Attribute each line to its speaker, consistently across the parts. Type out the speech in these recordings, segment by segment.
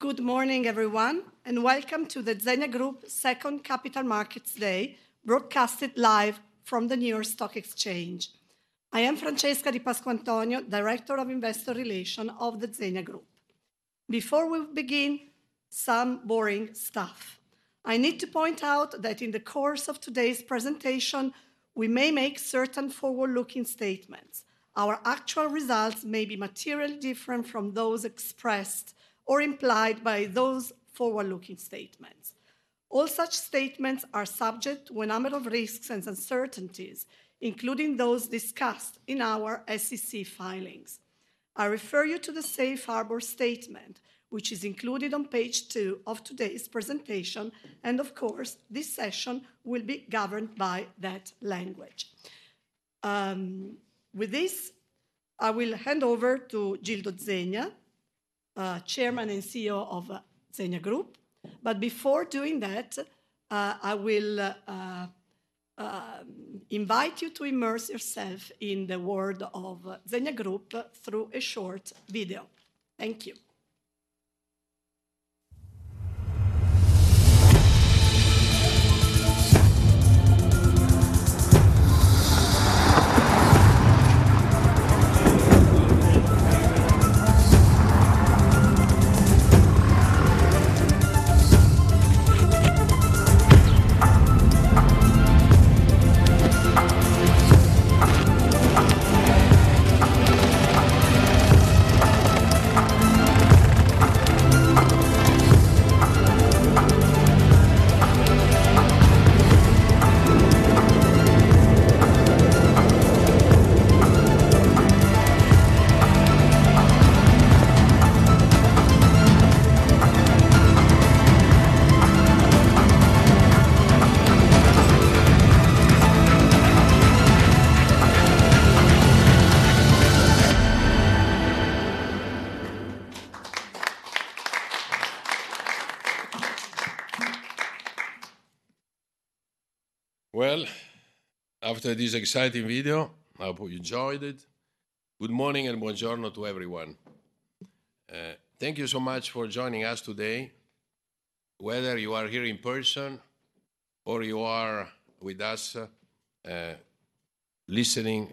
Speaker 1: Good morning, everyone, and welcome to the Zegna Group second Capital Markets Day, broadcasted live from the New York Stock Exchange. I am Francesca Di Pasquantonio, Director of Investor Relations of the Zegna Group. Before we begin, some boring stuff. I need to point out that in the course of today's presentation, we may make certain forward-looking statements. Our actual results may be materially different from those expressed or implied by those forward-looking statements. All such statements are subject to a number of risks and uncertainties, including those discussed in our SEC filings. I refer you to the safe harbor statement, which is included on page two of today's presentation, and of course, this session will be governed by that language. With this, I will hand over to Gildo Zegna, Chairman and CEO of Zegna Group. But before doing that, I will invite you to immerse yourself in the world of Zegna Group through a short video. Thank you.
Speaker 2: Well, after this exciting video, I hope you enjoyed it. Good morning and buongiorno to everyone. Thank you so much for joining us today, whether you are here in person or you are with us listening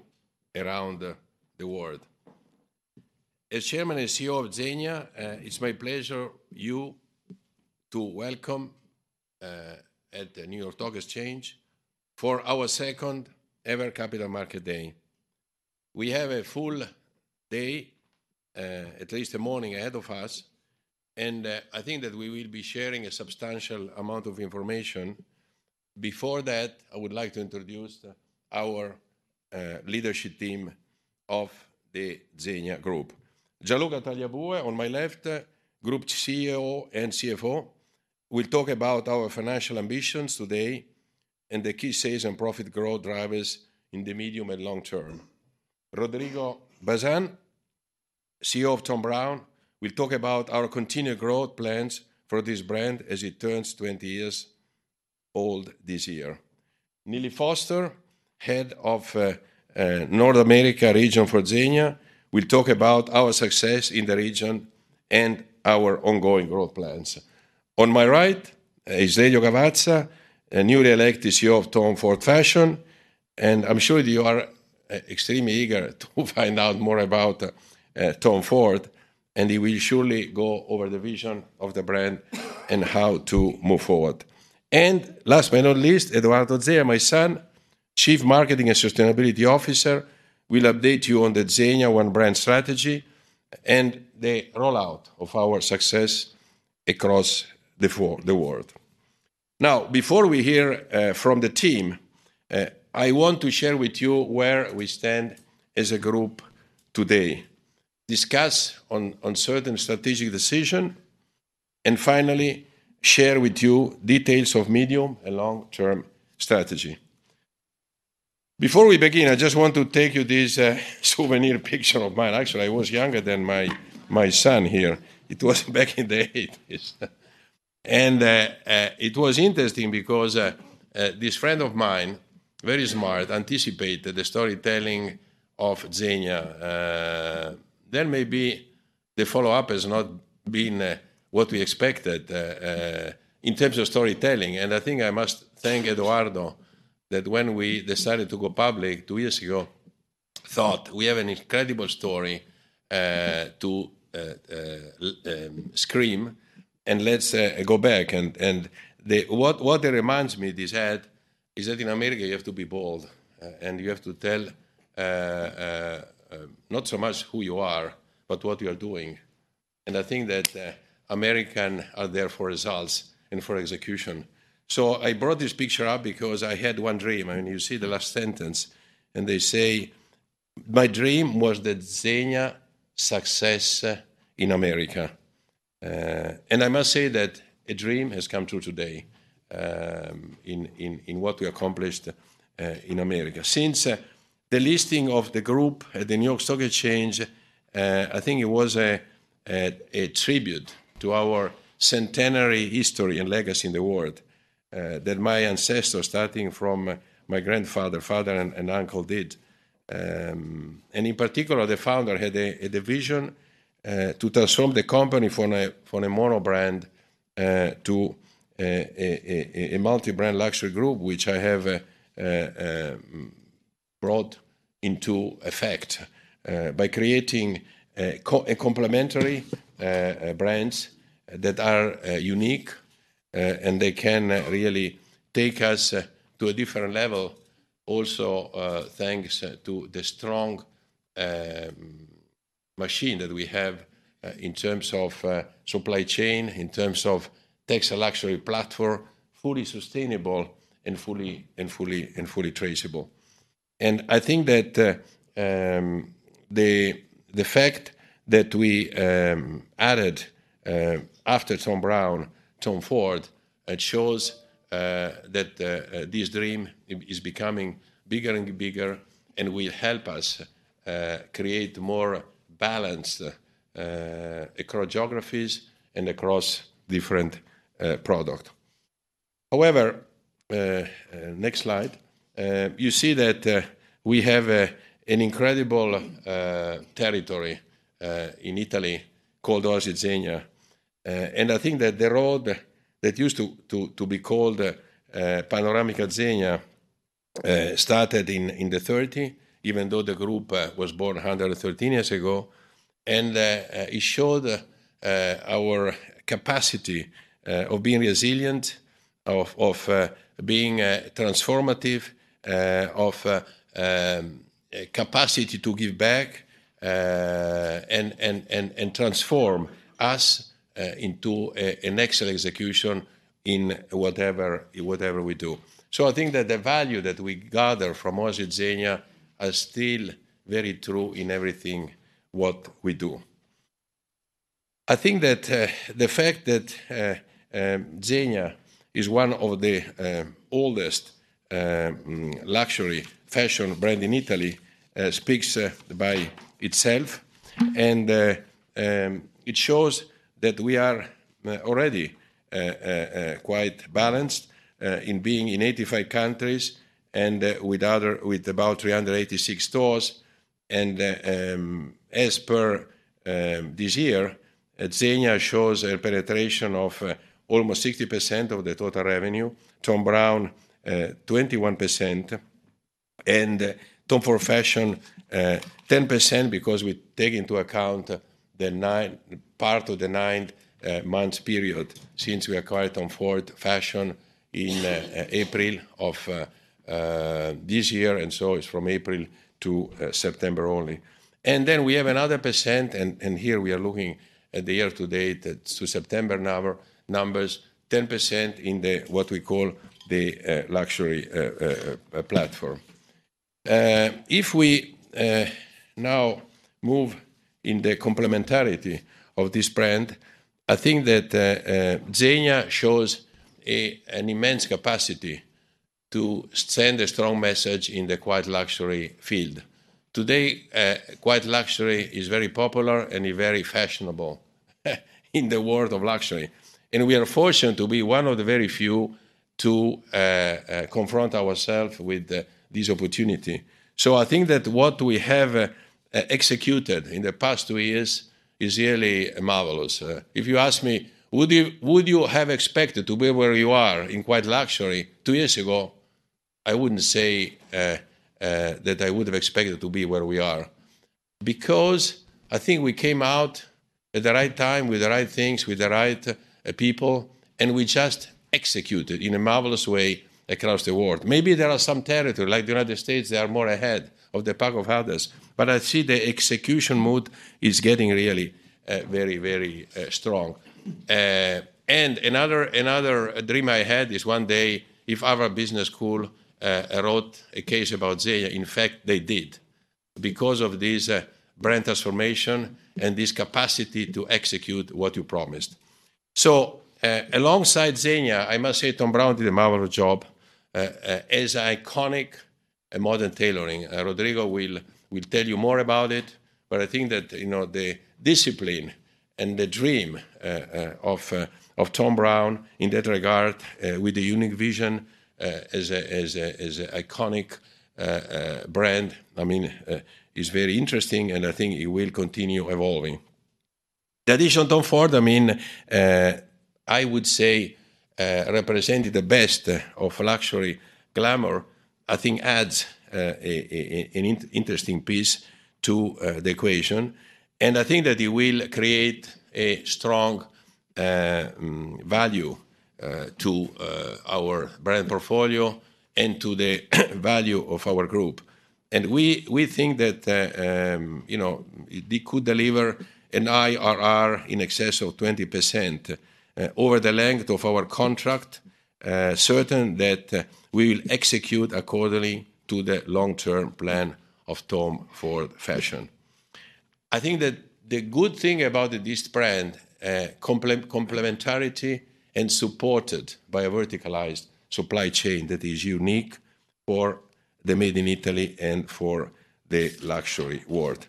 Speaker 2: around the world. As Chairman and CEO of Zegna, it's my pleasure to welcome you at the New York Stock Exchange for our second ever Capital Market Day. We have a full day, at least a morning ahead of us, and I think that we will be sharing a substantial amount of information. Before that, I would like to introduce our leadership team of the Zegna Group. Gianluca Tagliabue, on my left, Group CEO and CFO, will talk about our financial ambitions today and the key sales and profit growth drivers in the medium and long term. Rodrigo Bazan, CEO of Thom Browne, will talk about our continued growth plans for this brand as it turns 20 years old this year. Nilly Foster, Head of North America region for Zegna, will talk about our success in the region and our ongoing growth plans. On my right is Lelio Gavazza, a newly elected CEO of Tom Ford Fashion, and I'm sure you are extremely eager to find out more about Tom Ford, and he will surely go over the vision of the brand and how to move forward. And last but not least, Edoardo Zegna, my son, Chief Marketing and Sustainability Officer, will update you on the Zegna one-brand strategy and the rollout of our success across the world. Now, before we hear from the team, I want to share with you where we stand as a group today, discuss on certain strategic decision, and finally, share with you details of medium- and long-term strategy. Before we begin, I just want to take you this souvenir picture of mine. Actually, I was younger than my son here. It was back in the 1980s. It was interesting because this friend of mine, very smart, anticipated the storytelling of Zegna. Then maybe the follow-up has not been what we expected in terms of storytelling, and I think I must thank Edoardo, that when we decided to go public 2 years ago, thought we have an incredible story to scream, and let's go back. And the... What, what it reminds me, this ad, is that in America, you have to be bold, and you have to tell, not so much who you are, but what you are doing. And I think that, American are there for results and for execution. So I brought this picture up because I had one dream, and you see the last sentence, and they say, "My dream was the Zegna success, in America." And I must say that a dream has come true today, in what we accomplished, in America. Since, the listing of the group at the New York Stock Exchange, I think it was a, a tribute to our centenary history and legacy in the world... that my ancestors, starting from my grandfather, father, and uncle did. And in particular, the founder had the vision to transform the company from a mono brand to a multi-brand luxury group, which I have brought into effect by creating complementary brands that are unique and they can really take us to a different level also, thanks to the strong machine that we have in terms of supply chain, in terms of textile luxury platform, fully sustainable and fully traceable. And I think that the fact that we added after Thom Browne, Tom Ford, it shows that this dream is becoming bigger and bigger and will help us create more balanced across geographies and across different product. However, next slide. You see that we have an incredible territory in Italy called Oasi Zegna. And I think that the road that used to be called Panoramica Zegna started in the thirty, even though the group was born 113 years ago. And it showed our capacity of being resilient, of being transformative, of capacity to give back, and transform us into an excellent execution in whatever we do. So I think that the value that we gather from Oasi Zegna are still very true in everything what we do. I think that the fact that Zegna is one of the oldest luxury fashion brand in Italy speaks by itself. And it shows that we are already quite balanced in being in 85 countries and with about 386 stores. And as per this year, Zegna shows a penetration of almost 60% of the total revenue, Thom Browne 21%, and Tom Ford Fashion 10%, because we take into account the nine months period since we acquired Tom Ford Fashion in April of this year, and so it's from April to September only. And then we have another percent, and here we are looking at the year to date, that's to September numbers, 10% in the what we call the luxury platform. If we now move in the complementarity of this brand, I think that Zegna shows an immense capacity to send a strong message in the Quiet Luxury field. Today, Quiet Luxury is very popular and very fashionable in the world of luxury, and we are fortunate to be one of the very few to confront ourself with this opportunity. So I think that what we have executed in the past two years is really marvelous. If you ask me, "Would you have expected to be where you are in Quiet Luxury two years ago?" I wouldn't say that I would have expected to be where we are. Because I think we came out at the right time, with the right things, with the right people, and we just executed in a marvelous way across the world. Maybe there are some territory, like the United States, they are more ahead of the pack of others, but I see the execution mode is getting really very, very strong. And another dream I had is one day, if our business school wrote a case about Zegna, in fact, they did, because of this brand transformation and this capacity to execute what you promised. So, alongside Zegna, I must say Thom Browne did a marvelous job as iconic and modern tailoring. Rodrigo will tell you more about it, but I think that, you know, the discipline and the dream of Thom Browne in that regard with a unique vision as an iconic brand, I mean, is very interesting, and I think it will continue evolving. The addition of Tom Ford, I mean, I would say, represented the best of luxury glamour, I think adds an interesting piece to the equation. And I think that it will create a strong value to our brand portfolio and to the value of our group. We, we think that, you know, it could deliver an IRR in excess of 20%, over the length of our contract, certain that, we will execute accordingly to the long-term plan of Tom Ford Fashion. I think that the good thing about this brand, complementarity and supported by a verticalized supply chain that is unique for the Made in Italy and for the luxury world.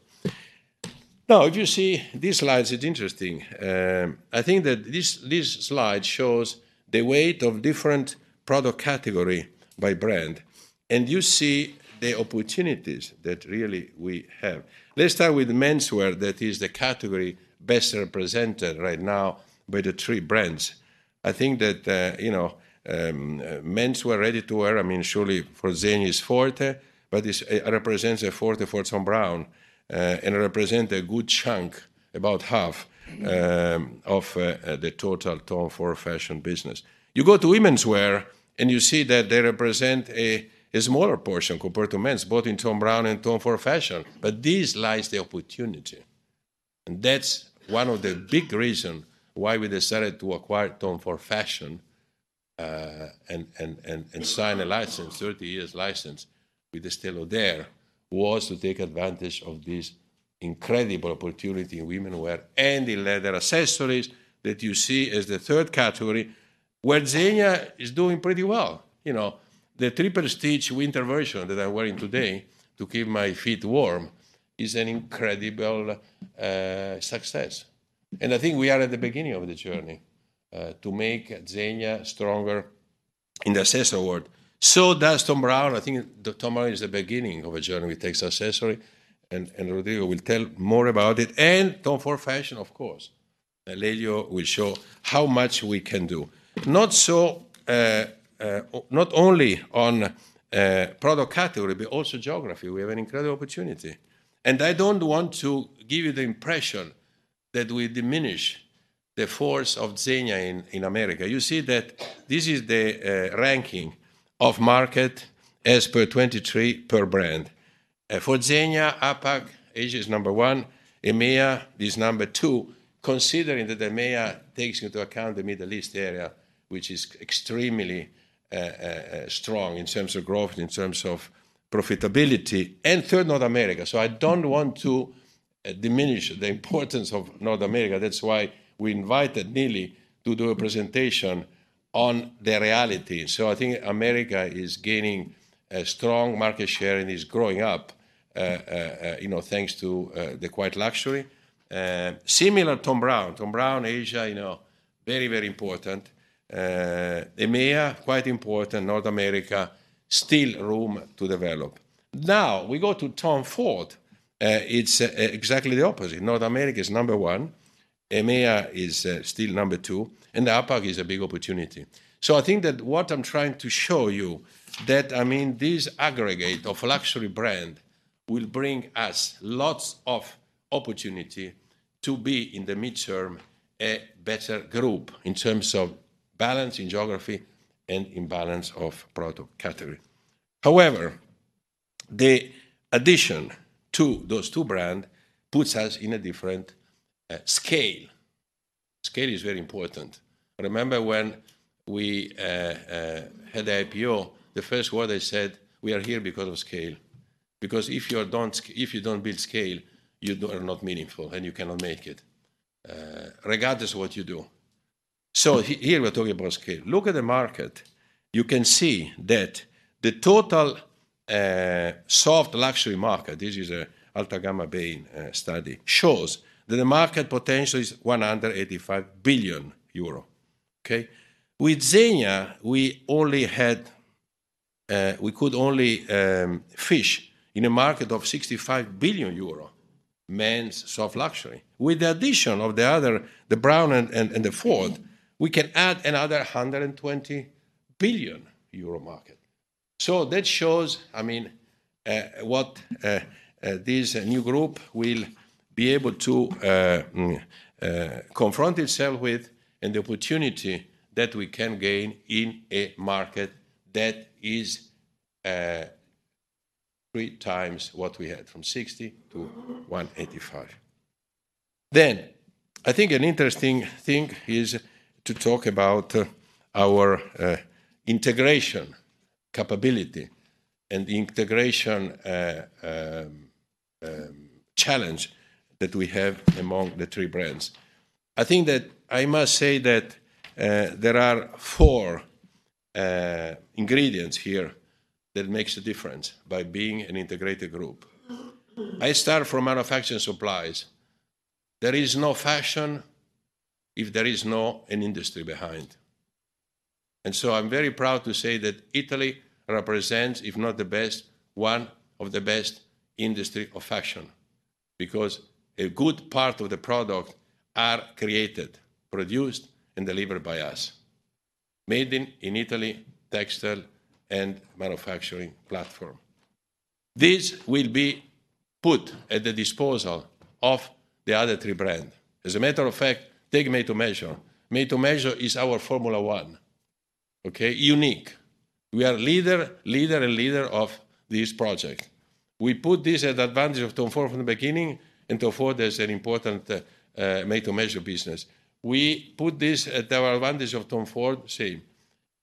Speaker 2: Now, if you see these slides, it's interesting. I think that this, this slide shows the weight of different product category by brand, and you see the opportunities that really we have. Let's start with menswear. That is the category best represented right now by the three brands. I think that, you know, menswear, ready-to-wear, I mean, surely for Zegna is forte, but this represents a forte for Thom Browne, and represent a good chunk, about half-
Speaker 3: Mm-hmm...
Speaker 2: of the total Tom Ford Fashion business. You go to womenswear, and you see that they represent a smaller portion compared to men's, both in Thom Browne and Tom Ford Fashion. But this lies the opportunity, and that's one of the big reason why we decided to acquire Tom Ford Fashion, and sign a license, 30-year license with Estée Lauder, was to take advantage of this incredible opportunity in womenswear and in leather accessories that you see as the third category, where Zegna is doing pretty well. You know, the Triple Stitch winter version that I'm wearing today to keep my feet warm is an incredible success, and I think we are at the beginning of the journey, to make Zegna stronger in the accessory world. So does Thom Browne. I think that Thom Browne is the beginning of a journey with the accessory, and Rodrigo will tell more about it, and Tom Ford Fashion, of course. Lelio will show how much we can do. Not only on product category, but also geography. We have an incredible opportunity. I don't want to give you the impression that we diminish the force of Zegna in America. You see that this is the ranking of market as per 2023 per brand. For Zegna, APAC, Asia is number 1, EMEA is number 2, considering that the EMEA takes into account the Middle East area, which is extremely strong in terms of growth, in terms of profitability, and third, North America. So I don't want to diminish the importance of North America. That's why we invited Nelly to do a presentation on the reality. So I think America is gaining a strong market share and is growing up, you know, thanks to the Quiet Luxury. Similar Thom Browne. Thom Browne, Asia, you know, very, very important. EMEA, quite important. North America, still room to develop. Now, we go to Tom Ford. It's exactly the opposite. North America is number one, EMEA is still number two, and the APAC is a big opportunity. So I think that what I'm trying to show you, that, I mean, this aggregate of luxury brand will bring us lots of opportunity to be, in the midterm, a better group in terms of balance in geography and in balance of product category. However, the addition to those two brand puts us in a different, scale. Scale is very important. I remember when we had IPO, the first word I said, "We are here because of scale." Because if you don't build scale, you are not meaningful, and you cannot make it, regardless what you do. So here, we're talking about scale. Look at the market. You can see that the total soft luxury market, this is a Altagamma Bain study, shows that the market potential is 185 billion euro, okay? With Zegna, we only had we could only fish in a market of 65 billion euro, men's soft luxury. With the addition of the other, the Brown and the Ford, we can add another 120 billion euro market. So that shows, I mean, what this new group will be able to confront itself with, and the opportunity that we can gain in a market that is three times what we had, from 60 to 185. Then, I think an interesting thing is to talk about our integration capability and the integration challenge that we have among the three brands. I think that I must say that there are four ingredients here that makes a difference by being an integrated group. I start from manufacturing supplies. There is no fashion if there is no an industry behind. And so I'm very proud to say that Italy represents, if not the best, one of the best industry of fashion, because a good part of the product are created, produced, and delivered by us. Made in Italy, textile and manufacturing platform. This will be put at the disposal of the other three brand. As a matter of fact, take Made to Measure. Made to Measure is our Formula One, okay? Unique. We are leader, leader, and leader of this project. We put this at advantage of Tom Ford from the beginning, and Tom Ford is an important made-to-measure business. We put this at our advantage of Tom Ford, same.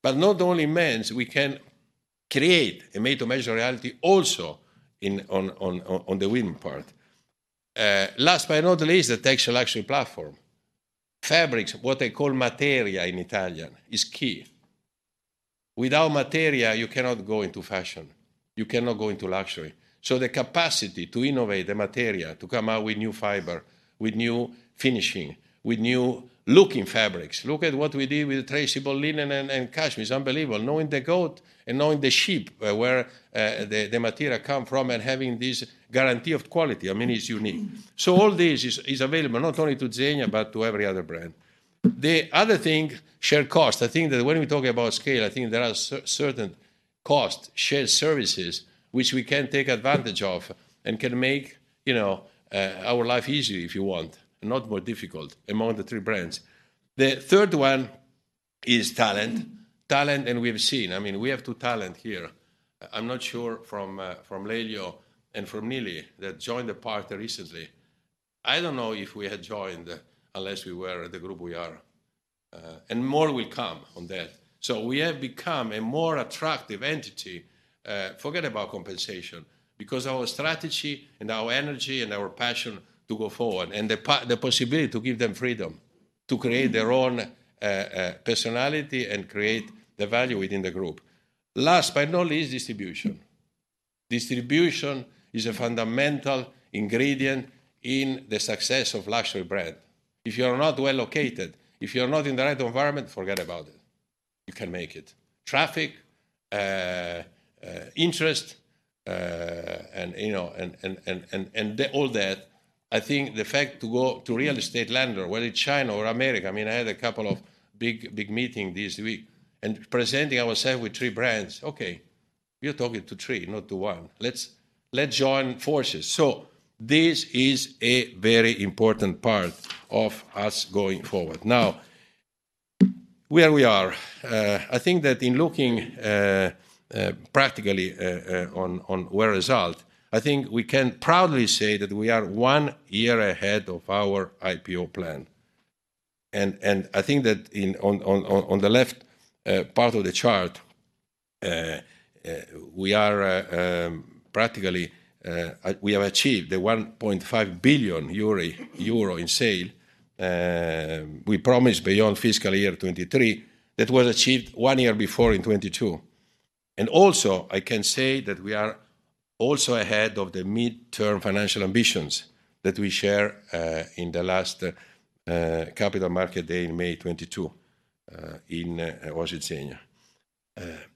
Speaker 2: But not only men's, we can create a made-to-measure reality also in the women part. Last but not least, the textile action platform. Fabrics, what I call materia in Italian, is key.... Without materia, you cannot go into fashion, you cannot go into luxury. So the capacity to innovate the materia, to come out with new fiber, with new finishing, with new-looking fabrics. Look at what we did with the traceable linen and cashmere. It's unbelievable. Knowing the goat and knowing the sheep, where the material come from, and having this guarantee of quality, I mean, is unique. So all this is available not only to Zegna, but to every other brand. The other thing, shared cost. I think that when we talk about scale, I think there are certain cost, shared services, which we can take advantage of and can make, you know, our life easier, if you want, not more difficult among the three brands. The third one is talent. Talent, and we have seen, I mean, we have two talent here. I'm not sure from Lelio and from Nilly, that joined the party recently. I don't know if we had joined unless we were the group we are, and more will come on that. So we have become a more attractive entity. Forget about compensation, because our strategy, and our energy, and our passion to go forward, and the possibility to give them freedom to create their own personality and create the value within the group. Last, but not least, distribution. Distribution is a fundamental ingredient in the success of luxury brand. If you are not well located, if you are not in the right environment, forget about it. You can make it. Traffic, interest, and, you know, and, and, and, and, and the-- all that, I think the fact to go to real estate lender, whether it's China or America... I mean, I had a couple of big, big meetings this week, and presenting ourselves with three brands, "Okay, you're talking to three, not to one. Let's join forces." So this is a very important part of us going forward. Now, where we are, I think that in looking, practically, on where results, I think we can proudly say that we are one year ahead of our IPO plan. And I think that on the left part of the chart, we are, practically, we have achieved the 1.5 billion euro in sales. We promised beyond fiscal year 2023, that was achieved one year before in 2022. And also, I can say that we are also ahead of the midterm financial ambitions that we share in the last capital market day in May 2022 in Oasi Zegna?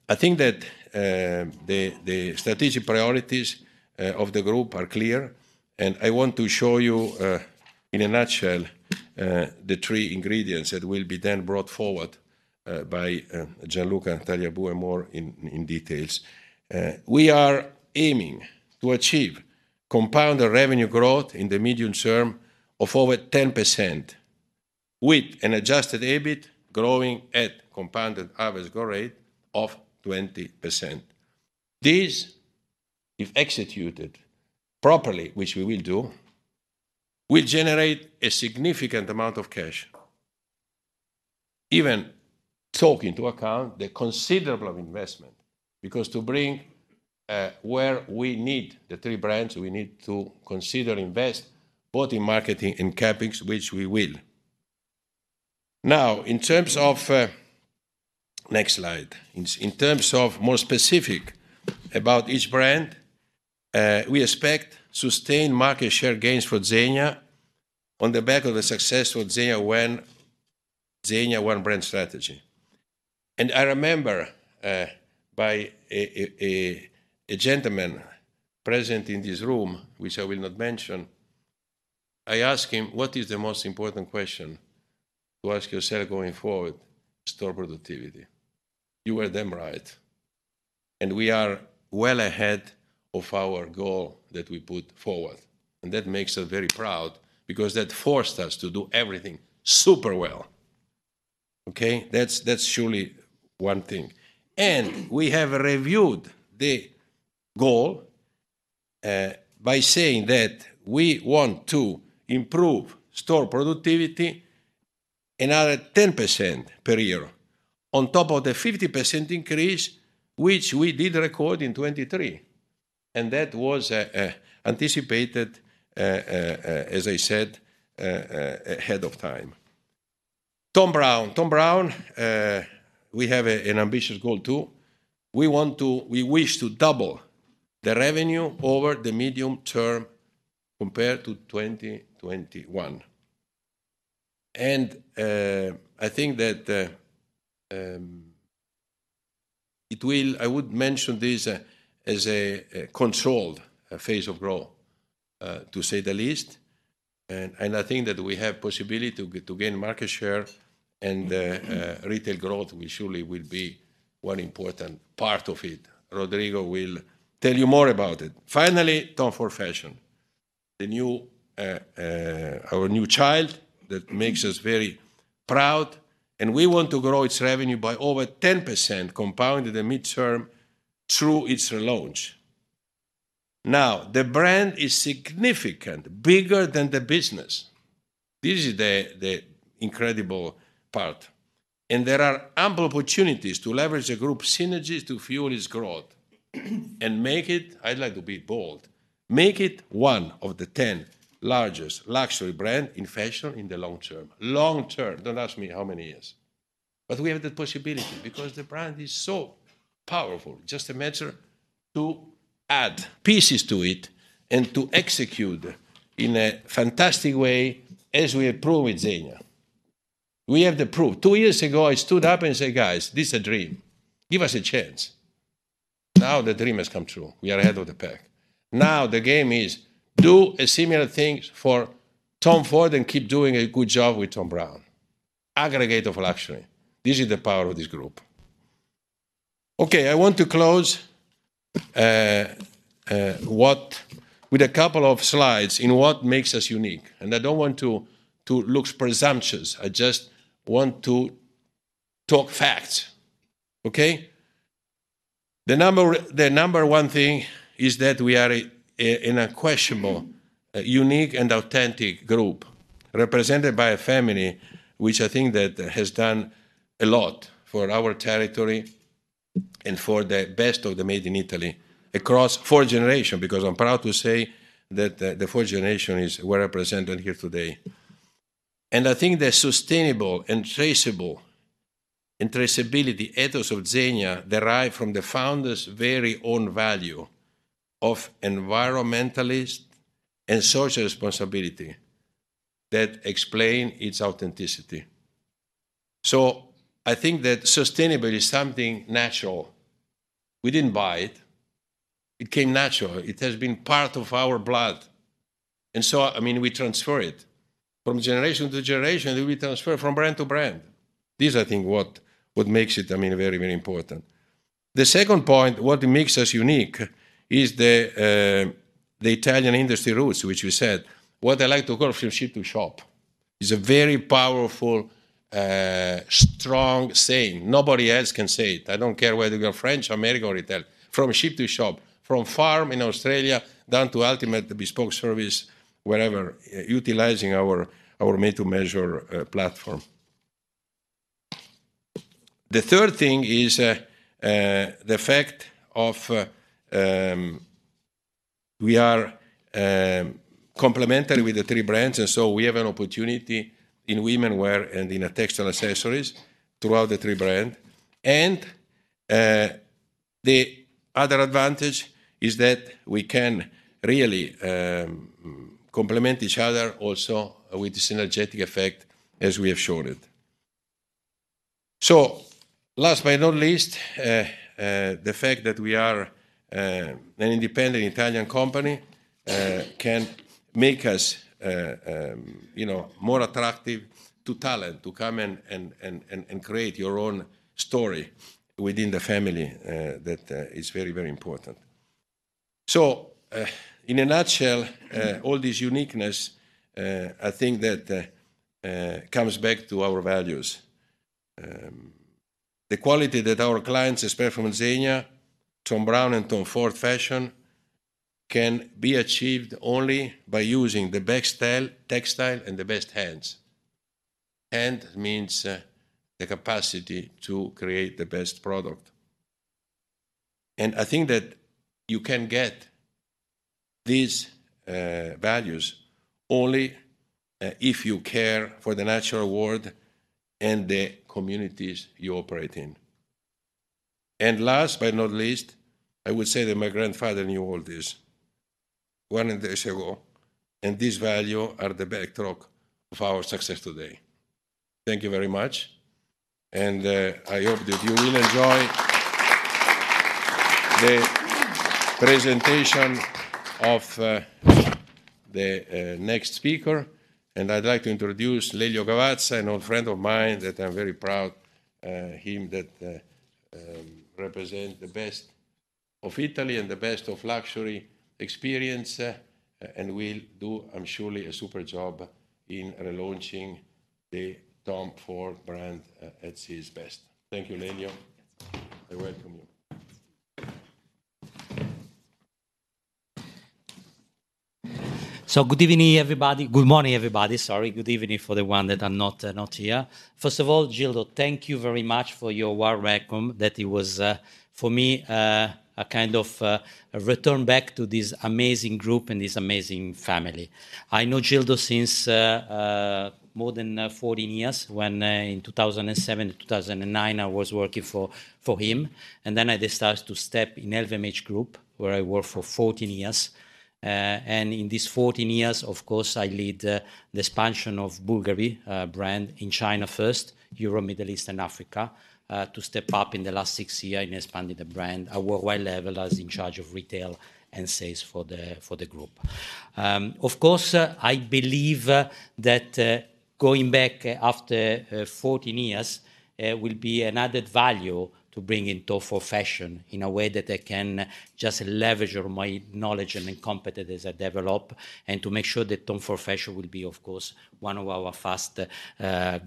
Speaker 2: I think that the strategic priorities of the group are clear, and I want to show you in a nutshell the three ingredients that will be then brought forward by Gianluca and Talia Buonomo in details. We are aiming to achieve compounded revenue growth in the medium term of over 10%, with an adjusted EBIT growing at compounded average growth rate of 20%. This, if executed properly, which we will do, will generate a significant amount of cash, even taking into account the considerable investment. Because to bring where we need the three brands, we need to consider invest both in marketing and CapEx, which we will. Now, in terms of next slide. In terms of more specific about each brand, we expect sustained market share gains for Zegna on the back of the success with Zegna One, Zegna One brand strategy. And I remember by a gentleman present in this room, which I will not mention, I asked him: "What is the most important question to ask yourself going forward? Store productivity." You heard them right, and we are well ahead of our goal that we put forward, and that makes us very proud because that forced us to do everything super well, okay? That's surely one thing. We have reviewed the goal by saying that we want to improve store productivity another 10% per year, on top of the 50% increase, which we did record in 2023, and that was anticipated, as I said, ahead of time. Thom Browne. Thom Browne, we have an ambitious goal, too. We wish to double the revenue over the medium term compared to 2021. I think that it will... I would mention this as a controlled phase of growth, to say the least. I think that we have possibility to gain market share and retail growth, we surely will be one important part of it. Rodrigo will tell you more about it. Finally, Tom Ford Fashion, the new, our new child, that makes us very proud, and we want to grow its revenue by over 10%, compounded and midterm, through its relaunch. Now, the brand is significant, bigger than the business. This is the incredible part, and there are ample opportunities to leverage the group synergies to fuel its growth and make it, I'd like to be bold-... make it one of the 10 largest luxury brand in fashion in the long term. Long term! Don't ask me how many years. But we have the possibility, because the brand is so powerful. Just a matter to add pieces to it and to execute in a fantastic way, as we have proved with Zegna. We have the proof. Two years ago, I stood up and said, "Guys, this is a dream. Give us a chance." Now, the dream has come true. We are ahead of the pack. Now, the game is to do a similar thing for Tom Ford and keep doing a good job with Thom Browne. Aggregate of luxury, this is the power of this group. Okay, I want to close with a couple of slides on what makes us unique, and I don't want to look presumptuous. I just want to talk facts, okay? The number one thing is that we are a unique and authentic group, represented by a family, which I think that has done a lot for our territory and for the best of Made in Italy across four generations. Because I'm proud to say that the fourth generation is well represented here today. I think the sustainable and traceable and traceability ethos of Zegna derive from the founder's very own value of environmentalist and social responsibility that explain its authenticity. So I think that sustainable is something natural. We didn't buy it; it came natural. It has been part of our blood, and so, I mean, we transfer it. From generation to generation, we transfer from brand to brand. This is, I think, what makes it, I mean, very, very important. The second point, what makes us unique, is the Italian industry roots, which we said. What I like to call, "From sheep to shop," is a very powerful strong saying. Nobody else can say it. I don't care whether you are French or American retail. From sheep to shop, from farm in Australia, down to ultimate bespoke service wherever, utilizing our made-to-measure platform. The third thing is, the fact of, we are, complementary with the three brands, and so we have an opportunity in womenswear and in textile accessories throughout the three brand. And, the other advantage is that we can really, complement each other also with the synergetic effect as we have shown it. So last but not least, the fact that we are, an independent Italian company, can make us, you know, more attractive to talent, to come and create your own story within the family. That is very, very important. So, in a nutshell, all this uniqueness, I think that, comes back to our values. The quality that our clients expect from Zegna, Thom Browne, and Tom Ford Fashion can be achieved only by using the best wool, textile, and the best hands. Hand means the capacity to create the best product. And I think that you can get these values only if you care for the natural world and the communities you operate in. And last but not least, I would say that my grandfather knew all this 100 years ago, and this value are the bedrock of our success today. Thank you very much, and I hope that you will enjoy the presentation of the next speaker. I'd like to introduce Lelio Gavazza, an old friend of mine that I'm very proud him that represent the best of Italy and the best of luxury experience and will do, I'm surely, a super job in relaunching the Tom Ford brand at his best. Thank you, Lelio. I welcome you.
Speaker 4: So good evening, everybody. Good morning, everybody, sorry. Good evening for the one that are not, not here. First of all, Gildo, thank you very much for your warm welcome, that it was, for me, a kind of, a return back to this amazing group and this amazing family. I know Gildo since, more than 14 years, when, in 2007 to 2009, I was working for, for him, and then I decided to step in LVMH Group, where I worked for 14 years. And in these 14 years, of course, I lead the expansion of Bulgari brand in China first, Europe, Middle East, and Africa. To step up in the last six years in expanding the brand at worldwide level, I was in charge of retail and sales for the, for the group. Of course, I believe that going back after 14 years will be an added value to bring in Tom Ford Fashion, in a way that I can just leverage on my knowledge and competence as I develop, and to make sure that Tom Ford Fashion will be, of course, one of our fast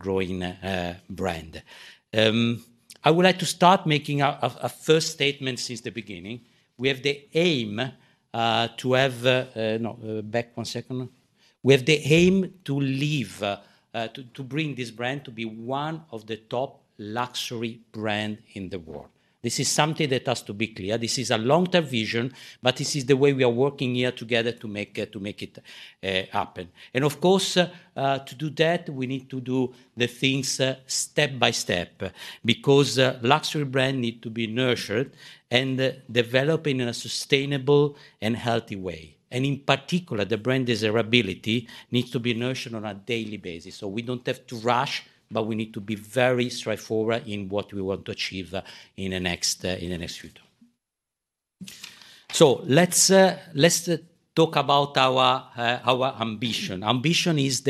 Speaker 4: growing brand. I would like to start making a first statement since the beginning. With the aim to leave to bring this brand to be one of the top luxury brand in the world. This is something that has to be clear. This is a long-term vision, but this is the way we are working here together to make it happen. Of course, to do that, we need to do the things step by step, because a luxury brand need to be nurtured and developed in a sustainable and healthy way. In particular, the brand desirability needs to be nurtured on a daily basis. We don't have to rush, but we need to be very straightforward in what we want to achieve in the next future. Let's talk about our ambition. Ambition is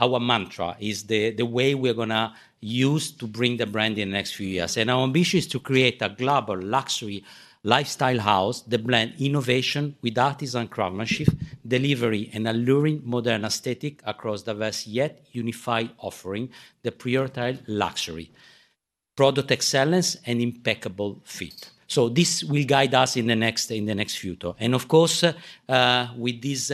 Speaker 4: our mantra, the way we're gonna use to bring the brand in the next few years. Our ambition is to create a global luxury lifestyle house that blend innovation with artisan craftsmanship, delivering an alluring, modern aesthetic across diverse, yet unified, offering that prioritize luxury, product excellence, and impeccable fit. So this will guide us in the next, in the next future. Of course, with this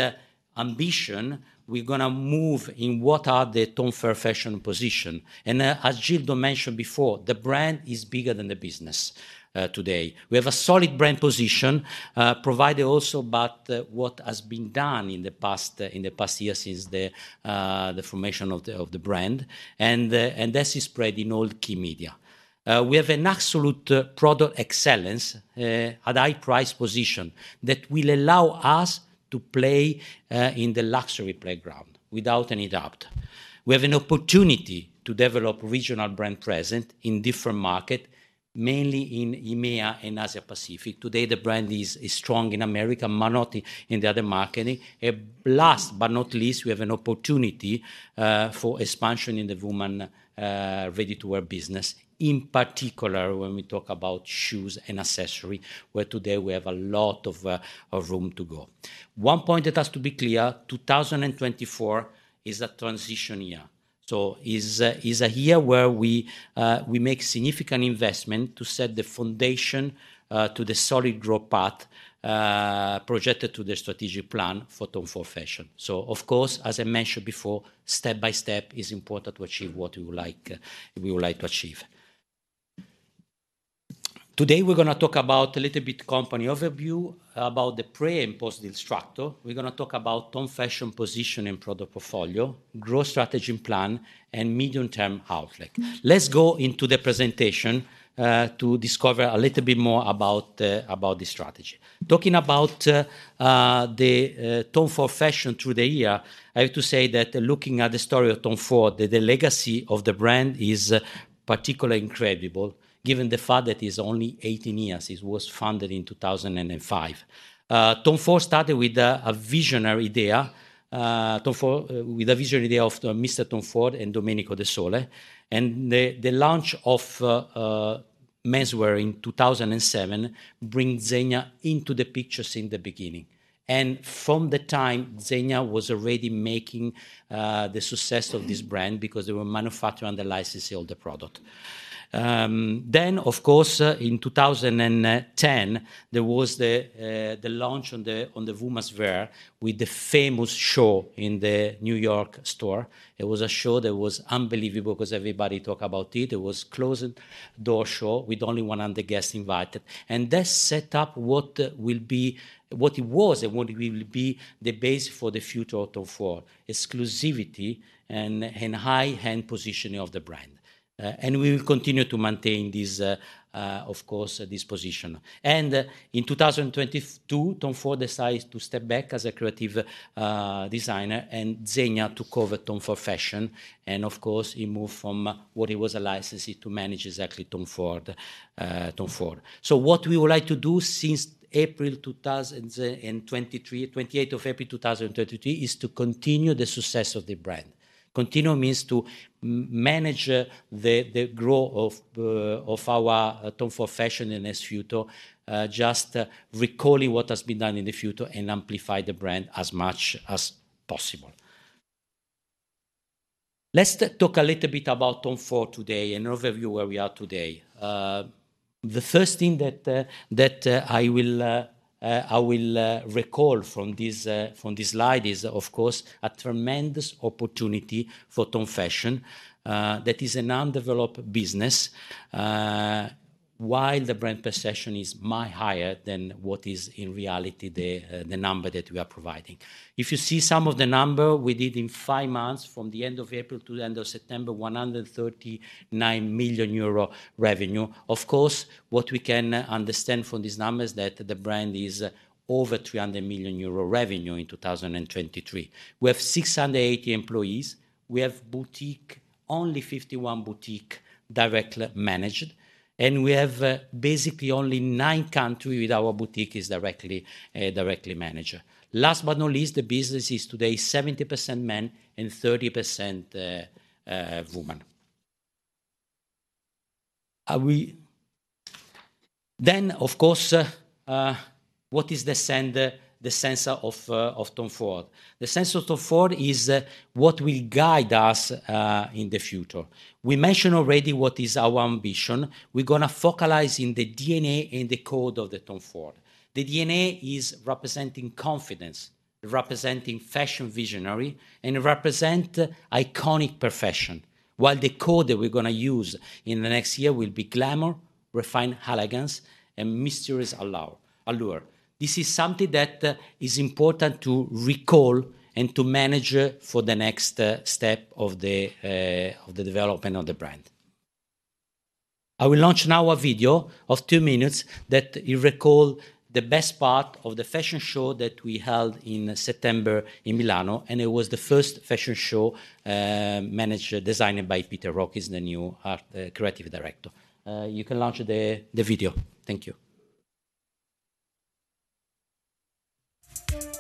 Speaker 4: ambition, we're gonna move in what are the Tom Ford Fashion position. As Gildo mentioned before, the brand is bigger than the business, today. We have a solid brand position, provided also by what has been done in the past, in the past years since the formation of the brand, and this is spread in all key media. We have an absolute product excellence at high price position that will allow us to play in the luxury playground, without any doubt. We have an opportunity to develop regional brand presence in different markets, mainly in EMEA and Asia Pacific. Today, the brand is strong in America, but not in the other markets. Last but not least, we have an opportunity for expansion in the women's ready-to-wear business, in particular, when we talk about shoes and accessories, where today we have a lot of room to go. One point that has to be clear, 2024 is a transition year, so it is a year where we make significant investment to set the foundation to the solid growth path projected to the strategic plan for Tom Ford Fashion. So of course, as I mentioned before, step by step is important to achieve what we would like, we would like to achieve. Today, we're going to talk about a little bit company overview, about the pre- and post-acquisition. We're going to talk about Tom Ford Fashion position and product portfolio, growth strategy plan, and medium-term outlook. Let's go into the presentation to discover a little bit more about the strategy. Talking about the Tom Ford Fashion through the year, I have to say that looking at the story of Tom Ford, the legacy of the brand is particularly incredible, given the fact that it's only 18 years. It was founded in 2005. Tom Ford started with a visionary idea of Mr. Tom Ford and Domenico De Sole, and the launch of menswear in 2007 brought Zegna into the picture since the beginning. And from the time, Zegna was already making the success of this brand because they were manufacturing and licensing all the product. Then, of course, in 2010, there was the launch on the women's wear with the famous show in the New York store. It was a show that was unbelievable because everybody talk about it. It was closed-door show with only 100 guests invited, and that set up what will be. What it was, and what will be the base for the future of Tom Ford: exclusivity and high-end positioning of the brand. And we will continue to maintain this, of course, this position. And in 2022, Tom Ford decided to step back as a creative designer, and Zegna took over Tom Ford Fashion, and of course, he moved from what he was a licensee to manage exactly Tom Ford, Tom Ford. So what we would like to do since April 2023, 28 April 2023, is to continue the success of the brand. Continue means to manage the growth of our Tom Ford Fashion in this future, just recalling what has been done in the future and amplify the brand as much as possible. Let's talk a little bit about Tom Ford today and overview where we are today. The first thing that I will recall from this slide is, of course, a tremendous opportunity for Tom Ford Fashion that is an undeveloped business while the brand perception is much higher than what is, in reality, the number that we are providing. If you see some of the numbers we did in five months, from the end of April to the end of September, 139 million euro revenue. Of course, what we can understand from these numbers is that the brand is over 300 million euro revenue in 2023. We have 680 employees. We have boutiques, only 51 boutiques, directly managed, and we have basically only 9 countries with our boutiques directly managed. Last but not least, the business is today 70% men and 30% women. Are we-- Then, of course, what is the sense, the sense of Tom Ford? The sense of Tom Ford is what will guide us in the future. We mentioned already what is our ambition. We're going to focalize in the DNA and the code of the Tom Ford. The DNA is representing confidence, representing fashion visionary, and represent iconic profession... while the code that we're gonna use in the next year will be glamour, refined elegance, and mysterious allure, allure. This is something that is important to recall and to manage for the next step of the development of the brand. I will launch now a video of two minutes that you recall the best part of the fashion show that we held in September in Milano, and it was the first fashion show managed, designed by Peter Hawkings, the new artistic creative director. You can launch the video. Thank you. So,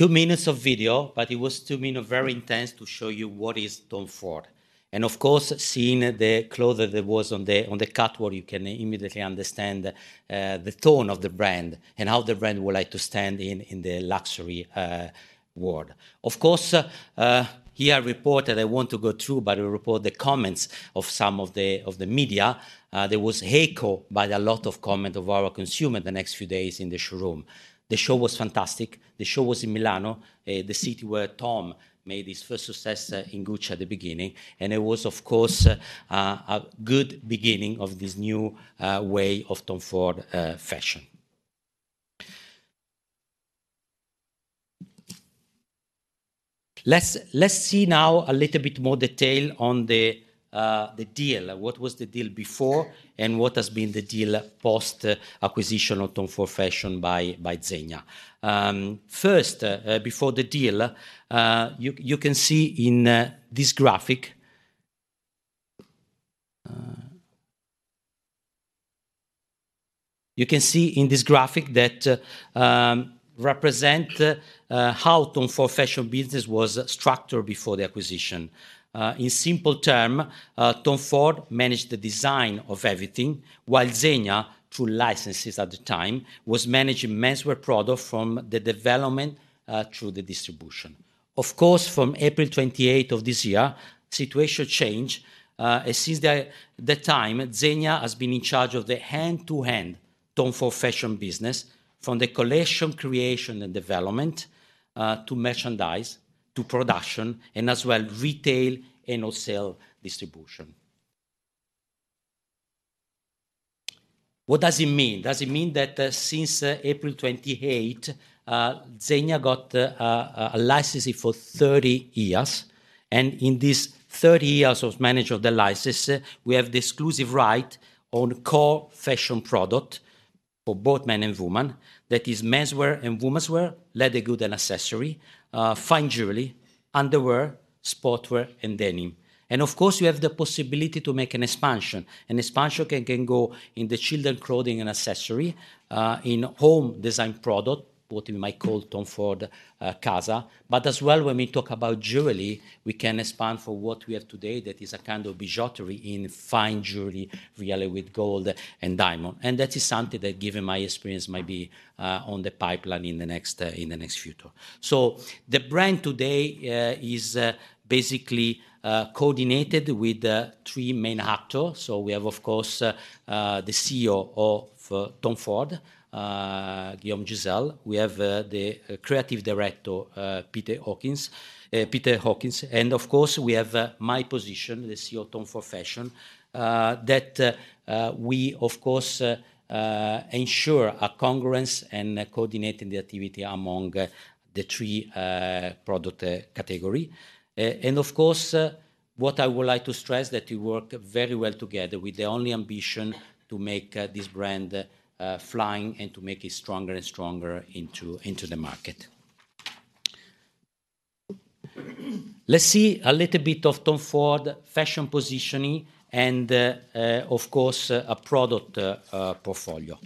Speaker 4: two minutes of video, but it was two-minute, very intense to show you what is Tom Ford. Of course, seeing the clothing that was on the catwalk, you can immediately understand the tone of the brand and how the brand would like to stand in the luxury world. Of course, here report that I want to go through, but we report the comments of some of the media. There was echoed by a lot of comment of our consumer the next few days in the showroom. The show was fantastic. The show was in Milano, the city where Tom made his first success in Gucci at the beginning, and it was, of course, a good beginning of this new way of Tom Ford fashion. Let's see now a little bit more detail on the deal. What was the deal before, and what has been the deal post-acquisition of Tom Ford Fashion by, by Zegna? First, before the deal, you can see in this graphic. You can see in this graphic that represent how Tom Ford Fashion business was structured before the acquisition. In simple term, Tom Ford managed the design of everything, while Zegna, through licenses at the time, was managing menswear product from the development through the distribution. Of course, from April 28 of this year, situation change, since that time, Zegna has been in charge of the end-to-end Tom Ford Fashion business, from the collection creation and development to merchandise, to production, and as well, retail and also sales distribution. What does it mean? Does it mean that, since April 28, Zegna got a licensee for 30 years, and in these 30 years of manage of the license, we have the exclusive right on core fashion product for both men and women. That is menswear and womenswear, leather good and accessory, fine jewelry, underwear, sportswear, and denim. And of course, you have the possibility to make an expansion. An expansion can, can go in the children clothing and accessory, in home design product, what we might call Tom Ford Casa. But as well, when we talk about jewelry, we can expand for what we have today that is a kind of bijouterie in fine jewelry, really with gold and diamond. And that is something that, given my experience, might be on the pipeline in the next, in the next future. So the brand today is basically coordinated with three main actor. So we have, of course, the CEO of Tom Ford, Guillaume Jesel. We have the Creative Director, Peter Hawkings, Peter Hawkings, and of course, we have my position, the CEO, Tom Ford Fashion. That we, of course, ensure a congruence and coordinating the activity among the three product category. And of course, what I would like to stress, that we work very well together with the only ambition to make this brand flying and to make it stronger and stronger into the market. Let's see a little bit of Tom Ford Fashion positioning and, of course, a product portfolio.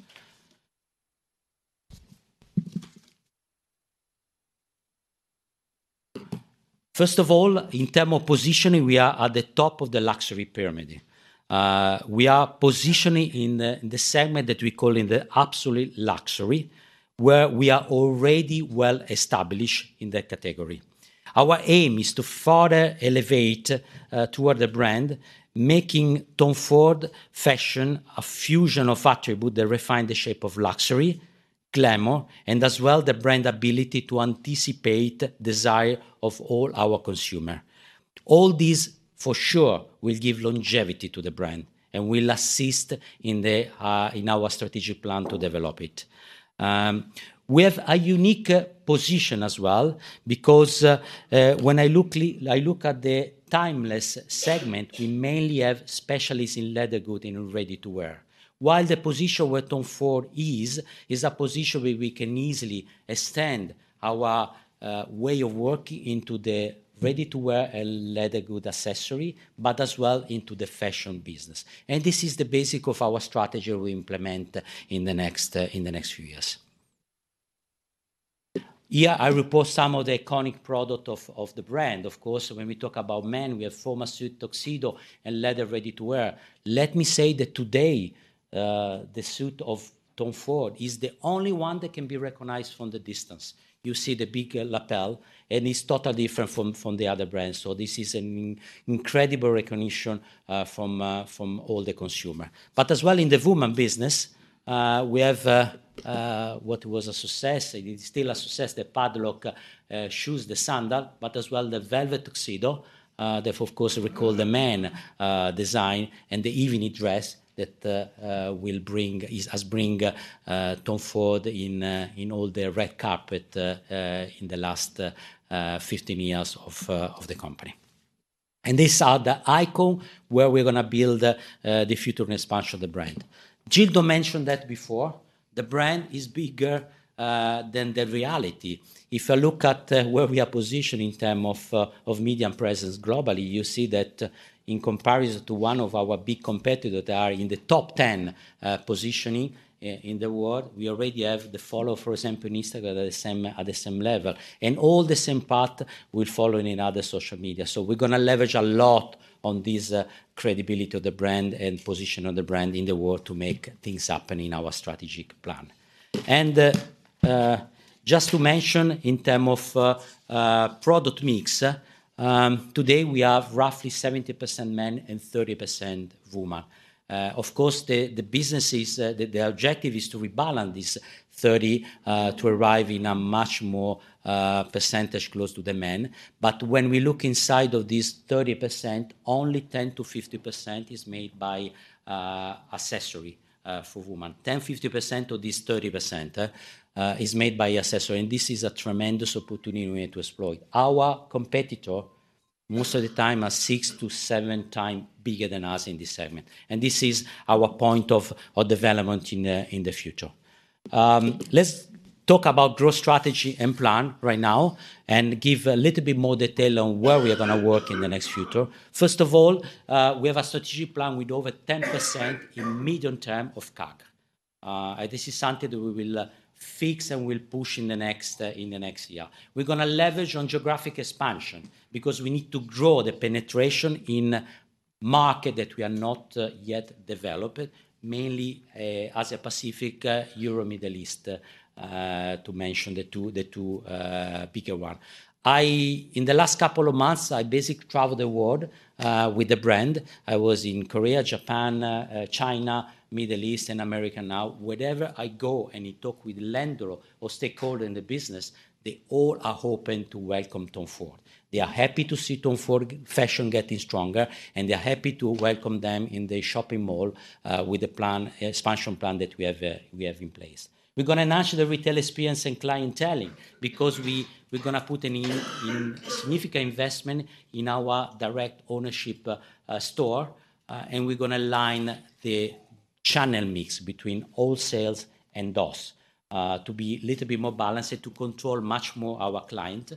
Speaker 4: First of all, in terms of positioning, we are at the top of the luxury pyramid. We are positioning in the segment that we call the absolute luxury, where we are already well-established in that category. Our aim is to further elevate toward the brand, making Tom Ford Fashion a fusion of attributes that refine the shape of luxury, glamour, and as well, the brand ability to anticipate desire of all our consumer. All these, for sure, will give longevity to the brand and will assist in our strategic plan to develop it. We have a unique position as well, because when I look at the timeless segment, we mainly have specialists in leather goods and in ready-to-wear. While the position where Tom Ford is, is a position where we can easily extend our way of working into the ready-to-wear and leather good accessory, but as well into the fashion business, and this is the basis of our strategy we implement in the next, in the next few years. Here, I report some of the iconic product of the brand. Of course, when we talk about men, we have formal suit, tuxedo, and leather ready-to-wear. Let me say that today, the suit of Tom Ford is the only one that can be recognized from the distance. You see the big lapel, and it's totally different from the other brands. So this is an incredible recognition from all the consumer. But as well, in the women's business, we have what was a success, and it's still a success, the padlock shoes, the sandal, but as well, the velvet tuxedo. That, of course, recalls the man's design and the evening dress that will bring Tom Ford in on all the red carpet in the last 15 years of the company. And these are the icons where we're going to build the future expansion of the brand. Gildo mentioned that before, the brand is bigger than the reality. If you look at where we are positioned in terms of media presence globally, you see that in comparison to one of our big competitors that are in the top ten positioning in the world, we already have the following, for example, on Instagram, at the same level, and all the same path we're following in other social media. So we're going to leverage a lot on this credibility of the brand and position of the brand in the world to make things happen in our strategic plan. Just to mention, in terms of product mix, today we have roughly 70% men and 30% women. Of course, the business is the objective is to rebalance this 30% to arrive in a much more percentage close to the men. But when we look inside of this 30%, only 10%-50% is made by accessory for woman. 10%-50% of this 30% is made by accessory, and this is a tremendous opportunity we have to exploit. Our competitor, most of the time, are 6-7 times bigger than us in this segment, and this is our point of development in the future. Let's talk about growth strategy and plan right now and give a little bit more detail on where we are going to work in the next future. First of all, we have a strategic plan with over 10% in medium-term CAGR. This is something that we will fix and will push in the next year. We're going to leverage on geographic expansion, because we need to grow the penetration in market that we are not yet developed, mainly Asia Pacific, Europe, Middle East, to mention the two bigger one. In the last couple of months, I basically traveled the world with the brand. I was in Korea, Japan, China, Middle East, and America now. Wherever I go, and you talk with landlord or stakeholder in the business, they all are open to welcome Tom Ford. They are happy to see Tom Ford fashion getting stronger, and they are happy to welcome them in the shopping mall with the plan, expansion plan that we have, we have in place. We're going to enhance the retail experience and clienteling, because we're going to put in a significant investment in our direct ownership store, and we're going to align the channel mix between DTC and wholesale to be a little bit more balanced and to control much more our client.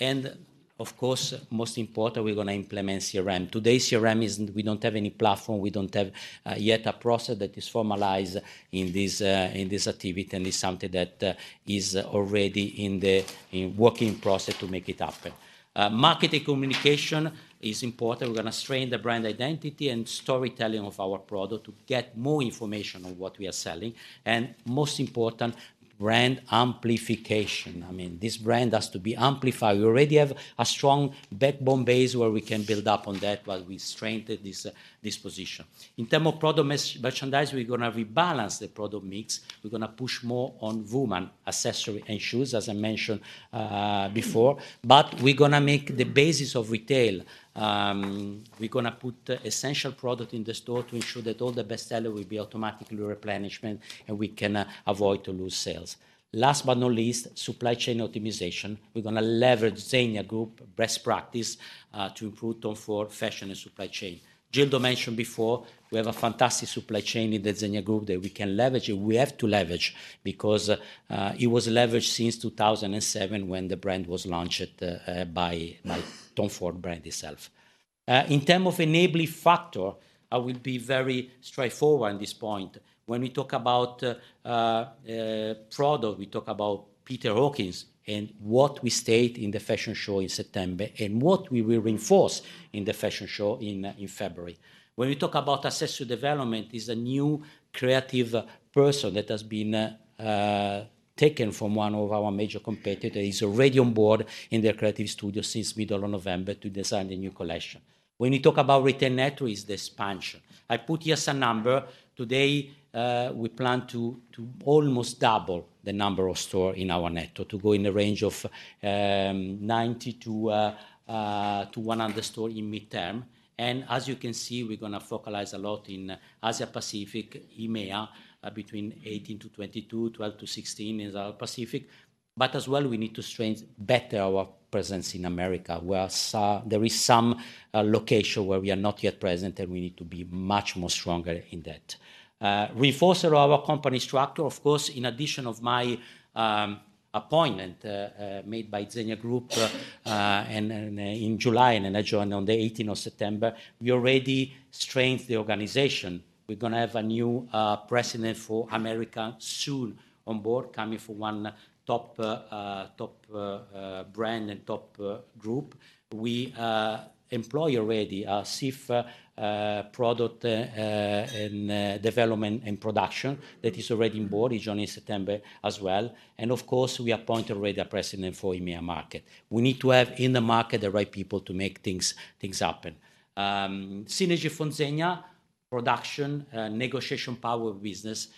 Speaker 4: And of course, most important, we're going to implement CRM. Today, CRM is, we don't have any platform. We don't have yet a process that is formalized in this activity, and it's something that is already in the working process to make it happen. Marketing communication is important. We're going to strengthen the brand identity and storytelling of our product to get more information on what we are selling, and most important, brand amplification. I mean, this brand has to be amplified. We already have a strong backbone base where we can build up on that while we strengthen this, this position. In terms of product merchandise, we're going to rebalance the product mix. We're going to push more on women's accessories and shoes, as I mentioned, before, but we're going to make the basis of retail. We're going to put essential product in the store to ensure that all the best seller will be automatically replenishment, and we can avoid to lose sales. Last but not least, supply chain optimization. We're going to leverage Zegna Group best practice to improve Tom Ford Fashion and supply chain. Gildo mentioned before, we have a fantastic supply chain in the Zegna Group that we can leverage, and we have to leverage because it was leveraged since 2007 when the brand was launched at by Tom Ford brand itself. In terms of enabling factor, I will be very straightforward on this point. When we talk about product, we talk about Peter Hawkings and what we state in the fashion show in September and what we will reinforce in the fashion show in February. When we talk about accessory development, is a new creative person that has been taken from one of our major competitor. He's already on board in the creative studio since middle of November to design the new collection. When we talk about retail net, is the expansion. I put here some number. Today, we plan to almost double the number of stores in our net to go in the range of 90-100 stores in the midterm. As you can see, we're gonna focalize a lot in Asia Pacific, EMEA, between 18-22, 12-16 is our Pacific. But as well, we need to strengthen better our presence in America, where there are some locations where we are not yet present, and we need to be much more stronger in that. Reinforce our company structure, of course, in addition of my appointment made by Zegna Group, and in July, and then I joined on the eighteenth of September, we already strengthened the organization. We're gonna have a new president for America soon on board, coming from one top top brand and top group. We employ already a chief product and development and production that is already on board. He joined in September as well. And of course, we appoint already a president for EMEA market. We need to have in the market the right people to make things happen. Synergy from Zegna, production, negotiation, power business,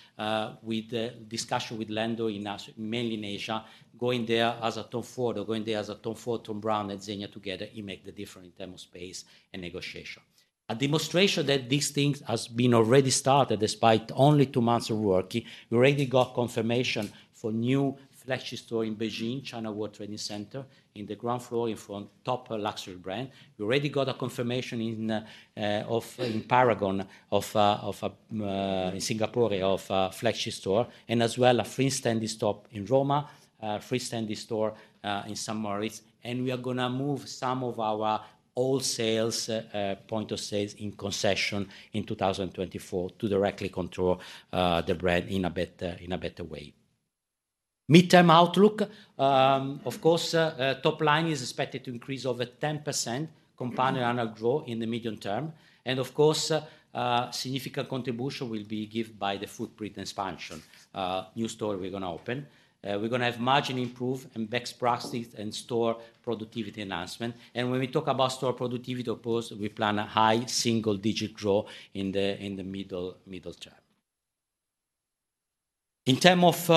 Speaker 4: with the discussion with Lando mainly in Asia, going there as a Tom Ford or going there as a Tom Ford, Thom Browne, and Zegna together, it make the difference in terms of space and negotiation. A demonstration that these things has been already started, despite only two months of working, we already got confirmation for new flagship store in Beijing, China World Trading Center, in the ground floor, in front, top luxury brand. We already got a confirmation in Paragon in Singapore of a flagship store, and as well, a freestanding store in Roma, a freestanding store in Saint Moritz. And we are gonna move some of our old sales point of sales in concession in 2024 to directly control the brand in a better way. Midterm outlook, of course, top line is expected to increase over 10% compound annual growth in the medium term. And of course, significant contribution will be given by the footprint expansion, new store we're gonna open. We're gonna have margin improve and best practices and store productivity enhancement. When we talk about store productivity, of course, we plan a high single-digit growth in the medium term. In terms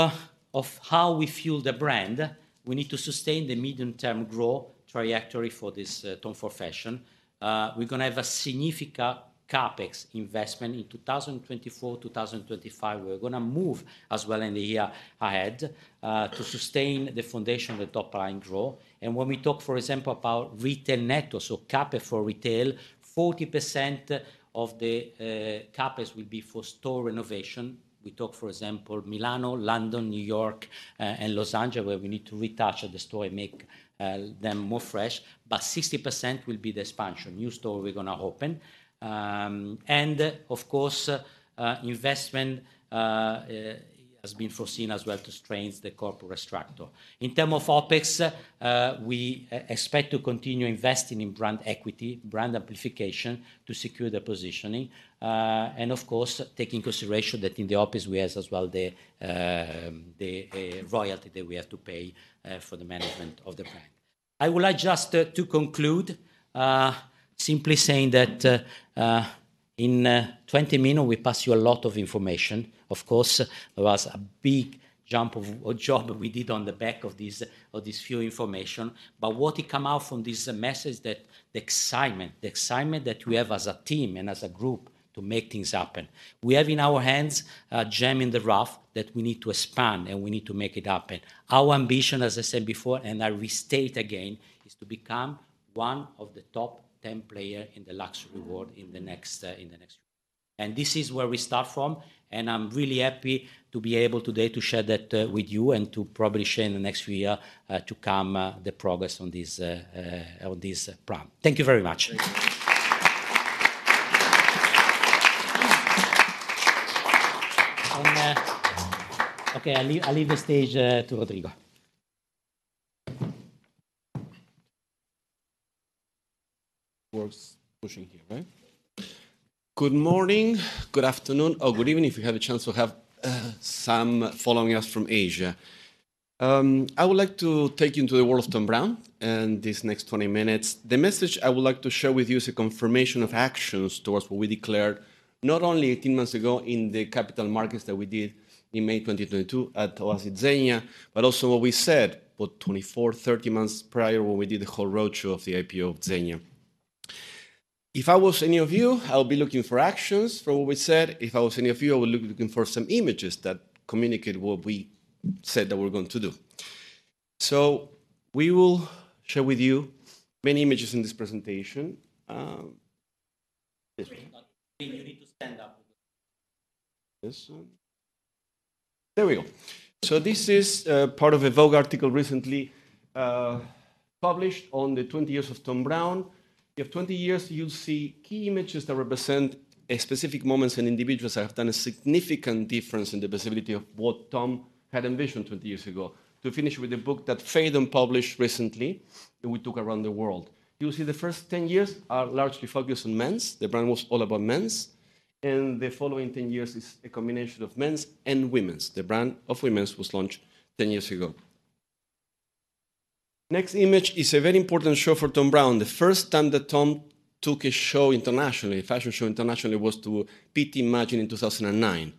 Speaker 4: of how we fuel the brand, we need to sustain the medium-term growth trajectory for this Tom Ford Fashion. We're gonna have a significant CapEx investment in 2024, 2025. We're gonna move as well in the year ahead to sustain the foundation of the top-line growth. When we talk, for example, about retail net, or so CapEx for retail, 40% of the CapEx will be for store renovation. We talk, for example, Milan, London, New York, and Los Angeles, where we need to retouch the store and make them more fresh. But 60% will be the expansion, new store we're gonna open. And of course, investment has been foreseen as well to strengthen the corporate structure. In terms of OpEx, we expect to continue investing in brand equity, brand amplification, to secure the positioning, and of course, take into consideration that in the OpEx, we have as well the royalty that we have to pay for the management of the brand. I would like just to conclude simply saying that in 20 minutes, we passed you a lot of information. Of course, it was a big jump of, or job we did on the back of this, of this few information. But what it come out from this is a message that the excitement, the excitement that we have as a team and as a group to make things happen. We have in our hands a gem in the rough that we need to expand, and we need to make it happen. Our ambition, as I said before, and I restate again, is to become one of the top ten player in the luxury world in the next, in the next... And this is where we start from, and I'm really happy to be able today to share that with you and to probably share in the next few year to come the progress on this on this brand. Thank you very much. And, okay, I leave, I leave the stage to Rodrigo.
Speaker 5: We're pushing here, right? Good morning, good afternoon, or good evening, if you have a chance to have some following us from Asia. I would like to take you into the world of Thom Browne in this next 20 minutes. The message I would like to share with you is a confirmation of actions towards what we declared, not only 18 months ago in the capital markets that we did in May 2022 at Zegna, but also what we said about 24-30 months prior, when we did the whole roadshow of the IPO of Zegna. If I was any of you, I would be looking for actions for what we said. If I was any of you, I would be looking for some images that communicate what we said that we're going to do. We will share with you many images in this presentation.
Speaker 4: You need to stand up.
Speaker 5: This one? There we go. So this is part of a Vogue article recently published on the 20 years of Thom Browne. You have 20 years, you'll see key images that represent a specific moments and individuals that have done a significant difference in the possibility of what Thom had envisioned 20 years ago. To finish with the book that Phaidon published recently, that we took around the world. You will see the first 10 years are largely focused on men's. The brand was all about men's, and the following 10 years is a combination of men's and women's. The brand of women's was launched 10 years ago.... Next image is a very important show for Thom Browne. The first time that Thom took a show internationally, a fashion show internationally, was to Pitti Immagine in 2009.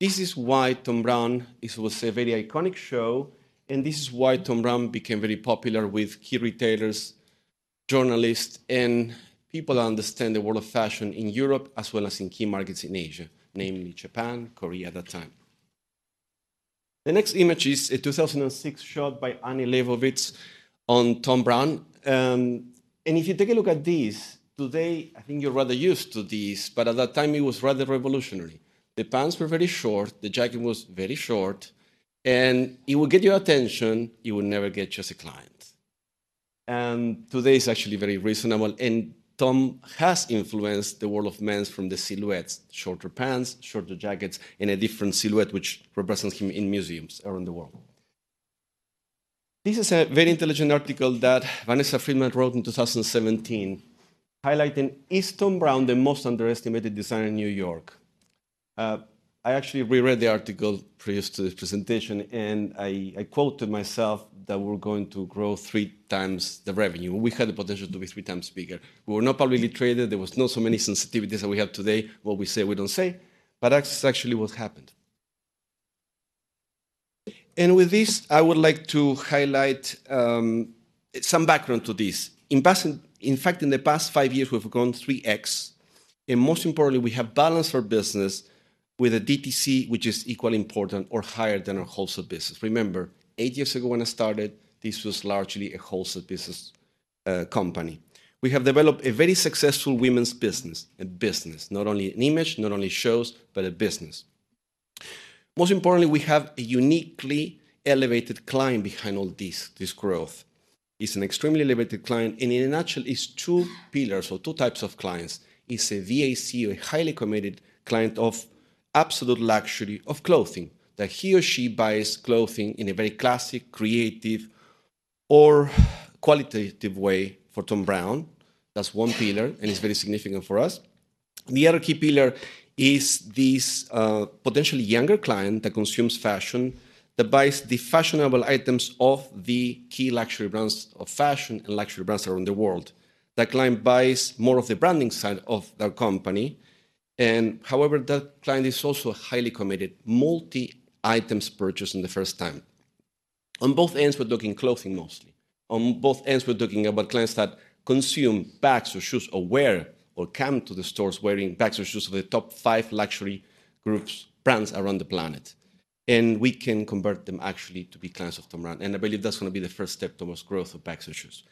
Speaker 5: This is why Thom Browne, this was a very iconic show, and this is why Thom Browne became very popular with key retailers, journalists, and people that understand the world of fashion in Europe, as well as in key markets in Asia, namely Japan, Korea, at that time. The next image is a 2006 shot by Annie Leibovitz on Thom Browne. And if you take a look at this, today, I think you're rather used to this, but at that time, it was rather revolutionary. The pants were very short, the jacket was very short, and it will get your attention, it will never get you as a client. And today, it's actually very reasonable, and Thom has influenced the world of men's from the silhouettes: shorter pants, shorter jackets, and a different silhouette, which represents him in museums around the world. This is a very intelligent article that Vanessa Friedman wrote in 2017, highlighting, "Is Thom Browne the most underestimated designer in New York?" I actually reread the article previous to this presentation, and I, I quoted myself that we're going to grow 3 times the revenue. We had the potential to be 3 times bigger. We were not publicly traded. There was not so many sensitivities that we have today, what we say, we don't say, but that's actually what happened. With this, I would like to highlight some background to this. In the past 5 years, we've grown 3x, and most importantly, we have balanced our business with a DTC, which is equally important or higher than our wholesale business. Remember, 8 years ago, when I started, this was largely a wholesale business, company. We have developed a very successful women's business. A business, not only an image, not only shows, but a business. Most importantly, we have a uniquely elevated client behind all this, this growth. It's an extremely elevated client, and it actually is two pillars or two types of clients. It's a VAC, a highly committed client of absolute luxury of clothing, that he or she buys clothing in a very classic, creative, or qualitative way for Thom Browne. That's one pillar, and it's very significant for us. The other key pillar is this, potentially younger client that consumes fashion, that buys the fashionable items of the key luxury brands of fashion and luxury brands around the world. That client buys more of the branding side of their company, and however, that client is also highly committed, multi-items purchase in the first time. On both ends, we're talking clothing, mostly. On both ends, we're talking about clients that consume bags or shoes, or wear, or come to the stores wearing bags or shoes of the top five luxury groups, brands around the planet, and we can convert them actually to be clients of Thom Browne. I believe that's gonna be the first step towards growth of bags and shoes.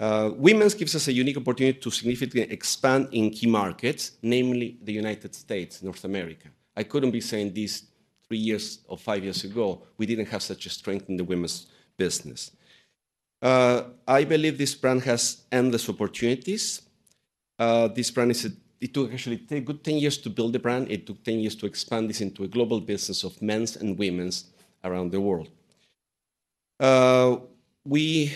Speaker 5: Women's gives us a unique opportunity to significantly expand in key markets, namely the United States, North America. I couldn't be saying this three years or five years ago. We didn't have such a strength in the women's business. I believe this brand has endless opportunities. This brand is. It took actually a good ten years to build the brand. It took ten years to expand this into a global business of men's and women's around the world. We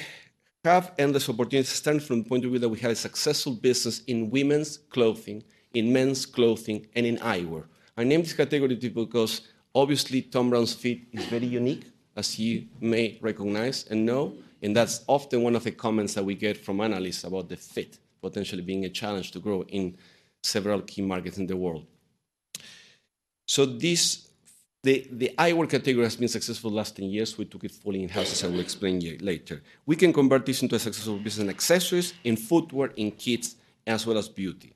Speaker 5: have endless opportunities, starting from the point of view that we have a successful business in women's clothing, in men's clothing, and in eyewear. I named this category because, obviously, Thom Browne's fit is very unique, as you may recognize and know, and that's often one of the comments that we get from analysts about the fit potentially being a challenge to grow in several key markets in the world. So the eyewear category has been successful the last 10 years. We took it fully in-house, as I will explain to you later. We can convert this into a successful business in accessories, in footwear, in kids, as well as beauty.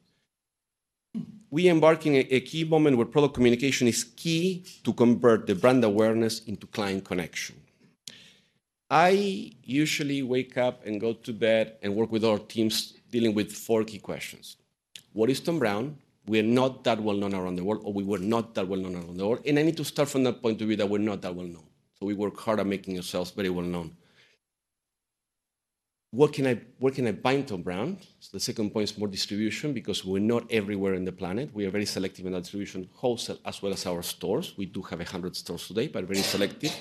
Speaker 5: We embark in a key moment where product communication is key to convert the brand awareness into client connection. I usually wake up and go to bed and work with our teams dealing with four key questions. What is Thom Browne? We are not that well-known around the world, or we were not that well-known around the world, and I need to start from that point of view, that we're not that well-known. So we work hard on making ourselves very well-known. Where can I, where can I buy Thom Browne? So the second point is more distribution because we're not everywhere in the planet. We are very selective in our distribution, wholesale, as well as our stores. We do have 100 stores today, but very selective.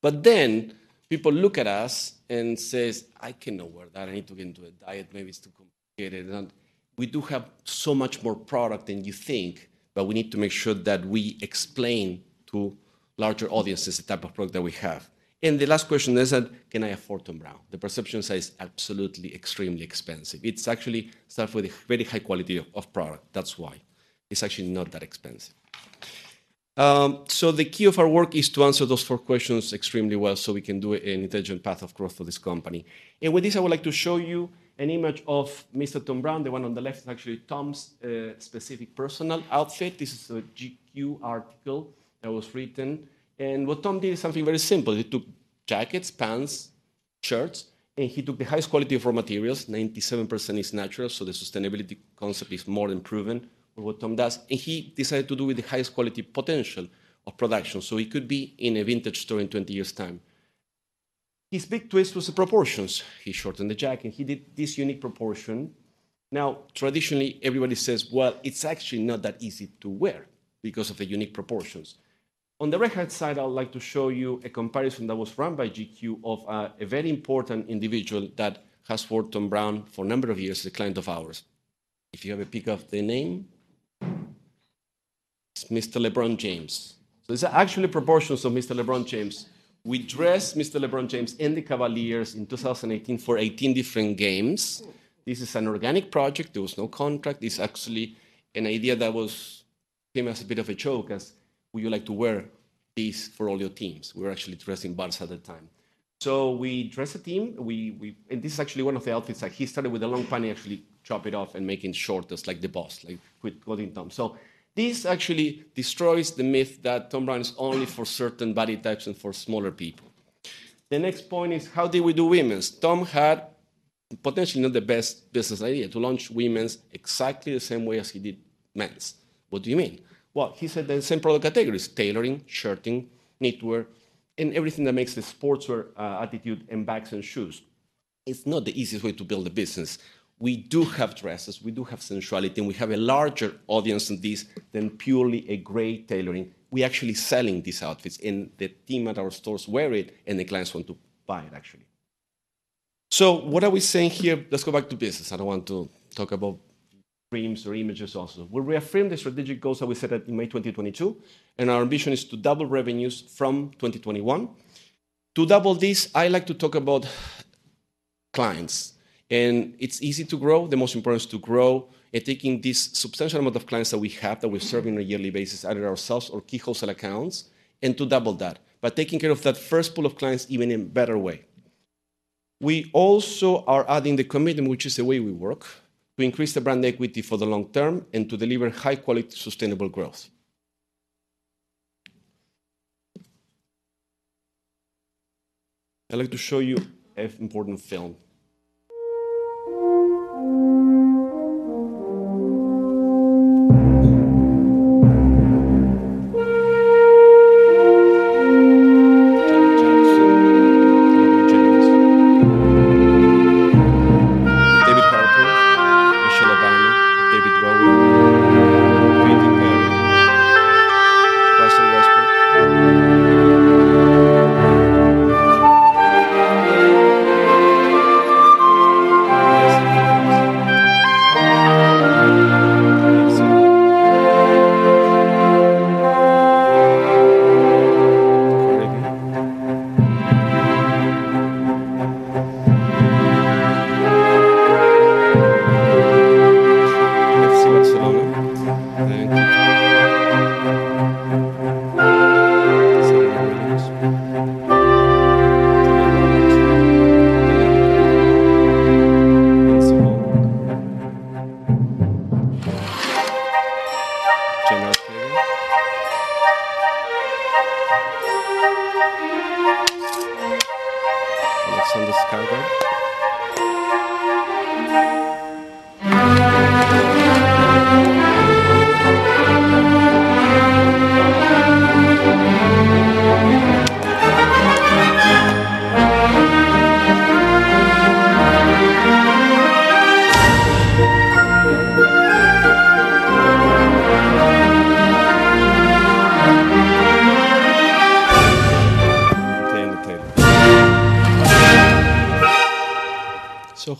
Speaker 5: But then, people look at us and says, "I cannot wear that. I need to get into a diet. Maybe it's too complicated," and we do have so much more product than you think, but we need to make sure that we explain to larger audiences the type of product that we have. And the last question is that, "Can I afford Thom Browne?" The perception says absolutely extremely expensive. It's actually stuff with a very high quality of product. That's why. It's actually not that expensive. So the key of our work is to answer those four questions extremely well, so we can do an intelligent path of growth for this company. And with this, I would like to show you an image of Mr. Thom Browne. The one on the left is actually Thom's specific personal outfit. This is a GQ article that was written, and what Thom did is something very simple. He took jackets, pants, shirts, and he took the highest quality of raw materials. 97% is natural, so the sustainability concept is more than proven with what Thom does. He decided to do it with the highest quality potential of production, so it could be in a vintage store in 20 years' time. His big twist was the proportions. He shortened the jacket, and he did this unique proportion. Now, traditionally, everybody says, "Well, it's actually not that easy to wear because of the unique proportions." On the right-hand side, I would like to show you a comparison that was run by GQ of a, a very important individual that has worn Thom Browne for a number of years, a client of ours. If you have a pic of the name?... Mr. LeBron James. So these are actually proportions of Mr. LeBron James. We dressed Mr. LeBron James and the Cavaliers in 2018 for 18 different games. This is an organic project. There was no contract. This is actually an idea that was, came as a bit of a joke, as, "Would you like to wear these for all your teams?" We were actually dressing stars at the time. So we dress a team. We, we. And this is actually one of the outfits, like, he started with a long pant and actually chop it off and making short just like the boss, like, with clothing Thom. So this actually destroys the myth that Thom Browne is only for certain body types and for smaller people. The next point is: how did we do women's? Thom had potentially not the best business idea, to launch women's exactly the same way as he did men's. What do you mean? Well, he said the same product categories: tailoring, shirting, knitwear, and everything that makes the sportswear attitude, and bags and shoes. It's not the easiest way to build a business. We do have dresses, we do have sensuality, and we have a larger audience in this than purely a great tailoring. We're actually selling these outfits, and the team at our stores wear it, and the clients want to buy it, actually. So what are we saying here? Let's go back to business. I don't want to talk about dreams or images also. We reframe the strategic goals that we set out in May 2022, and our ambition is to double revenues from 2021. To double this, I like to talk about clients, and it's easy to grow. The most important is to grow and taking this substantial amount of clients that we have, that we serve on a yearly basis, either ourselves or key wholesale accounts, and to double that. By taking care of that first pool of clients even in better way. We also are adding the commitment, which is the way we work, to increase the brand equity for the long term and to deliver high-quality, sustainable growth. I'd like to show you an important film.
Speaker 6: LeBron James, the Cavaliers. David Harper, Michelle Obama, David Bowie, Quincy Jones, Russell Westbrook. Jesse Williams. Beyoncé. Meghan. FC Barcelona. Desi Ramirez. Tamara Jenkins. Nancy Pelosi. Janet Jackson. Alexander Skarsgård. Diana Taylor.
Speaker 7: So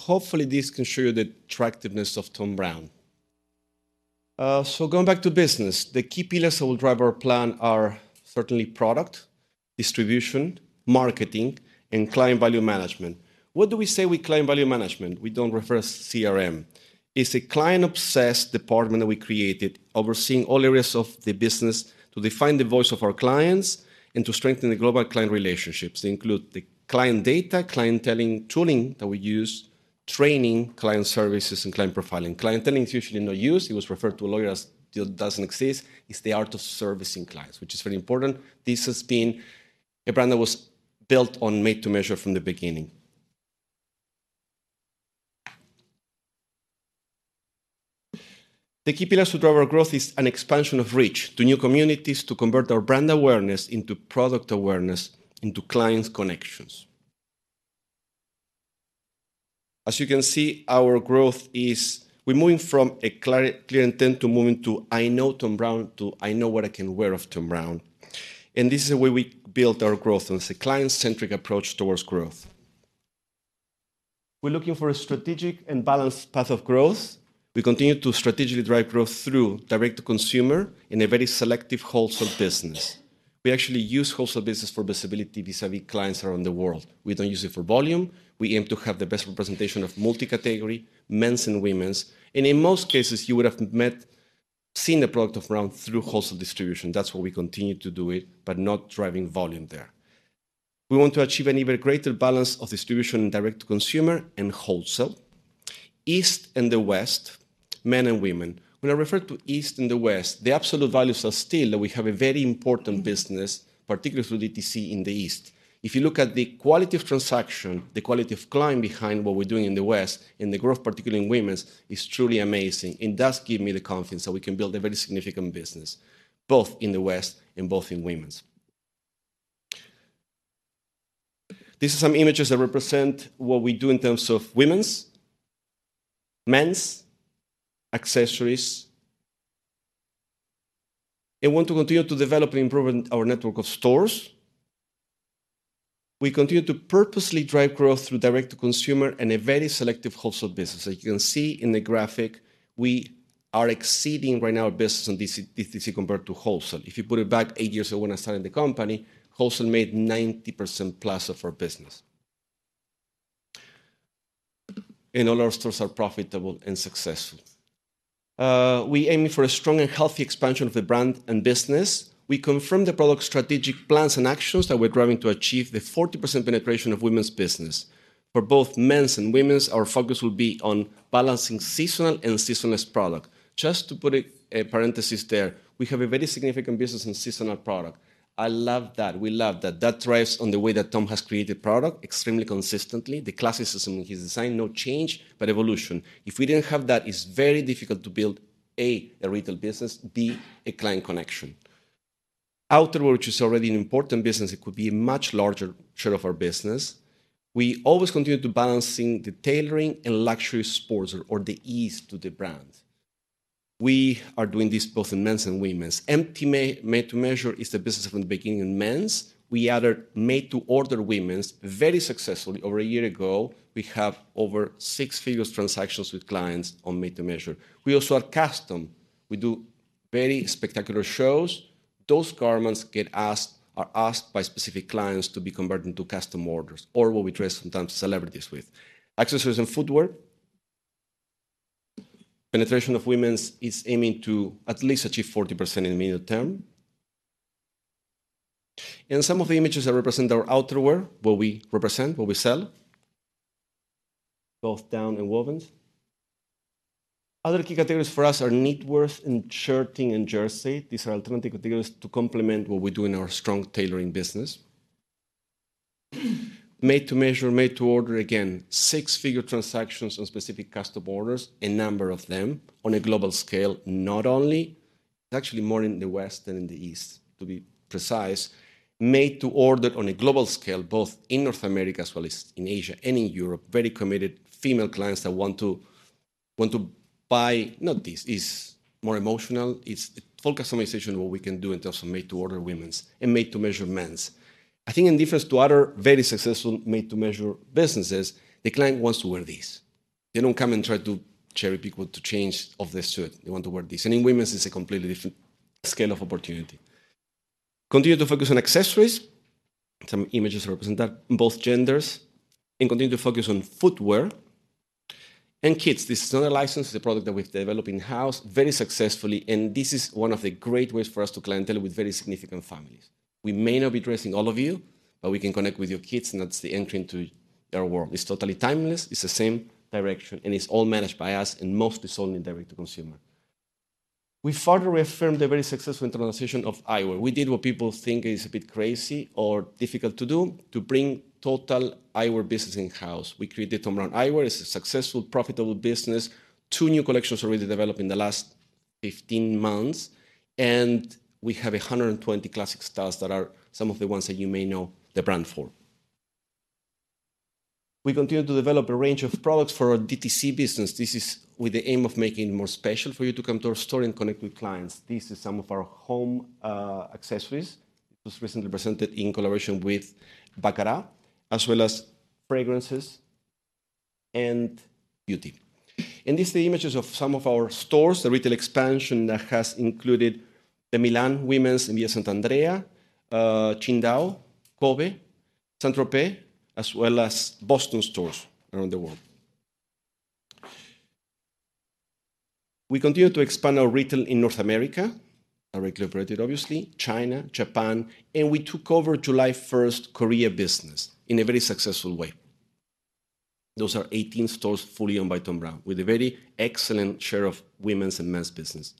Speaker 7: hopefully, this can show you the attractiveness of Thom Browne. So going back to business, the key pillars that will drive our plan are certainly product, distribution, marketing, and client value management. What do we say with client value management? We don't refer as CRM. It's a client-obsessed department that we created, overseeing all areas of the business to define the voice of our clients and to strengthen the global client relationships. They include the client data, clienteling tooling that we use, training, client services, and client profiling. Clienteling is usually not used. It was referred to a lawyer as still doesn't exist. It's the art of servicing clients, which is very important. This has been a brand that was built on made to measure from the beginning. The key pillars to drive our growth is an expansion of reach to new communities, to convert our brand awareness into product awareness, into clients connections. As you can see, our growth is... We're moving from a clear intent to moving to, "I know Thom Browne," to, "I know what I can wear of Thom Browne." And this is the way we built our growth, and it's a client-centric approach towards growth. We're looking for a strategic and balanced path of growth. We continue to strategically drive growth through direct-to-consumer in a very selective wholesale business. We actually use wholesale business for visibility vis-à-vis clients around the world. We don't use it for volume. We aim to have the best representation of multi-category, men's and women's. And in most cases, you would have seen the product of Browne through wholesale distribution. That's why we continue to do it, but not driving volume there. We want to achieve an even greater balance of distribution, direct to consumer and wholesale. East and the West, men and women. When I refer to East and the West, the absolute values are still that we have a very important business, particularly through DTC in the East. If you look at the quality of transaction, the quality of client behind what we're doing in the West, and the growth, particularly in women's, is truly amazing and does give me the confidence that we can build a very significant business, both in the West and both in women's. These are some images that represent what we do in terms of women's, men's, accessories. I want to continue to develop and improve our network of stores.... We continue to purposely drive growth through direct-to-consumer and a very selective wholesale business. As you can see in the graphic, we are exceeding right now our business on DTC, DTC compared to wholesale. If you put it back 8 years ago when I started the company, wholesale made 90% plus of our business. All our stores are profitable and successful. We are aiming for a strong and healthy expansion of the brand and business. We confirmed the product strategic plans and actions that we're driving to achieve the 40% penetration of women's business. For both men's and women's, our focus will be on balancing seasonal and seasonless product. Just to put it, a parenthesis there, we have a very significant business in seasonal product. I love that. We love that. That thrives on the way that Tom has created product extremely consistently, the classicism in his design, no change, but evolution. If we didn't have that, it's very difficult to build, A, a retail business, B, a client connection. Outerwear, which is already an important business, it could be a much larger share of our business. We always continue to balancing the tailoring and luxury sports or, or the ease to the brand. We are doing this both in men's and women's. MTM, Made to Measure, is the business from the beginning in men's. We added Made to Order women's very successfully over a year ago. We have over six figures transactions with clients on Made to Measure. We also have custom. We do very spectacular shows. Those garments are asked by specific clients to be converted into custom orders or what we dress sometimes celebrities with. Accessories and footwear... Penetration of women's is aiming to at least achieve 40% in the medium term. Some of the images that represent our outerwear, what we represent, what we sell, both down and wovens. Other key categories for us are knitwear and shirting and jersey. These are alternative categories to complement what we do in our strong tailoring business. Made to measure, made to order, again, six-figure transactions on specific custom orders, a number of them on a global scale, not only, actually more in the West than in the East, to be precise. Made to order on a global scale, both in North America, as well as in Asia and in Europe. Very committed female clients that want to buy, not this, it's more emotional. It's full customization what we can do in terms of made to order women's and made to measure men's. I think in deference to other very successful Made to Measure businesses, the client wants to wear this. They don't come and try to cherry-pick what to change of the suit. They want to wear this. In women's, it's a completely different scale of opportunity. Continue to focus on accessories. Some images represent that in both genders, and continue to focus on footwear and kids. This is not a license, it's a product that we've developed in-house very successfully, and this is one of the great ways for us to connect with very significant families. We may not be dressing all of you, but we can connect with your kids, and that's the entry into their world. It's totally timeless, it's the same direction, and it's all managed by us and mostly sold in direct-to-consumer. We further reaffirmed the very successful internationalization of eyewear. We did what people think is a bit crazy or difficult to do, to bring total eyewear business in-house. We created Thom Browne Eyewear. It's a successful, profitable business. Two new collections already developed in the last 15 months, and we have 120 classic styles that are some of the ones that you may know the brand for. We continue to develop a range of products for our DTC business. This is with the aim of making it more special for you to come to our store and connect with clients. This is some of our home accessories. It was recently presented in collaboration with Baccarat, as well as fragrances and beauty. These are the images of some of our stores, the retail expansion that has included the Milan Women's, Via Sant'Andrea, Qingdao, Kobe, Saint-Tropez, as well as Boston stores around the world. We continue to expand our retail in North America, our direct-operated, obviously, China, Japan, and we took over July 1 Korea business in a very successful way. Those are 18 stores fully owned by Thom Browne, with a very excellent share of women's and men's business.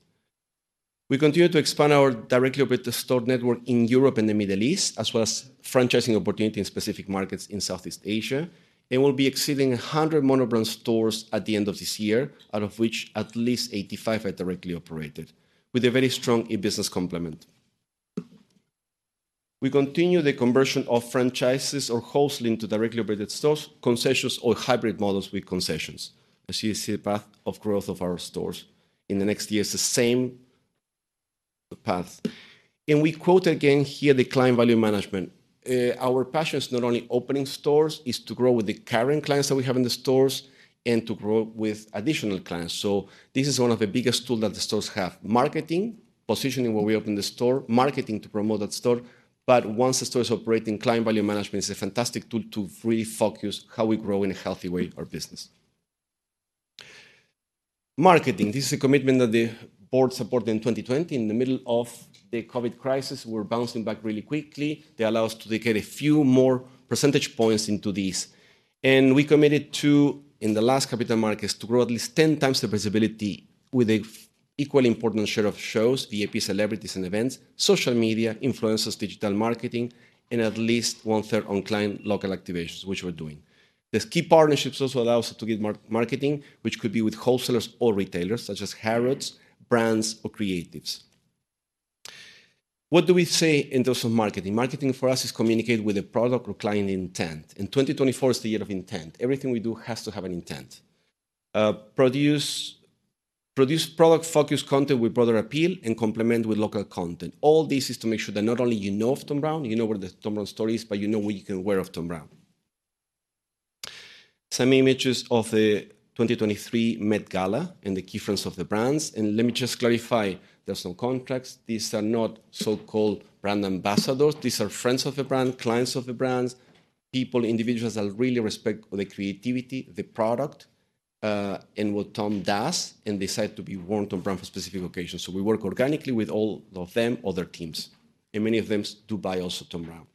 Speaker 7: We continue to expand our directly-operated store network in Europe and the Middle East, as well as franchising opportunity in specific markets in Southeast Asia, and we'll be exceeding 100 monobrand stores at the end of this year, out of which at least 85 are directly operated, with a very strong e-business complement. We continue the conversion of franchises or wholesaling to directly-operated stores, concessions, or hybrid models with concessions. As you see, the path of growth of our stores in the next year is the same path. We quote again here, the client value management. Our passion is not only opening stores, it's to grow with the current clients that we have in the stores and to grow with additional clients. So this is one of the biggest tool that the stores have: marketing, positioning where we open the store, marketing to promote that store. But once the store is operating, client value management is a fantastic tool to really focus how we grow in a healthy way our business. Marketing, this is a commitment that the board supported in 2020. In the middle of the COVID crisis, we're bouncing back really quickly. They allow us to dedicate a few more percentage points into this. We committed to, in the last capital markets, to grow at least 10 times the visibility with an equally important share of shows, VIP celebrities and events, social media, influencers, digital marketing, and at least one-third on client local activations, which we're doing. These key partnerships also allows us to get co-marketing, which could be with wholesalers or retailers, such as Harrods, brands, or creatives. What do we say in terms of marketing? Marketing for us is communicate with a product or client intent, and 2024 is the year of intent. Everything we do has to have an intent. Produce product-focused content with broader appeal and complement with local content. All this is to make sure that not only you know of Thom Browne, you know what the Thom Browne story is, but you know what you can wear of Thom Browne. Some images of the 2023 Met Gala and the key friends of the brands. Let me just clarify, there are some contracts. These are not so-called brand ambassadors. These are friends of the brand, clients of the brands, people, individuals that really respect the creativity, the product, and what Thom does, and decide to be worn Thom Browne for specific occasions. So we work organically with all of them or their teams, and many of them do buy also Thom Browne.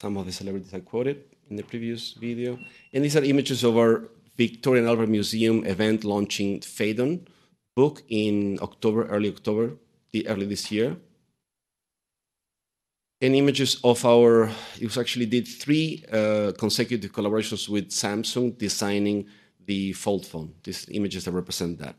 Speaker 7: Some of the celebrities I quoted in the previous video. These are images of our Victoria and Albert Museum event, launching Phaidon book in October, early October, early this year. Images of our. It was actually did three consecutive collaborations with Samsung, designing the fold phone. These images that represent that.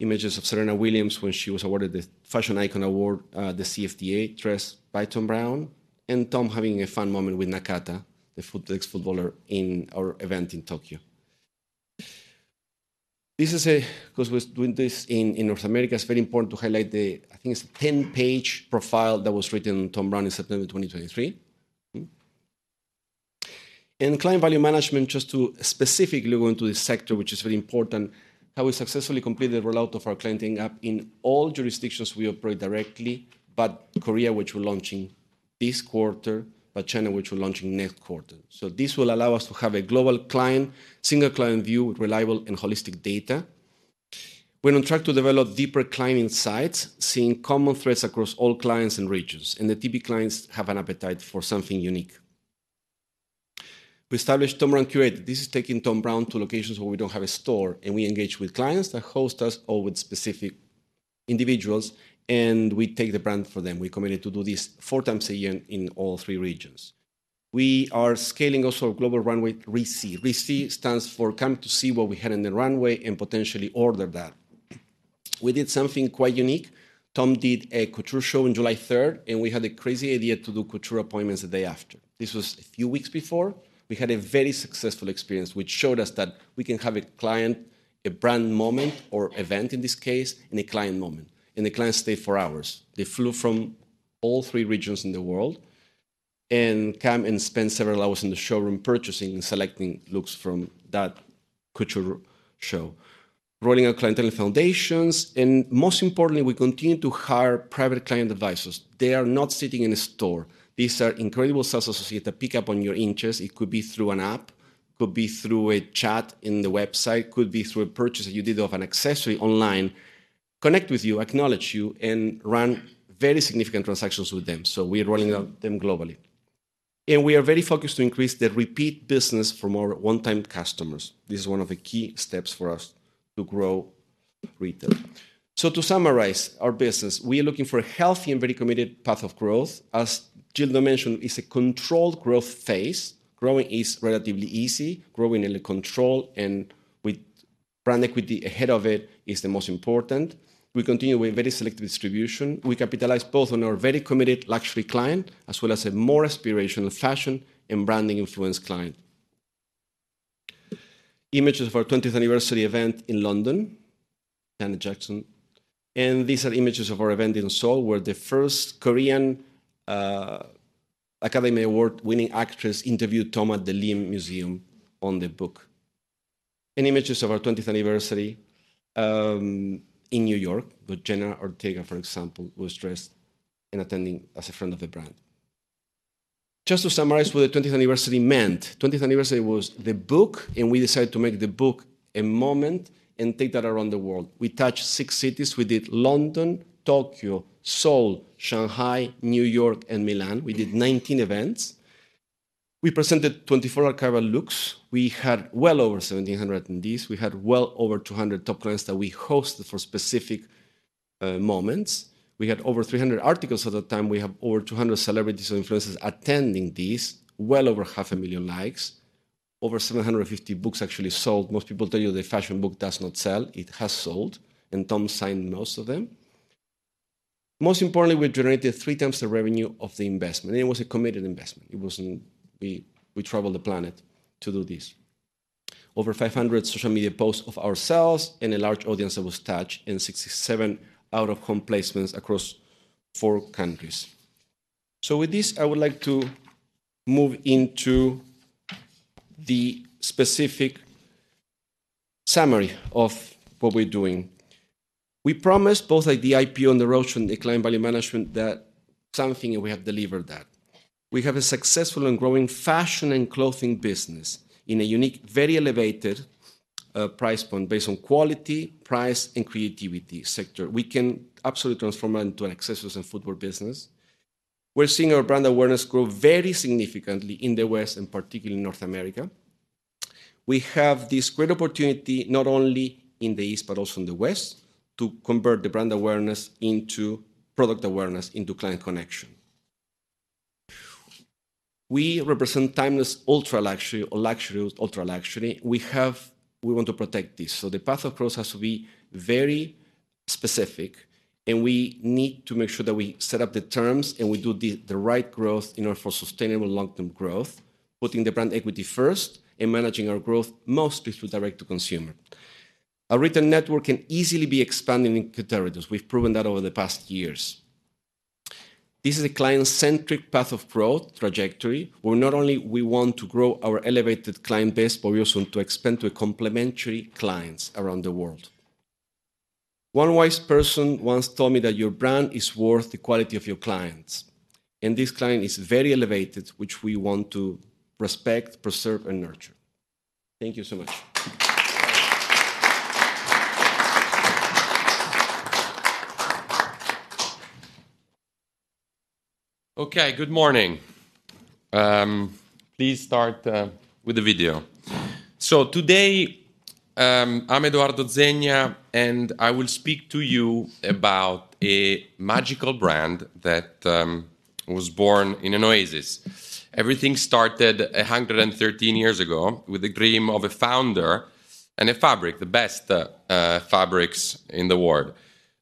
Speaker 7: Images of Serena Williams when she was awarded the Fashion Icon Award, the CFDA, dressed by Thom Browne, and Thom having a fun moment with Nakata, the ex-footballer, in our event in Tokyo. This is because we're doing this in North America, it's very important to highlight the, I think, it's a 10-page profile that was written on Thom Browne in September 2023. In client value management, just to specifically go into this sector, which is very important, how we successfully completed the rollout of our clienting app in all jurisdictions we operate directly, but Korea, which we're launching this quarter, but China, which we're launching next quarter. So this will allow us to have a global client, single client view with reliable and holistic data. We're on track to develop deeper client insights, seeing common threads across all clients and regions, and the TB clients have an appetite for something unique. We established Thom Browne Curated. This is taking Thom Browne to locations where we don't have a store, and we engage with clients that host us or with specific individuals, and we take the brand for them. We're committed to do this four times a year in all three regions. We are scaling also our global runway with ReSee. ReSee stands for, "Come to see what we have in the runway and potentially order that." We did something quite unique. Thom did a couture show on July 3rd, and we had a crazy idea to do couture appointments the day after. This was a few weeks before. We had a very successful experience, which showed us that we can have a client, a brand moment or event, in this case, and a client moment, and the clients stayed for hours. They flew from all three regions in the world and come and spend several hours in the showroom, purchasing and selecting looks from that couture show. Rolling out clientele foundations, and most importantly, we continue to hire private client advisors. They are not sitting in a store. These are incredible sales associates that pick up on your interest. It could be through an app, could be through a chat in the website, could be through a purchase that you did of an accessory online, connect with you, acknowledge you, and run very significant transactions with them. So we are rolling out them globally. We are very focused to increase the repeat business from our one-time customers. This is one of the key steps for us to grow retail. So to summarize our business, we are looking for a healthy and very committed path of growth. As Gildo mentioned, it's a controlled growth phase. Growing is relatively easy. Growing in the control and with brand equity ahead of it is the most important. We continue with very selective distribution. We capitalize both on our very committed luxury client, as well as a more aspirational fashion and branding influence client. Images of our twentieth anniversary event in London, Janet Jackson, and these are images of our event in Seoul, where the first Korean Academy Award-winning actress interviewed Thom at the Leeum Museum on the book. And images of our twentieth anniversary in New York, with Jenna Ortega, for example, who was dressed in attending as a friend of the brand. Just to summarize what the 20th anniversary meant, 20th anniversary was the book, and we decided to make the book a moment and take that around the world. We touched 6 cities. We did London, Tokyo, Seoul, Shanghai, New York, and Milan. We did 19 events. We presented 24 archival looks. We had well over 1,700 in these. We had well over 200 top clients that we hosted for specific moments. We had over 300 articles at the time. We have over 200 celebrities and influencers attending this, well over 500,000 likes. Over 750 books actually sold. Most people tell you the fashion book does not sell. It has sold, and Thom signed most of them. Most importantly, we generated 3 times the revenue of the investment, and it was a committed investment. It wasn't... We traveled the planet to do this. Over 500 social media posts of ourselves and a large audience that was touched in 67 out-of-home placements across 4 countries. So with this, I would like to move into the specific summary of what we're doing. We promised both, like, the IPO on the road show and the client value management, that something, and we have delivered that. We have a successful and growing fashion and clothing business in a unique, very elevated price point based on quality, price, and creativity sector. We can absolutely transform it into an accessories and footwear business. We're seeing our brand awareness grow very significantly in the West, and particularly in North America. We have this great opportunity, not only in the East but also in the West, to convert the brand awareness into product awareness, into client connection. We represent timeless ultra-luxury or luxury with ultra-luxury. We want to protect this, so the path of growth has to be very specific, and we need to make sure that we set up the terms, and we do the right growth in order for sustainable long-term growth, putting the brand equity first and managing our growth mostly through direct to consumer. Our retail network can easily be expanded into territories. We've proven that over the past years. This is a client-centric path of growth trajectory, where not only we want to grow our elevated client base, but we also want to expand to complementary clients around the world. One wise person once told me that your brand is worth the quality of your clients, and this client is very elevated, which we want to respect, preserve, and nurture. Thank you so much.
Speaker 8: Okay, good morning. Please start with the video. So today, I'm Edoardo Zegna, and I will speak to you about a magical brand that was born in an oasis. Everything started 113 years ago with a dream of a founder and a fabric, the best fabrics in the world.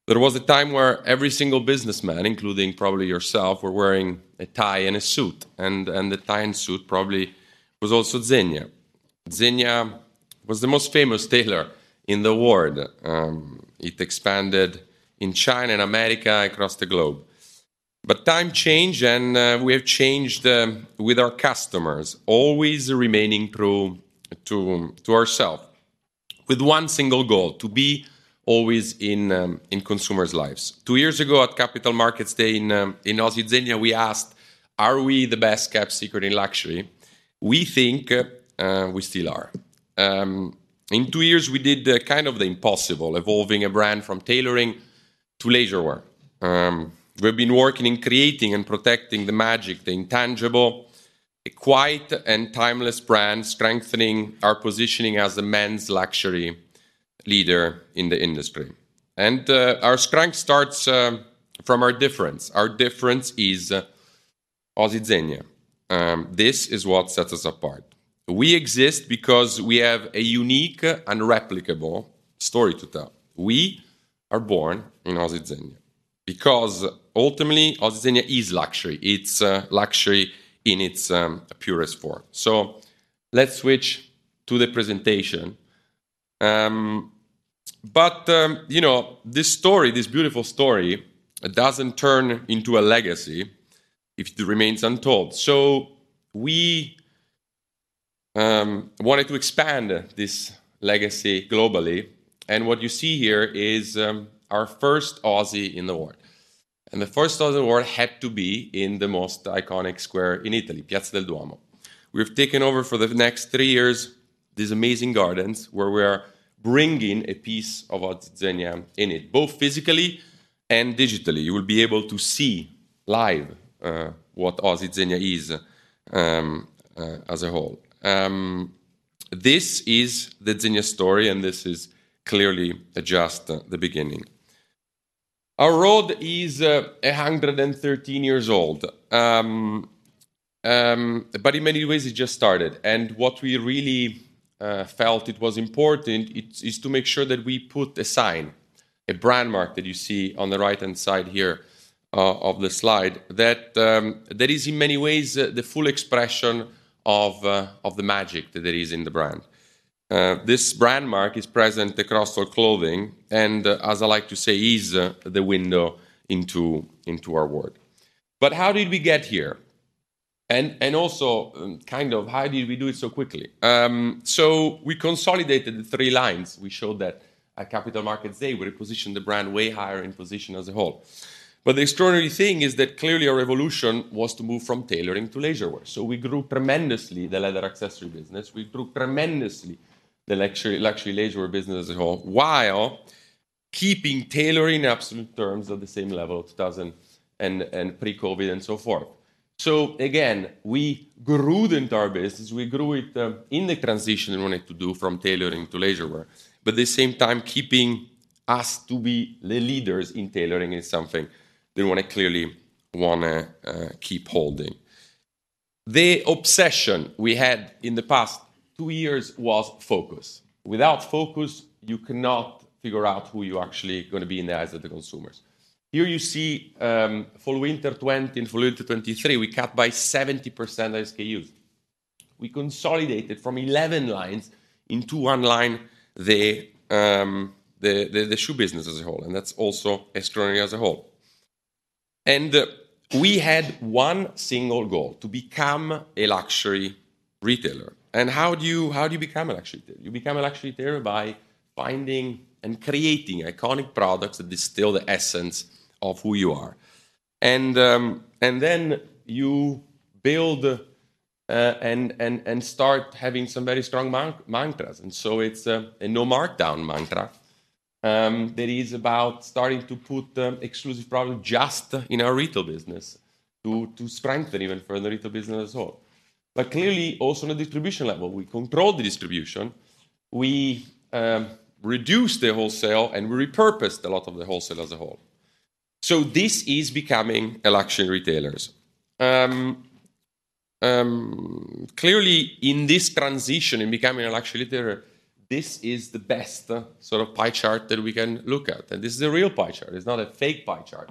Speaker 8: There was a time where every single businessman, including probably yourself, were wearing a tie and a suit, and the tie and suit probably was also Zegna. Zegna was the most famous tailor in the world. It expanded in China and America, across the globe. But times change, and we have changed with our customers, always remaining true to ourself, with one single goal: to be always in consumers' lives. Two years ago, at Capital Markets Day in Oasi Zegna, we asked: Are we the best-kept secret in luxury? We think, we still are. In two years, we did the kind of the impossible, evolving a brand from tailoring to leisurewear. We've been working in creating and protecting the magic, the intangible, a quiet and timeless brand, strengthening our positioning as a men's luxury leader in the industry. And, our strength starts, from our difference. Our difference is Oasi Zegna. This is what sets us apart. We exist because we have a unique and replicable story to tell. We are born in Oasi Zegna, because ultimately, Oasi Zegna is luxury. It's, luxury in its, purest form. So let's switch to the presentation. But, you know, this story, this beautiful story, it doesn't turn into a legacy if it remains untold. So we wanted to expand this legacy globally, and what you see here is our first Oasi in the world, and the first Oasi in the world had to be in the most iconic square in Italy, Piazza del Duomo. We've taken over, for the next three years, these amazing gardens, where we are bringing a piece of Oasi Zegna in it, both physically and digitally. You will be able to see live what Oasi Zegna is as a whole. This is the Zegna story, and this is clearly just the beginning. Our road is 113 years old. But in many ways, it just started, and what we really felt it was important is to make sure that we put a sign, a brand mark that you see on the right-hand side here, of the slide, that is, in many ways, the full expression of the magic that is in the brand. This brand mark is present across our clothing and, as I like to say, is the window into our world. But how did we get here? And also, kind of how did we do it so quickly? So we consolidated the three lines. We showed that at Capital Markets Day, we repositioned the brand way higher in position as a whole. But the extraordinary thing is that clearly our revolution was to move from tailoring to leisurewear. So we grew tremendously the leather accessory business. We grew tremendously the luxury, luxury leisurewear business as a whole, while keeping tailoring in absolute terms at the same level as 2019 and pre-COVID and so forth. So again, we grew the entire business. We grew it in the transition we wanted to do from tailoring to leisurewear, but at the same time, keeping us to be the leaders in tailoring in something we wanna clearly keep holding. The obsession we had in the past two years was focus. Without focus, you cannot figure out who you're actually going to be in the eyes of the consumers. Here, you see, Fall/Winter 2020, Fall/Winter 2023, we cut by 70% SKUs. We consolidated from 11 lines into one line, the shoe business as a whole, and that's also extraordinary as a whole. And we had one single goal: to become a luxury retailer. And how do you, how do you become a luxury retailer? You become a luxury retailer by finding and creating iconic products that distill the essence of who you are. And then you build and start having some very strong mantras. And so it's a no-markdown mantra that is about starting to put the exclusive product just in our retail business, to strengthen even further retail business as a whole. But clearly, also on a distribution level, we control the distribution. We reduce the wholesale, and we repurposed a lot of the wholesale as a whole. So this is becoming a luxury retailers. Clearly, in this transition in becoming a luxury retailer, this is the best sort of pie chart that we can look at, and this is a real pie chart. It's not a fake pie chart.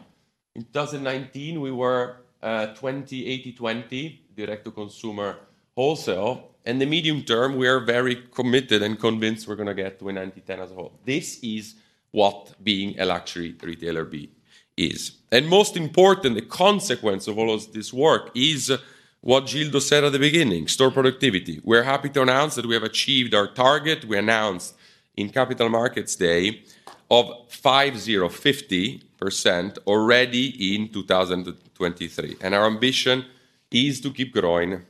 Speaker 8: In 2019, we were 80/20, direct to consumer wholesale, and in the medium term, we are very committed and convinced we're going to get to a 90/10 as a whole. This is what being a luxury retailer be, is. And most important, the consequence of all of this work is what Gildo said at the beginning, store productivity. We're happy to announce that we have achieved our target we announced in Capital Markets Day of 50% already in 2023, and our ambition is to keep growing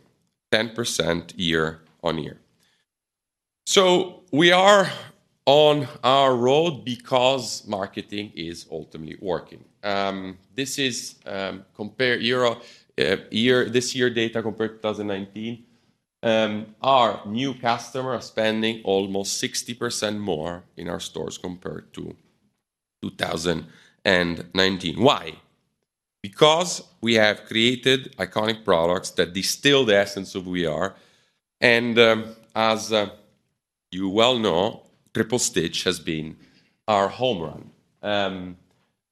Speaker 8: 10% year on year. So we are on our road because marketing is ultimately working. This year data compared to 2019. Our new customer are spending almost 60% more in our stores compared to 2019. Why? Because we have created iconic products that distill the essence of who we are, and, as, you well know, Triple Stitch has been our home run.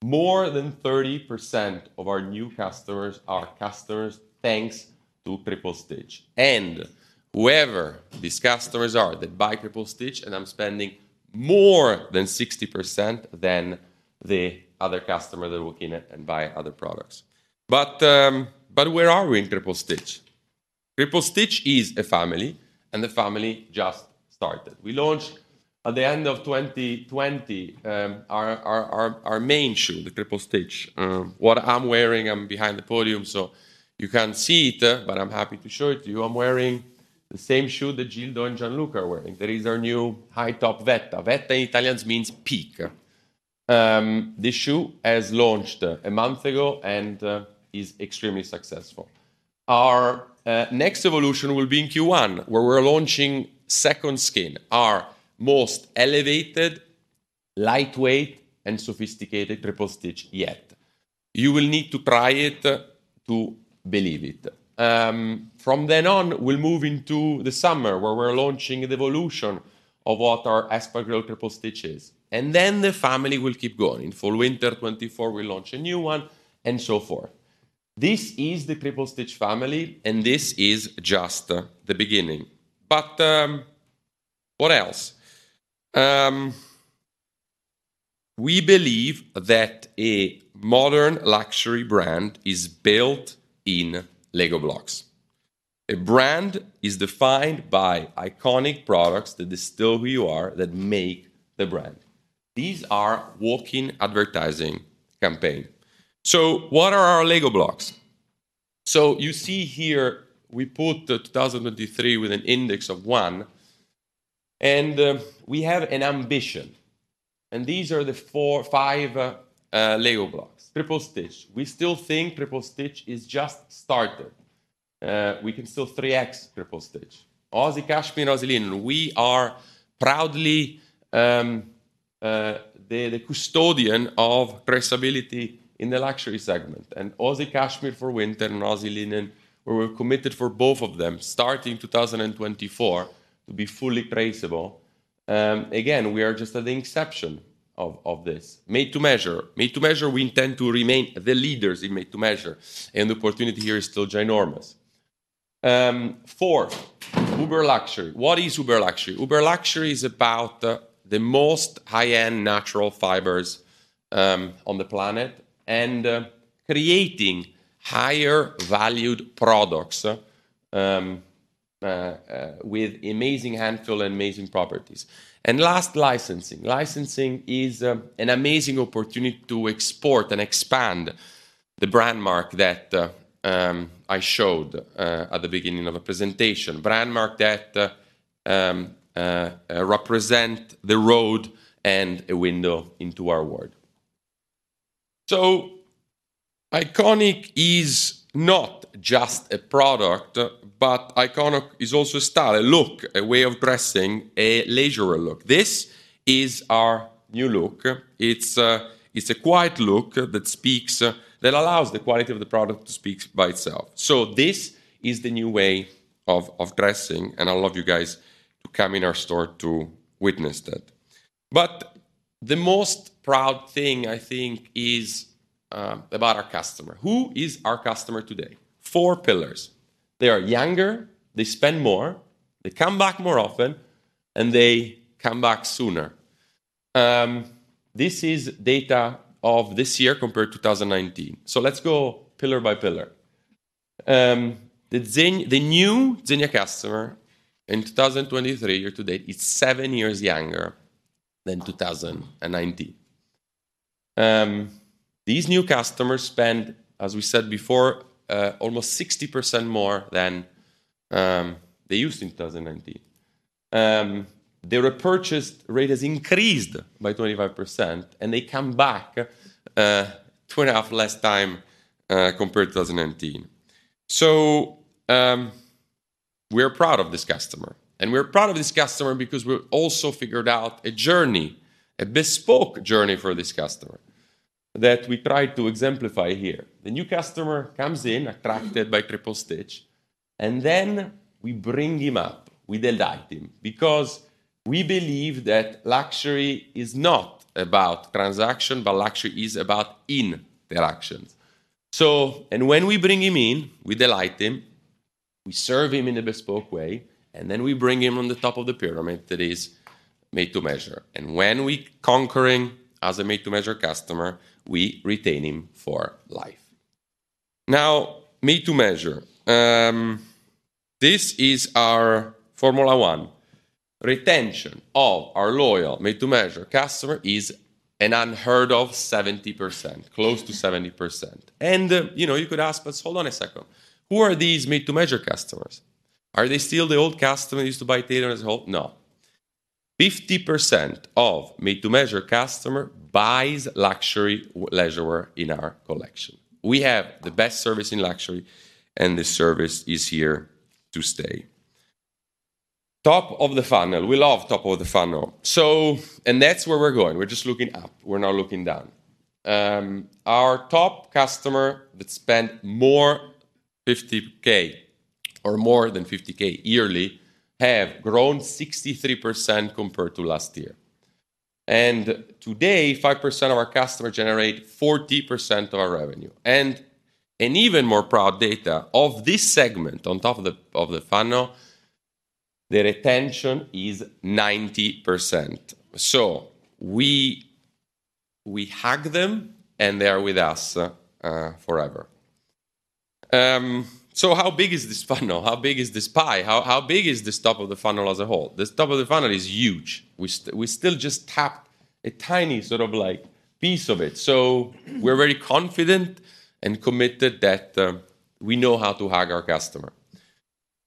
Speaker 8: More than 30% of our new customers are customers, thanks to Triple Stitch. And whoever these customers are that buy Triple Stitch, and I'm spending more than 60% than the other customer that walk in it and buy other products. But, but where are we in Triple Stitch? Triple Stitch is a family, and the family just started. We launched at the end of 2020, our main shoe, the Triple Stitch. What I'm wearing, I'm behind the podium, so you can't see it, but I'm happy to show it to you. I'm wearing the same shoe that Gildo and Gianluca are wearing. That is our new high-top Vetta. Vetta in Italian means peak. This shoe has launched a month ago and is extremely successful. Our next evolution will be in Q1, where we're launching Second Skin, our most elevated, lightweight, and sophisticated Triple Stitch yet. You will need to try it to believe it. From then on, we'll move into the summer, where we're launching the evolution of what our espadrille Triple Stitch is, and then the family will keep going. In fall/winter 2024, we launch a new one, and so forth. This is the Triple Stitch family, and this is just the beginning. What else? We believe that a modern luxury brand is built in Lego blocks. A brand is defined by iconic products that distill who you are, that make the brand. These are walking advertising campaign. So what are our Lego blocks? So you see here, we put the 2023 with an index of 1, and we have an ambition, and these are the four, five Lego blocks. Triple Stitch. We still think Triple Stitch is just started. We can still 3x Triple Stitch. Oasi Cashmere and Oasi Linen. We are proudly the custodian of traceability in the luxury segment, and Oasi Cashmere for winter and Oasi Linen, where we're committed for both of them, starting 2024, to be fully traceable. Again, we are just at the inception of this. Made to Measure. Made to Measure, we intend to remain the leaders in Made to Measure, and the opportunity here is still ginormous. Fourth, Uber Luxury. What is Uber Luxury? Uber Luxury is about the most high-end natural fibers on the planet and creating higher valued products with amazing hand feel and amazing properties. And last, licensing. Licensing is an amazing opportunity to export and expand the brand mark that I showed at the beginning of the presentation. Brand mark that represent the road and a window into our world. So iconic is not just a product, but iconic is also a style, a look, a way of dressing, a leisure look. This is our new look. It's a quiet look that speaks that allows the quality of the product to speaks by itself. So this is the new way of dressing, and I'd love you guys to come in our store to witness that. But the most proud thing, I think, is about our customer. Who is our customer today? Four pillars. They are younger, they spend more, they come back more often, and they come back sooner. This is data of this year compared to 2019. So let's go pillar by pillar. The Zegna, the new Zegna customer in 2023, year to date, is 7 years younger than 2019. These new customers spend, as we said before, almost 60% more than they used in 2019. Their repurchase rate has increased by 25%, and they come back two and a half less time compared to 2019. So, we are proud of this customer, and we are proud of this customer because we also figured out a journey, a bespoke journey for this customer that we try to exemplify here. The new customer comes in, attracted by Triple Stitch, and then we bring him up, we delight him, because we believe that luxury is not about transaction, but luxury is about interactions. So, and when we bring him in, we delight him, we serve him in a bespoke way, and then we bring him on the top of the pyramid that is Made to Measure. And when we conquering as a Made to Measure customer, we retain him for life. Now, Made to Measure. This is our Formula One. Retention of our loyal Made to Measure customer is an unheard of 70%, close to 70%. You know, you could ask us: "Hold on a second, who are these made-to-measure customers? Are they still the old customer who used to buy tailored as a whole?" No. 50% of made-to-measure customer buys luxury leisurewear in our collection. We have the best service in luxury, and this service is here to stay. Top of the funnel. We love top of the funnel. So, and that's where we're going. We're just looking up, we're not looking down. Our top customer that spent more than 50,000 or more than 50,000 yearly have grown 63% compared to last year. And today, 5% of our customers generate 40% of our revenue. And, an even more proud data of this segment, on top of the, of the funnel, the retention is 90%. So we, we hug them, and they are with us, forever. So how big is this funnel? How big is this pie? How, how big is this top of the funnel as a whole? This top of the funnel is huge. We still just tapped a tiny sort of, like, piece of it. So we're very confident and committed that we know how to hug our customer.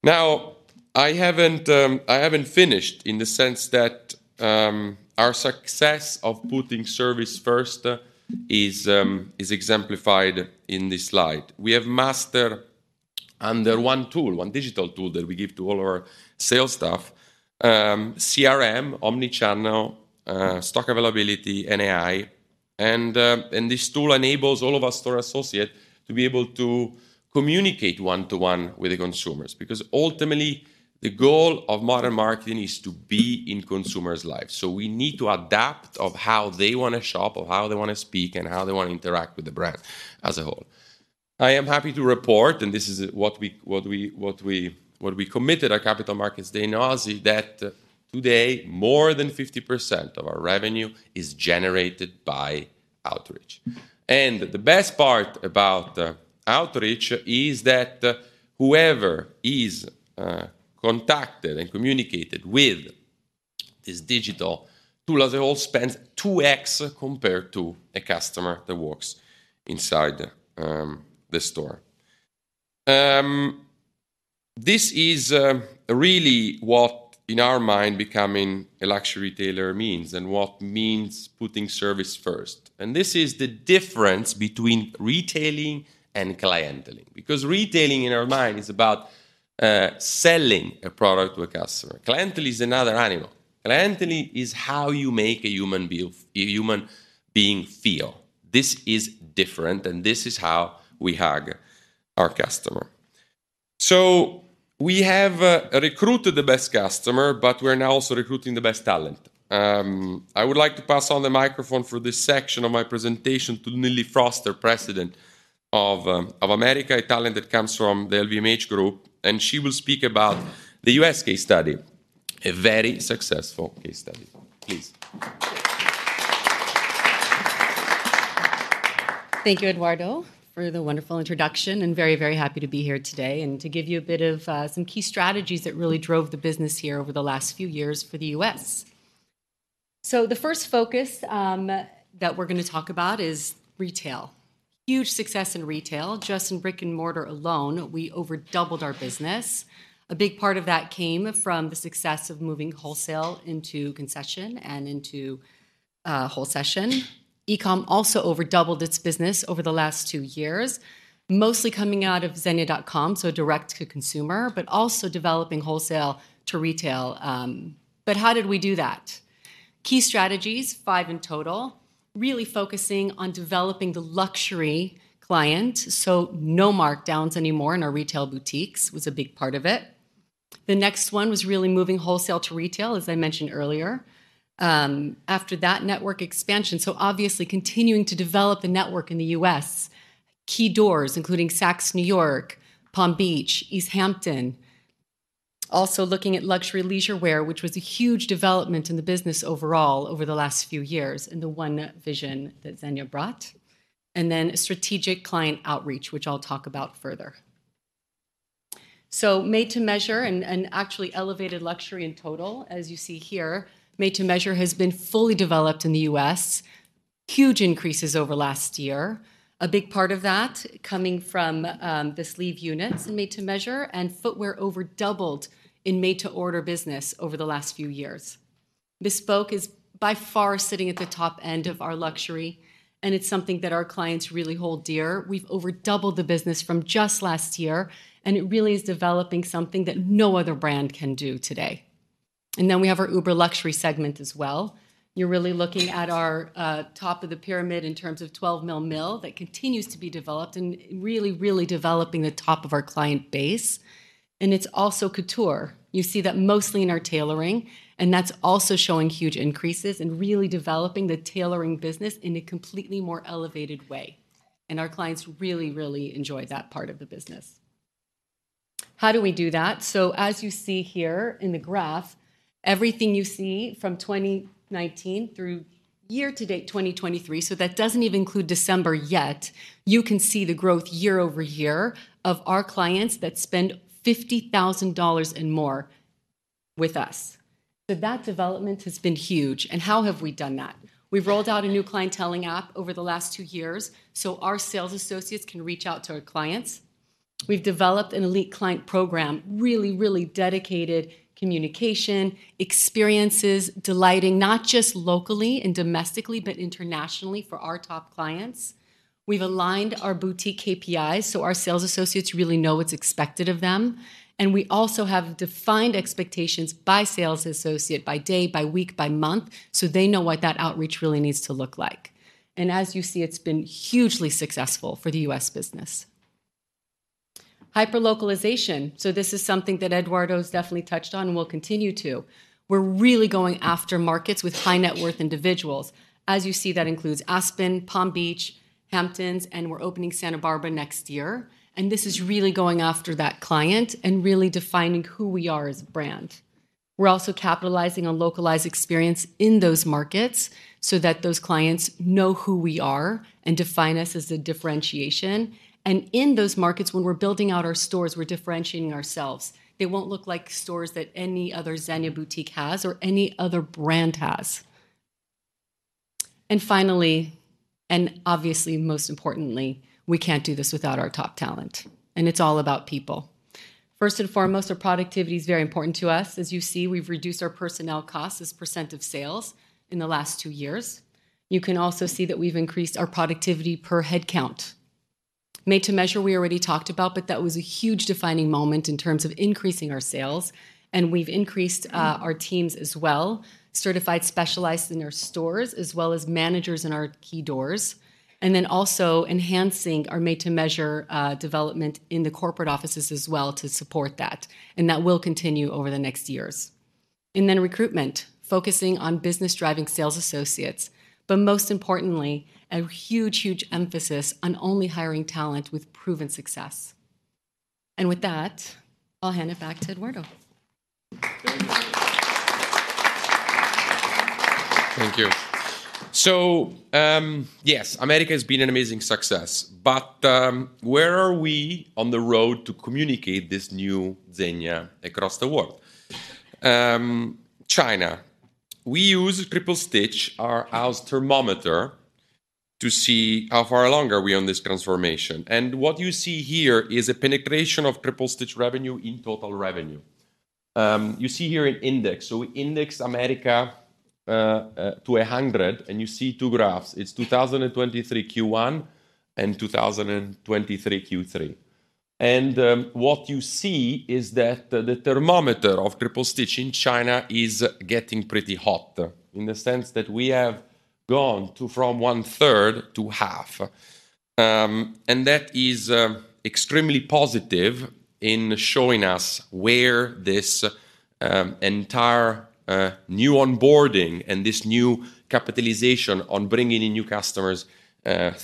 Speaker 8: Now, I haven't, I haven't finished in the sense that our success of putting service first is exemplified in this slide. We have mastered under one tool, one digital tool that we give to all our sales staff: CRM, omnichannel, stock availability, and AI. And this tool enables all of our store associate to be able to communicate one-to-one with the consumers, because ultimately, the goal of modern marketing is to be in consumers' lives. So we need to adapt to how they want to shop, to how they want to speak, and how they want to interact with the brand as a whole. I am happy to report, and this is what we committed at Capital Markets Day in Oasi, that today, more than 50% of our revenue is generated by outreach. And the best part about outreach is that whoever is contacted and communicated with this digital tool, as a whole, spends 2x compared to a customer that walks inside the store. This is really what, in our mind, becoming a luxury retailer means, and what means putting service first. And this is the difference between retailing and clienteling. Because retailing, in our mind, is about selling a product to a customer. Clienteling is another animal. Clienteling is how you make a human being feel. This is different, and this is how we hug our customer. So we have recruited the best customer, but we're now also recruiting the best talent. I would like to pass on the microphone for this section of my presentation to Nilly Foster, our President of North America, a talent that comes from the LVMH group, and she will speak about the U.S. case study, a very successful case study. Please.
Speaker 9: Thank you, Edoardo, for the wonderful introduction, and very, very happy to be here today and to give you a bit of some key strategies that really drove the business here over the last few years for the U.S. So the first focus that we're going to talk about is retail. Huge success in retail. Just in brick-and-mortar alone, we over doubled our business. A big part of that came from the success of moving wholesale into concession and into wholesale. E-com also over doubled its business over the last 2 years, mostly coming out of zegna.com, so direct-to-consumer, but also developing wholesale to retail. But how did we do that? Key strategies, 5 in total, really focusing on developing the luxury client, so no markdowns anymore in our retail boutiques was a big part of it. The next one was really moving wholesale to retail, as I mentioned earlier. After that, network expansion, so obviously continuing to develop a network in the U.S. Key doors, including Saks New York, Palm Beach, East Hampton. Also looking at luxury leisure wear, which was a huge development in the business overall over the last few years, and the one vision that Zegna brought. And then strategic client outreach, which I'll talk about further. So made to measure and actually elevated luxury in total, as you see here, made to measure has been fully developed in the U.S. Huge increases over last year. A big part of that coming from the sleeve units in made to measure, and footwear over doubled in made-to-order business over the last few years. Bespoke is by far sitting at the top end of our luxury, and it's something that our clients really hold dear. We've over doubled the business from just last year, and it really is developing something that no other brand can do today. And then we have our Uber Luxury segment as well. You're really looking at our top of the pyramid in terms of 12 million, that continues to be developed and really, really developing the top of our client base, and it's also couture. You see that mostly in our tailoring, and that's also showing huge increases and really developing the tailoring business in a completely more elevated way, and our clients really, really enjoy that part of the business. How do we do that? So as you see here in the graph, everything you see from 2019 through year-to-date 2023, so that doesn't even include December yet, you can see the growth year-over-year of our clients that spend $50,000 and more with us. So that development has been huge. And how have we done that? We've rolled out a new clienteling app over the last two years, so our sales associates can reach out to our clients. We've developed an elite client program, really, really dedicated communication, experiences, delighting, not just locally and domestically, but internationally for our top clients. We've aligned our boutique KPIs, so our sales associates really know what's expected of them, and we also have defined expectations by sales associate, by day, by week, by month, so they know what that outreach really needs to look like. As you see, it's been hugely successful for the U.S. business. Hyperlocalization. So this is something that Edoardo's definitely touched on and will continue to. We're really going after markets with high net worth individuals. As you see, that includes Aspen, Palm Beach, Hamptons, and we're opening Santa Barbara next year, and this is really going after that client and really defining who we are as a brand. We're also capitalizing on localized experience in those markets so that those clients know who we are and define us as a differentiation. In those markets, when we're building out our stores, we're differentiating ourselves. They won't look like stores that any other Zegna boutique has or any other brand has. Finally, and obviously, most importantly, we can't do this without our top talent, and it's all about people. First and foremost, our productivity is very important to us. As you see, we've reduced our personnel costs as percent of sales in the last two years. You can also see that we've increased our productivity per head count. Made to Measure, we already talked about, but that was a huge defining moment in terms of increasing our sales, and we've increased our teams as well, certified, specialized in our stores, as well as managers in our key doors, and then also enhancing our Made to Measure development in the corporate offices as well to support that, and that will continue over the next years. And then recruitment, focusing on business-driving sales associates, but most importantly, a huge, huge emphasis on only hiring talent with proven success. And with that, I'll hand it back to Edoardo.
Speaker 8: Thank you. So, yes, America has been an amazing success, but, where are we on the road to communicate this new Zegna across the world? China. We use Triple Stitch, our thermometer, to see how far along are we on this transformation, and what you see here is a penetration of Triple Stitch revenue in total revenue. You see here an index, so we index America to 100, and you see two graphs. It's 2023 Q1 and 2023 Q3. And, what you see is that the, the thermometer of Triple Stitch in China is getting pretty hot, in the sense that we have gone from one third to half. And that is extremely positive in showing us where this entire new onboarding and this new capitalization on bringing in new customers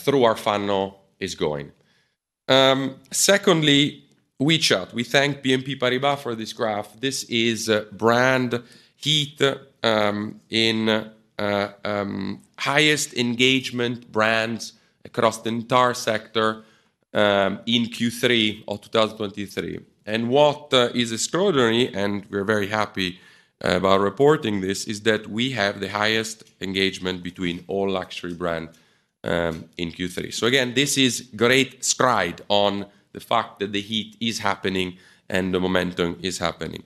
Speaker 8: through our funnel is going. Secondly, WeChat. We thank BNP Paribas for this graph. This is brand heat in highest engagement brands across the entire sector in Q3 of 2023. And what is extraordinary, and we're very happy about reporting this, is that we have the highest engagement between all luxury brand in Q3. So again, this is great stride on the fact that the heat is happening and the momentum is happening.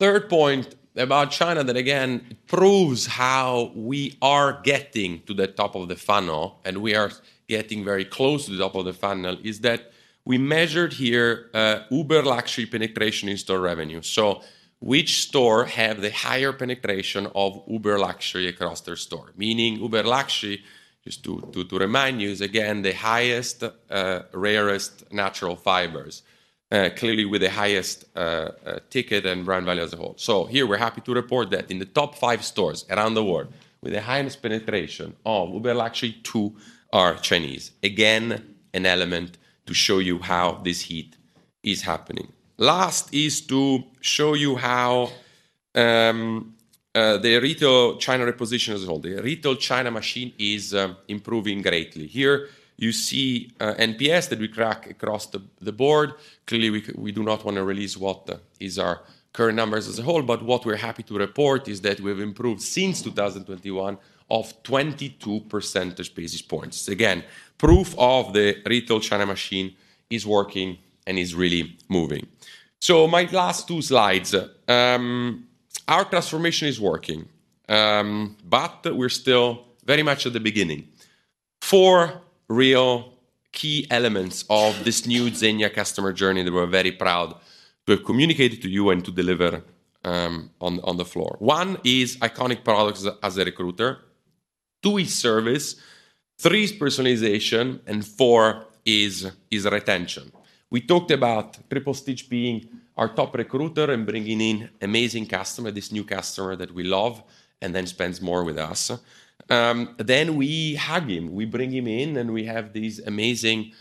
Speaker 8: Third point about China that again proves how we are getting to the top of the funnel, and we are getting very close to the top of the funnel, is that we measured here Uber Luxury penetration in store revenue. So which store have the higher penetration of Uber Luxury across their store? Meaning Uber Luxury, just to remind you, is again the highest rarest natural fibers, clearly with the highest ticket and brand value as a whole. So here, we're happy to report that in the top five stores around the world, with the highest penetration of Uber Luxury, two are Chinese. Again, an element to show you how this heat is happening. Last is to show you how the retail China reposition as a whole. The retail China machine is improving greatly. Here you see, NPS that we track across the board. Clearly, we do not want to release what is our current numbers as a whole, but what we're happy to report is that we've improved since 2021 of 22 percentage basis points. Again, proof of the retail China machine is working and is really moving. My last two slides. Our transformation is working, but we're still very much at the beginning... four real key elements of this new Zegna customer journey that we're very proud to have communicated to you and to deliver on the floor. One is iconic products as a recruiter, two is service, three is personalization, and four is retention. We talked about Triple Stitch being our top recruiter and bringing in amazing customer, this new customer that we love and then spends more with us. Then we hug him, we bring him in, and we have these amazing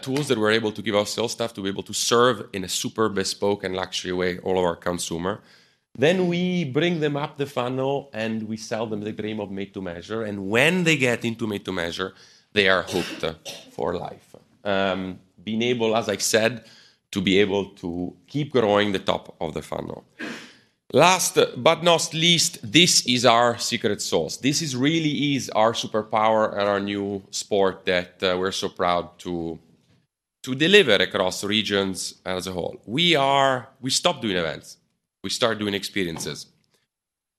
Speaker 8: tools that we're able to give our sales staff to be able to serve in a super bespoke and luxury way all of our consumer. Then we bring them up the funnel, and we sell them the dream of Made to Measure, and when they get into Made to Measure, they are hooked for life. Being able, as I said, to be able to keep growing the top of the funnel. Last but not least, this is our secret sauce. This is really our superpower and our new sport that we're so proud to deliver across regions as a whole. We stopped doing events. We start doing experiences.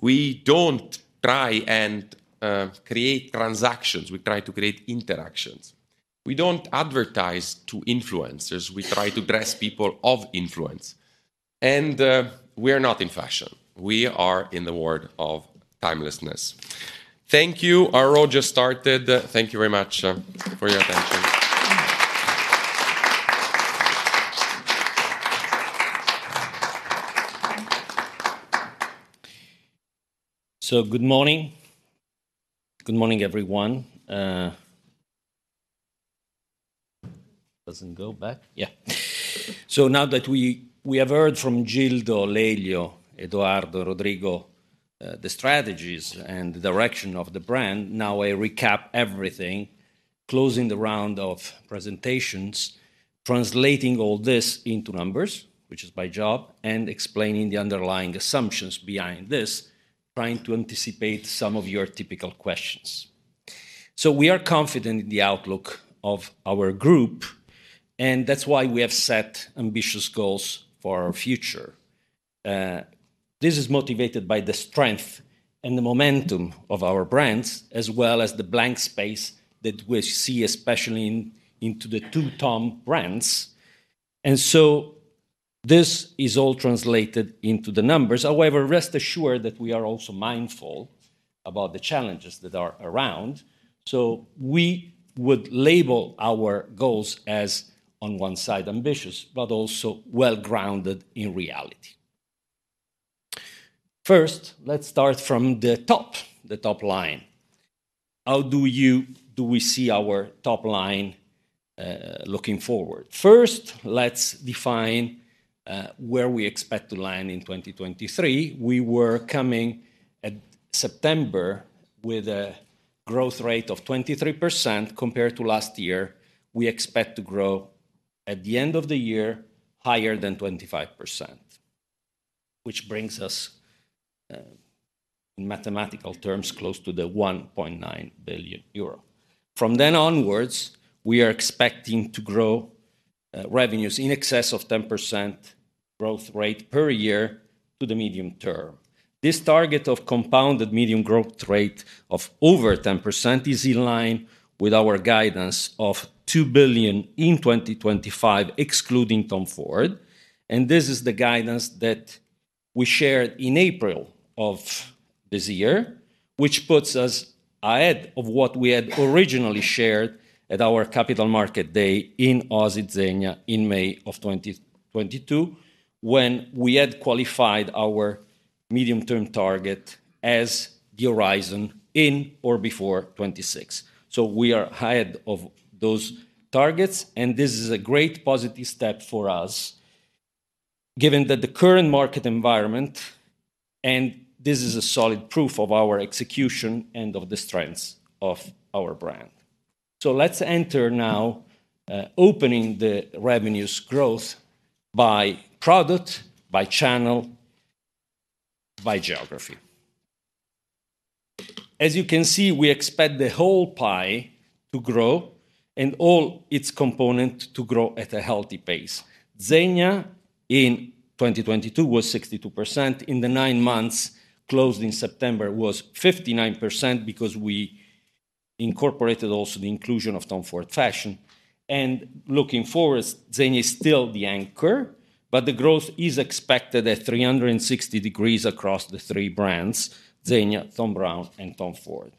Speaker 8: We don't try and create transactions, we try to create interactions. We don't advertise to influencers, we try to dress people of influence. We are not in fashion, we are in the world of timelessness. Thank you. Our road just started. Thank you very much for your attention.
Speaker 10: So good morning. Good morning, everyone. Doesn't go back? Yeah. So now that we have heard from Gildo, Lelio, Edoardo, Rodrigo, the strategies and the direction of the brand, now I recap everything, closing the round of presentations, translating all this into numbers, which is my job, and explaining the underlying assumptions behind this, trying to anticipate some of your typical questions. So we are confident in the outlook of our group, and that's why we have set ambitious goals for our future. This is motivated by the strength and the momentum of our brands, as well as the blank space that we see, especially in, into the two Tom brands. And so this is all translated into the numbers. However, rest assured that we are also mindful about the challenges that are around, so we would label our goals as, on one side, ambitious, but also well-grounded in reality. First, let's start from the top, the top line. How do we see our top line looking forward? First, let's define where we expect to land in 2023. We were coming at September with a growth rate of 23% compared to last year. We expect to grow at the end of the year higher than 25%, which brings us, in mathematical terms, close to 1.9 billion euro. From then onwards, we are expecting to grow revenues in excess of 10% growth rate per year to the medium term. This target of compounded medium growth rate of over 10% is in line with our guidance of 2 billion in 2025, excluding Tom Ford, and this is the guidance that we shared in April of this year, which puts us ahead of what we had originally shared at our Capital Market Day in Oasi Zegna in May of 2022, when we had qualified our medium-term target as the horizon in or before 2026. So we are ahead of those targets, and this is a great positive step for us, given that the current market environment, and this is a solid proof of our execution and of the strengths of our brand. So let's enter now, opening the revenues growth by product, by channel, by geography. As you can see, we expect the whole pie to grow and all its component to grow at a healthy pace. Zegna in 2022 was 62%. In the nine months, closed in September, was 59% because we incorporated also the inclusion of Tom Ford Fashion. And looking forward, Zegna is still the anchor, but the growth is expected at 360 degrees across the three brands: Zegna, Thom Browne, and Tom Ford.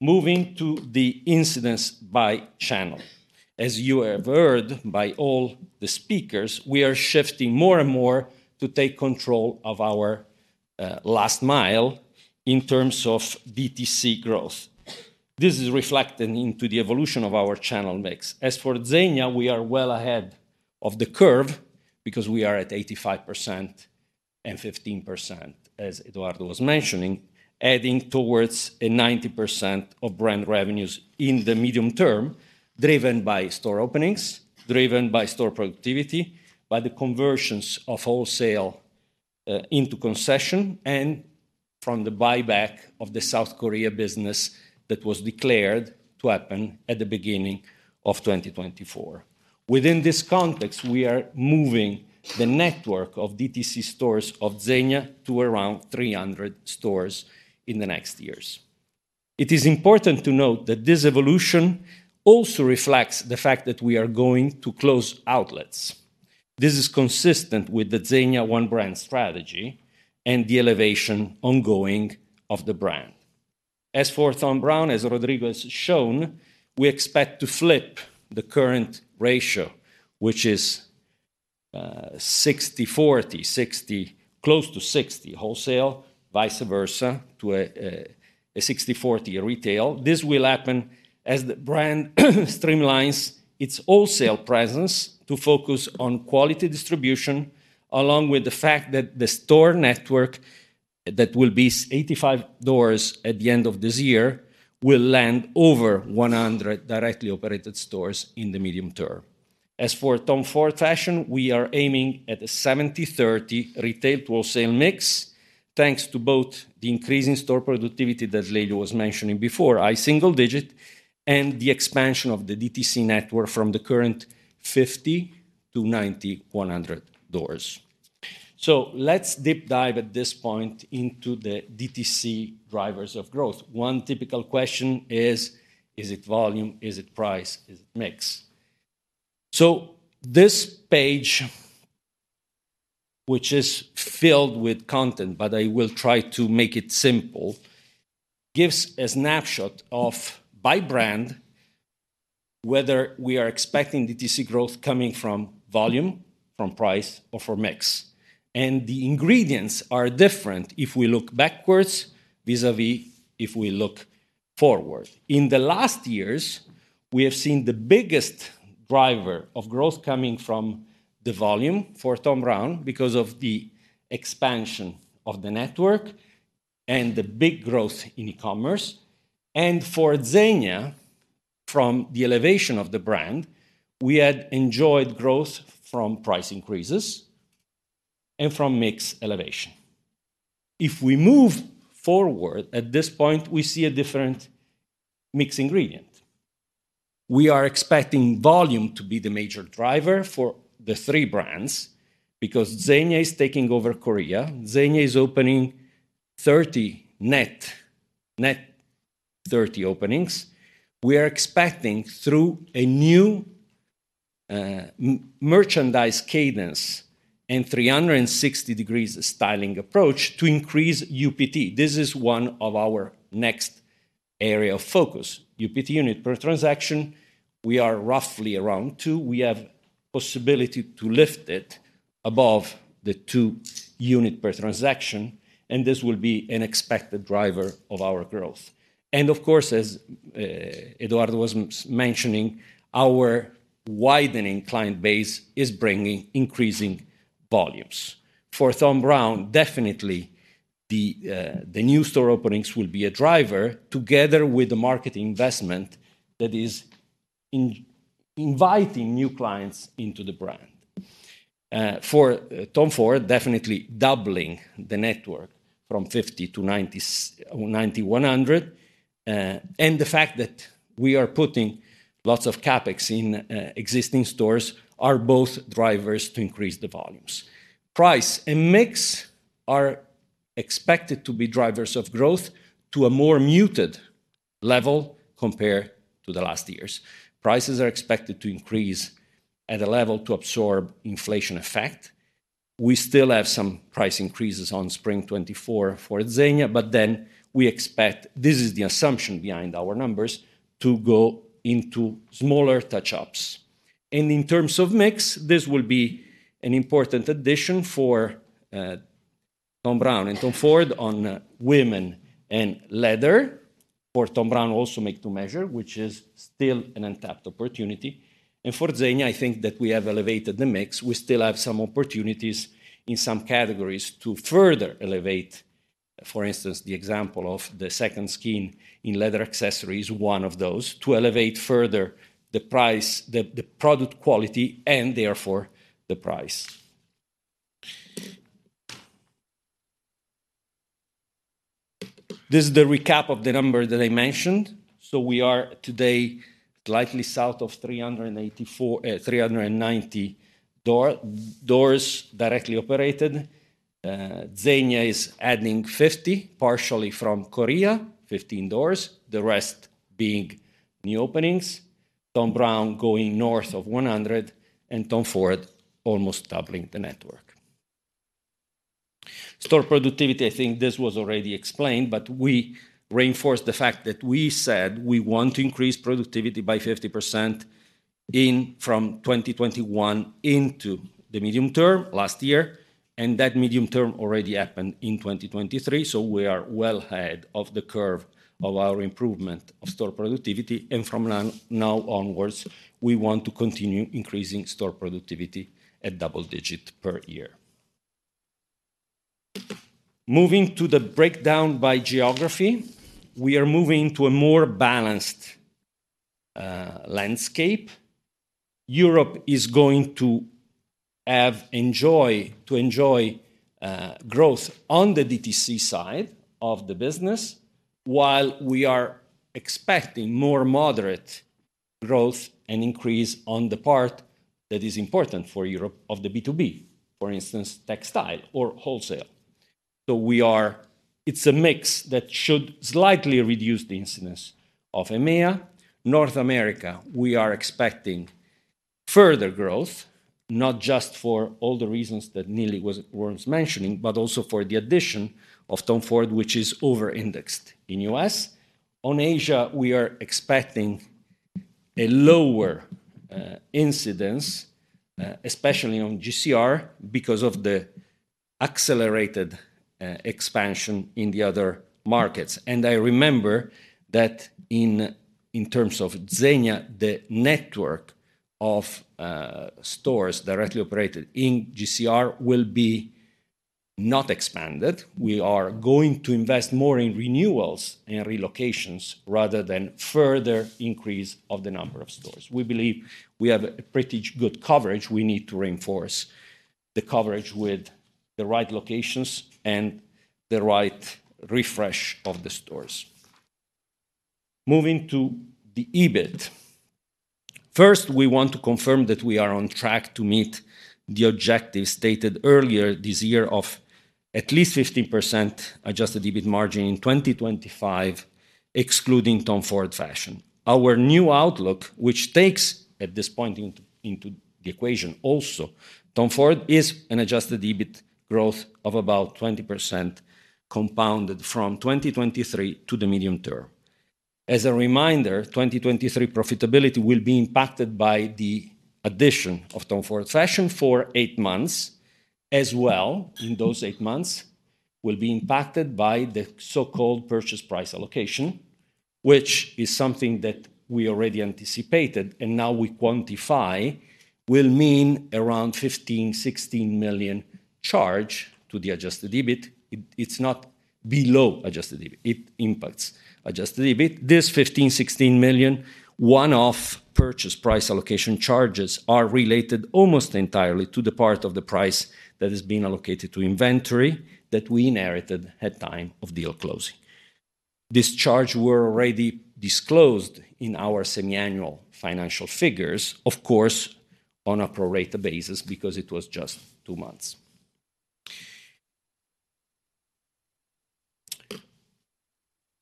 Speaker 10: Moving to the incidence by channel. As you have heard by all the speakers, we are shifting more and more to take control of our last mile in terms of DTC growth. This is reflected into the evolution of our channel mix. As for ZEGNA, we are well ahead of the curve because we are at 85% and 15%, as Edoardo was mentioning, adding towards a 90% of brand revenues in the medium term, driven by store openings, driven by store productivity, by the conversions of wholesale into concession, and from the buyback of the South Korea business that was declared to happen at the beginning of 2024. Within this context, we are moving the network of DTC stores of ZEGNA to around 300 stores in the next years. It is important to note that this evolution also reflects the fact that we are going to close outlets. This is consistent with the ZEGNA One Brand strategy and the elevation ongoing of the brand. As for Thom Browne, as Rodrigo has shown, we expect to flip the current ratio, which is, 60/40, close to 60 wholesale, vice versa, to a 60/40 retail. This will happen as the brand streamlines its wholesale presence to focus on quality distribution, along with the fact that the store network, that will be 85 doors at the end of this year, will land over 100 directly operated stores in the medium term. As for Tom Ford Fashion, we are aiming at a 70/30 retail to wholesale mix, thanks to both the increase in store productivity that Lelio was mentioning before, a single digit, and the expansion of the DTC network from the current 50 to 90, 100 doors. Let's deep dive at this point into the DTC drivers of growth. One typical question is: Is it volume? Is it price? Is it mix? So this page, which is filled with content, but I will try to make it simple, gives a snapshot of, by brand, whether we are expecting the DTC growth coming from volume, from price, or from mix. And the ingredients are different if we look backwards, vis-à-vis if we look forward. In the last years, we have seen the biggest driver of growth coming from the volume for Thom Browne, because of the expansion of the network and the big growth in e-commerce. And for Zegna, from the elevation of the brand, we had enjoyed growth from price increases and from mix elevation. If we move forward, at this point, we see a different mix ingredient. We are expecting volume to be the major driver for the three brands, because Zegna is taking over Korea. Zegna is opening 30 net, net 30 openings. We are expecting, through a new, merchandise cadence and 360-degree styling approach, to increase UPT. This is one of our next area of focus, UPT, unit per transaction. We are roughly around two. We have possibility to lift it above the two unit per transaction, and this will be an expected driver of our growth. And of course, as, Edoardo was mentioning, our widening client base is bringing increasing volumes. For Thom Browne, definitely, the new store openings will be a driver, together with the market investment that is inviting new clients into the brand. For Tom Ford, definitely doubling the network from 50 to 90 or 90, 100, and the fact that we are putting lots of CapEx in, existing stores, are both drivers to increase the volumes. Price and mix are expected to be drivers of growth to a more muted level compared to the last years. Prices are expected to increase at a level to absorb inflation effect. We still have some price increases on spring 2024 for Zegna, but then we expect, this is the assumption behind our numbers, to go into smaller touch-ups. And in terms of mix, this will be an important addition for Thom Browne and Tom Ford on women and leather. For Thom Browne, also Made to Measure, which is still an untapped opportunity. And for Zegna, I think that we have elevated the mix. We still have some opportunities in some categories to further elevate, for instance, the example of the Second Skin in leather accessories, one of those, to elevate further the price, the product quality, and therefore, the price. This is the recap of the number that I mentioned. So we are today, slightly south of 384, 390 doors directly operated. Zegna is adding 50, partially from Korea, 15 doors, the rest being new openings. Thom Browne going north of 100, and Tom Ford almost doubling the network. Store productivity, I think this was already explained, but we reinforce the fact that we said we want to increase productivity by 50% in, from 2021 into the medium term last year, and that medium term already happened in 2023, so we are well ahead of the curve of our improvement of store productivity. And from now, now onwards, we want to continue increasing store productivity at double-digit per year. Moving to the breakdown by geography, we are moving to a more balanced landscape. Europe is going to have to enjoy growth on the DTC side of the business, while we are expecting more moderate growth and increase on the part that is important for Europe of the B2B, for instance, textile or wholesale. So it's a mix that should slightly reduce the incidence of EMEA. North America, we are expecting further growth, not just for all the reasons that Nili was mentioning, but also for the addition of Tom Ford, which is over-indexed in U.S. On Asia, we are expecting a lower incidence, especially on GCR, because of the accelerated expansion in the other markets. And I remember that in terms of Zegna, the network of stores directly operated in GCR will be not expanded. We are going to invest more in renewals and relocations rather than further increase of the number of stores. We believe we have a pretty good coverage. We need to reinforce the coverage with the right locations and the right refresh of the stores. Moving to the EBIT. First, we want to confirm that we are on track to meet the objectives stated earlier this year of at least 15% adjusted EBIT margin in 2025, excluding Tom Ford Fashion. Our new outlook, which takes, at this point into the equation also Tom Ford, is an adjusted EBIT growth of about 20%, compounded from 2023 to the medium term. As a reminder, 2023 profitability will be impacted by the addition of Tom Ford Fashion for 8 months. As well, in those eight months, will be impacted by the so-called purchase price allocation, which is something that we already anticipated and now we quantify, will mean around 15-16 million charge to the adjusted EBIT. It, it's not below adjusted EBIT, it impacts adjusted EBIT. This 15-16 million one-off purchase price allocation charges are related almost entirely to the part of the price that is being allocated to inventory that we inherited at time of deal closing. This charge were already disclosed in our semi-annual financial figures, of course, on a pro rata basis, because it was just two months.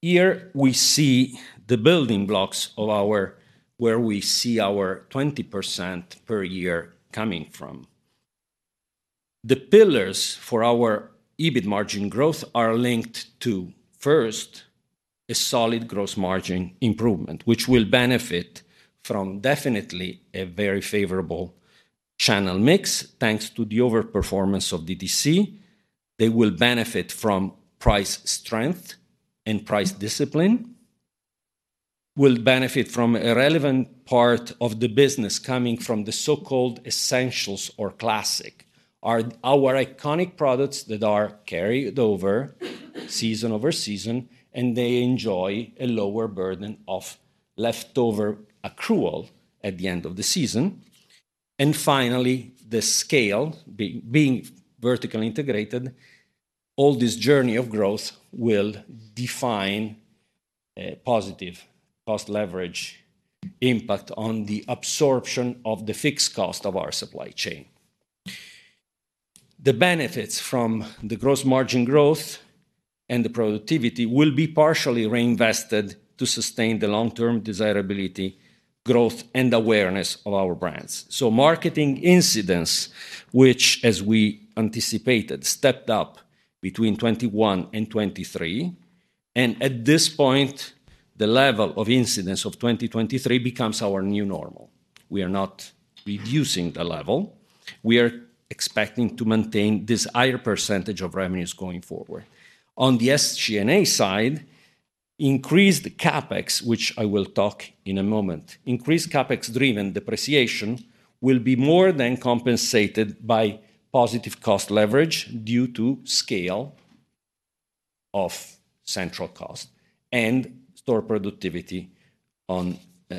Speaker 10: Here, we see the building blocks of our... where we see our 20% per year coming from. The pillars for our EBIT margin growth are linked to, first, a solid gross margin improvement, which will benefit from definitely a very favorable channel mix, thanks to the over-performance of DTC. They will benefit from price strength and price discipline, will benefit from a relevant part of the business coming from the so-called essentials or classic, are our iconic products that are carried over season over season, and they enjoy a lower burden of leftover accrual at the end of the season. And finally, the scale, being vertically integrated, all this journey of growth will define a positive cost leverage impact on the absorption of the fixed cost of our supply chain. The benefits from the gross margin growth and the productivity will be partially reinvested to sustain the long-term desirability, growth, and awareness of our brands. So marketing incidents, which, as we anticipated, stepped up between 2021 and 2023, and at this point, the level of incidence of 2023 becomes our new normal. We are not reducing the level. We are expecting to maintain this higher percentage of revenues going forward. On the SG&A side, increased CapEx, which I will talk in a moment. Increased CapEx-driven depreciation will be more than compensated by positive cost leverage due to scale of central cost and store productivity on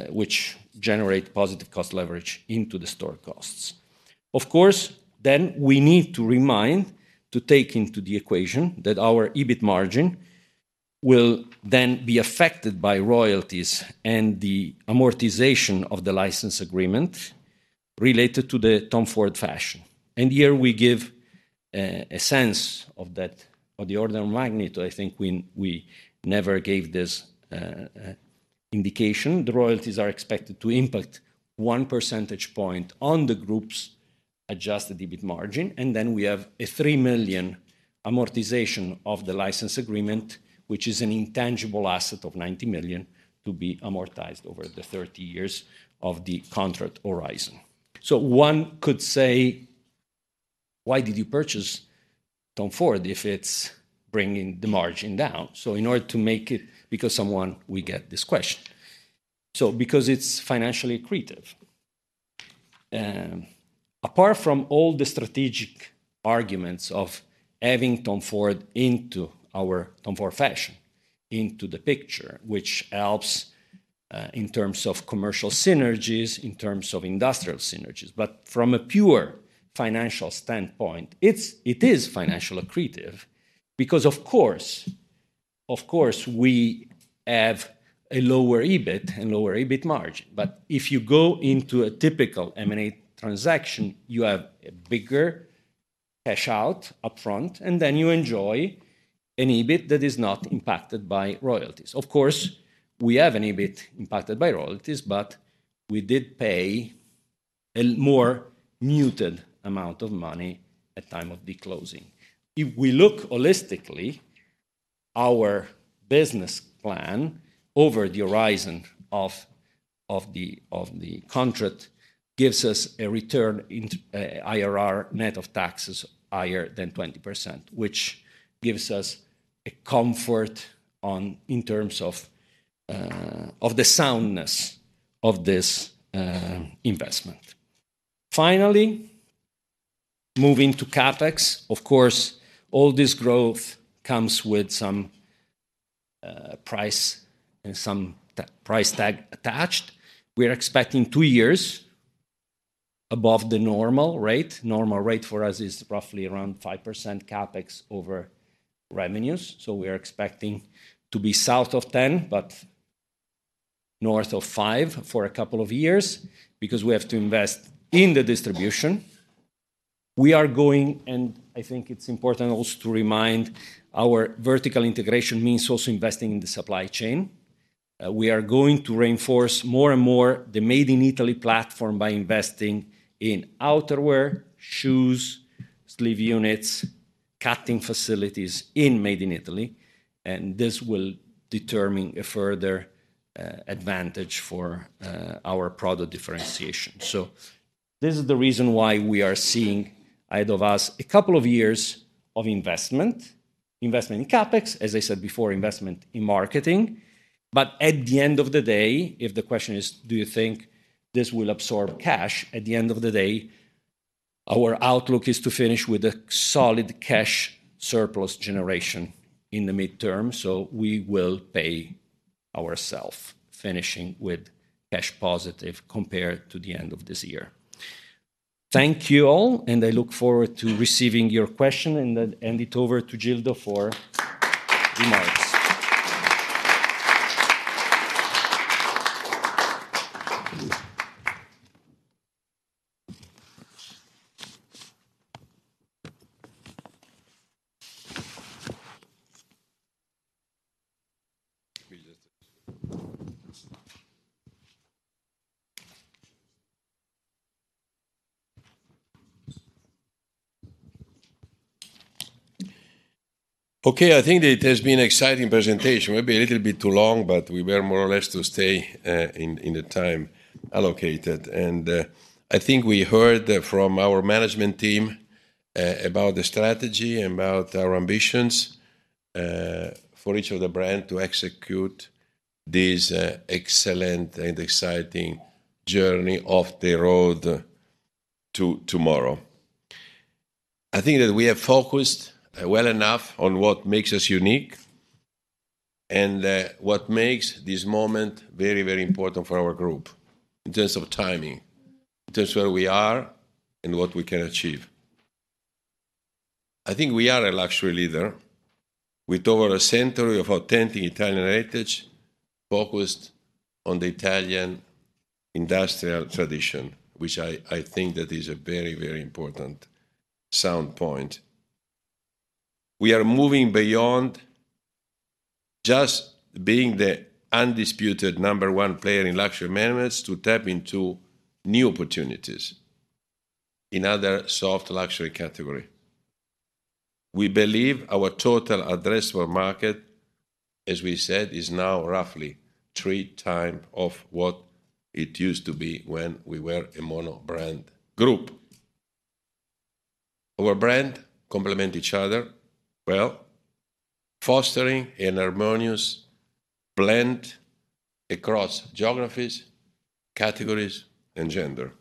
Speaker 10: which generate positive cost leverage into the store costs. Of course, then we need to remind, to take into the equation, that our EBIT margin will then be affected by royalties and the amortization of the license agreement related to the Tom Ford Fashion. And here we give a sense of that, of the order of magnitude. I think we never gave this indication. The royalties are expected to impact one percentage point on the group's adjusted EBIT margin, and then we have a 3 million amortization of the license agreement, which is an intangible asset of 90 million to be amortized over the 30 years of the contract horizon. So one could say, "Why did you purchase Tom Ford if it's bringing the margin down?" So in order to make it, because someone, we get this question. So because it's financially accretive. Apart from all the strategic arguments of having Tom Ford into our Tom Ford fashion into the picture, which helps, in terms of commercial synergies, in terms of industrial synergies. But from a pure financial standpoint, it's, it is financial accretive because, of course, of course, we have a lower EBIT and lower EBIT margin. But if you go into a typical M&A transaction, you have a bigger cash out upfront, and then you enjoy an EBIT that is not impacted by royalties. Of course, we have an EBIT impacted by royalties, but we did pay a more muted amount of money at time of the closing. If we look holistically, our business plan over the horizon of, of the, of the contract gives us a return int- IRR net of taxes higher than 20%, which gives us a comfort on, in terms of, of the soundness of this, investment. Finally, moving to CapEx. Of course, all this growth comes with some price and some ta- price tag attached. We are expecting two years above the normal rate. Normal rate for us is roughly around 5% CapEx over revenues, so we are expecting to be south of 10, but north of 5 for a couple of years because we have to invest in the distribution. We are going, and I think it's important also to remind, our vertical integration means also investing in the supply chain. We are going to reinforce more and more the Made in Italy platform by investing in outerwear, shoes, sleeve units, cutting facilities in Made in Italy, and this will determine a further advantage for our product differentiation. So this is the reason why we are seeing ahead of us a couple of years of investment, investment in CapEx, as I said before, investment in marketing. But at the end of the day, if the question is, do you think this will absorb cash? At the end of the day, our outlook is to finish with a solid cash surplus generation in the midterm, so we will pay ourselves, finishing with cash positive compared to the end of this year. Thank you, all, and I look forward to receiving your question, and then hand it over to Gildo for remarks.
Speaker 2: Okay, I think that it has been an exciting presentation. Maybe a little bit too long, but we were more or less to stay in the time allocated. I think we heard from our management team about the strategy, about our ambitions for each of the brand to execute this excellent and exciting journey off the road to tomorrow. I think that we have focused well enough on what makes us unique and what makes this moment very, very important for our group in terms of timing, in terms where we are and what we can achieve. I think we are a luxury leader with over a century of authentic Italian heritage, focused on the Italian industrial tradition, which I think that is a very, very important sound point. We are moving beyond just being the undisputed number one player in luxury garments to tap into new opportunities in other soft luxury category. We believe our total addressable market, as we said, is now roughly three times of what it used to be when we were a mono-brand group. Our brand complement each other well, fostering a harmonious blend across geographies, categories, and gender.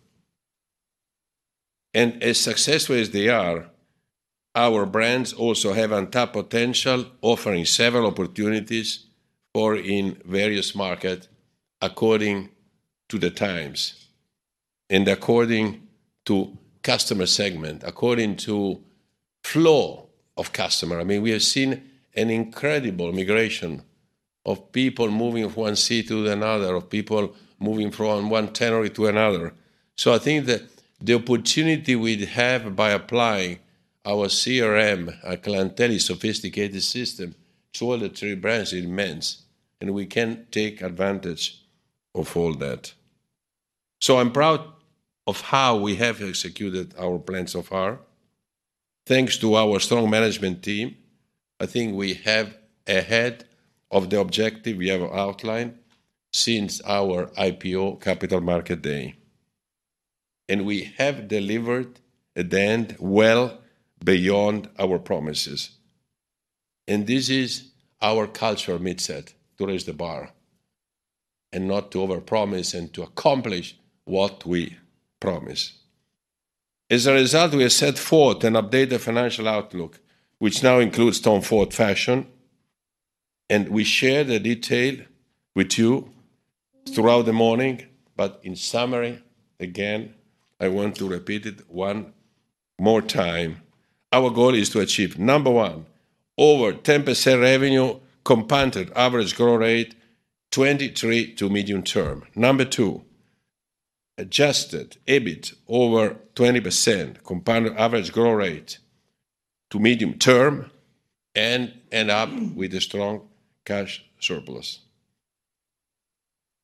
Speaker 2: And as successful as they are, our brands also have untapped potential, offering several opportunities for in various market, according to the times and according to customer segment, according to flow of customer. I mean, we have seen an incredible migration of people moving from one city to another, of people moving from one territory to another. So I think that the opportunity we'd have by applying our CRM, our clientele sophisticated system to all three brands is immense, and we can take advantage of all that. So I'm proud of how we have executed our plan so far. Thanks to our strong management team, I think we're ahead of the objectives we have outlined since our IPO Capital Markets Day, and we have delivered, in the end, well beyond our promises. And this is our culture mindset, to raise the bar... and not to overpromise and to accomplish what we promise. As a result, we have set forth an updated financial outlook, which now includes Tom Ford Fashion, and we share the details with you throughout the morning. But in summary, again, I want to repeat it one more time. Our goal is to achieve, number one, over 10% revenue compounded average growth rate, 2023 to medium term. Number two, adjusted EBIT over 20% compounded average growth rate to medium term, and end up with a strong cash surplus.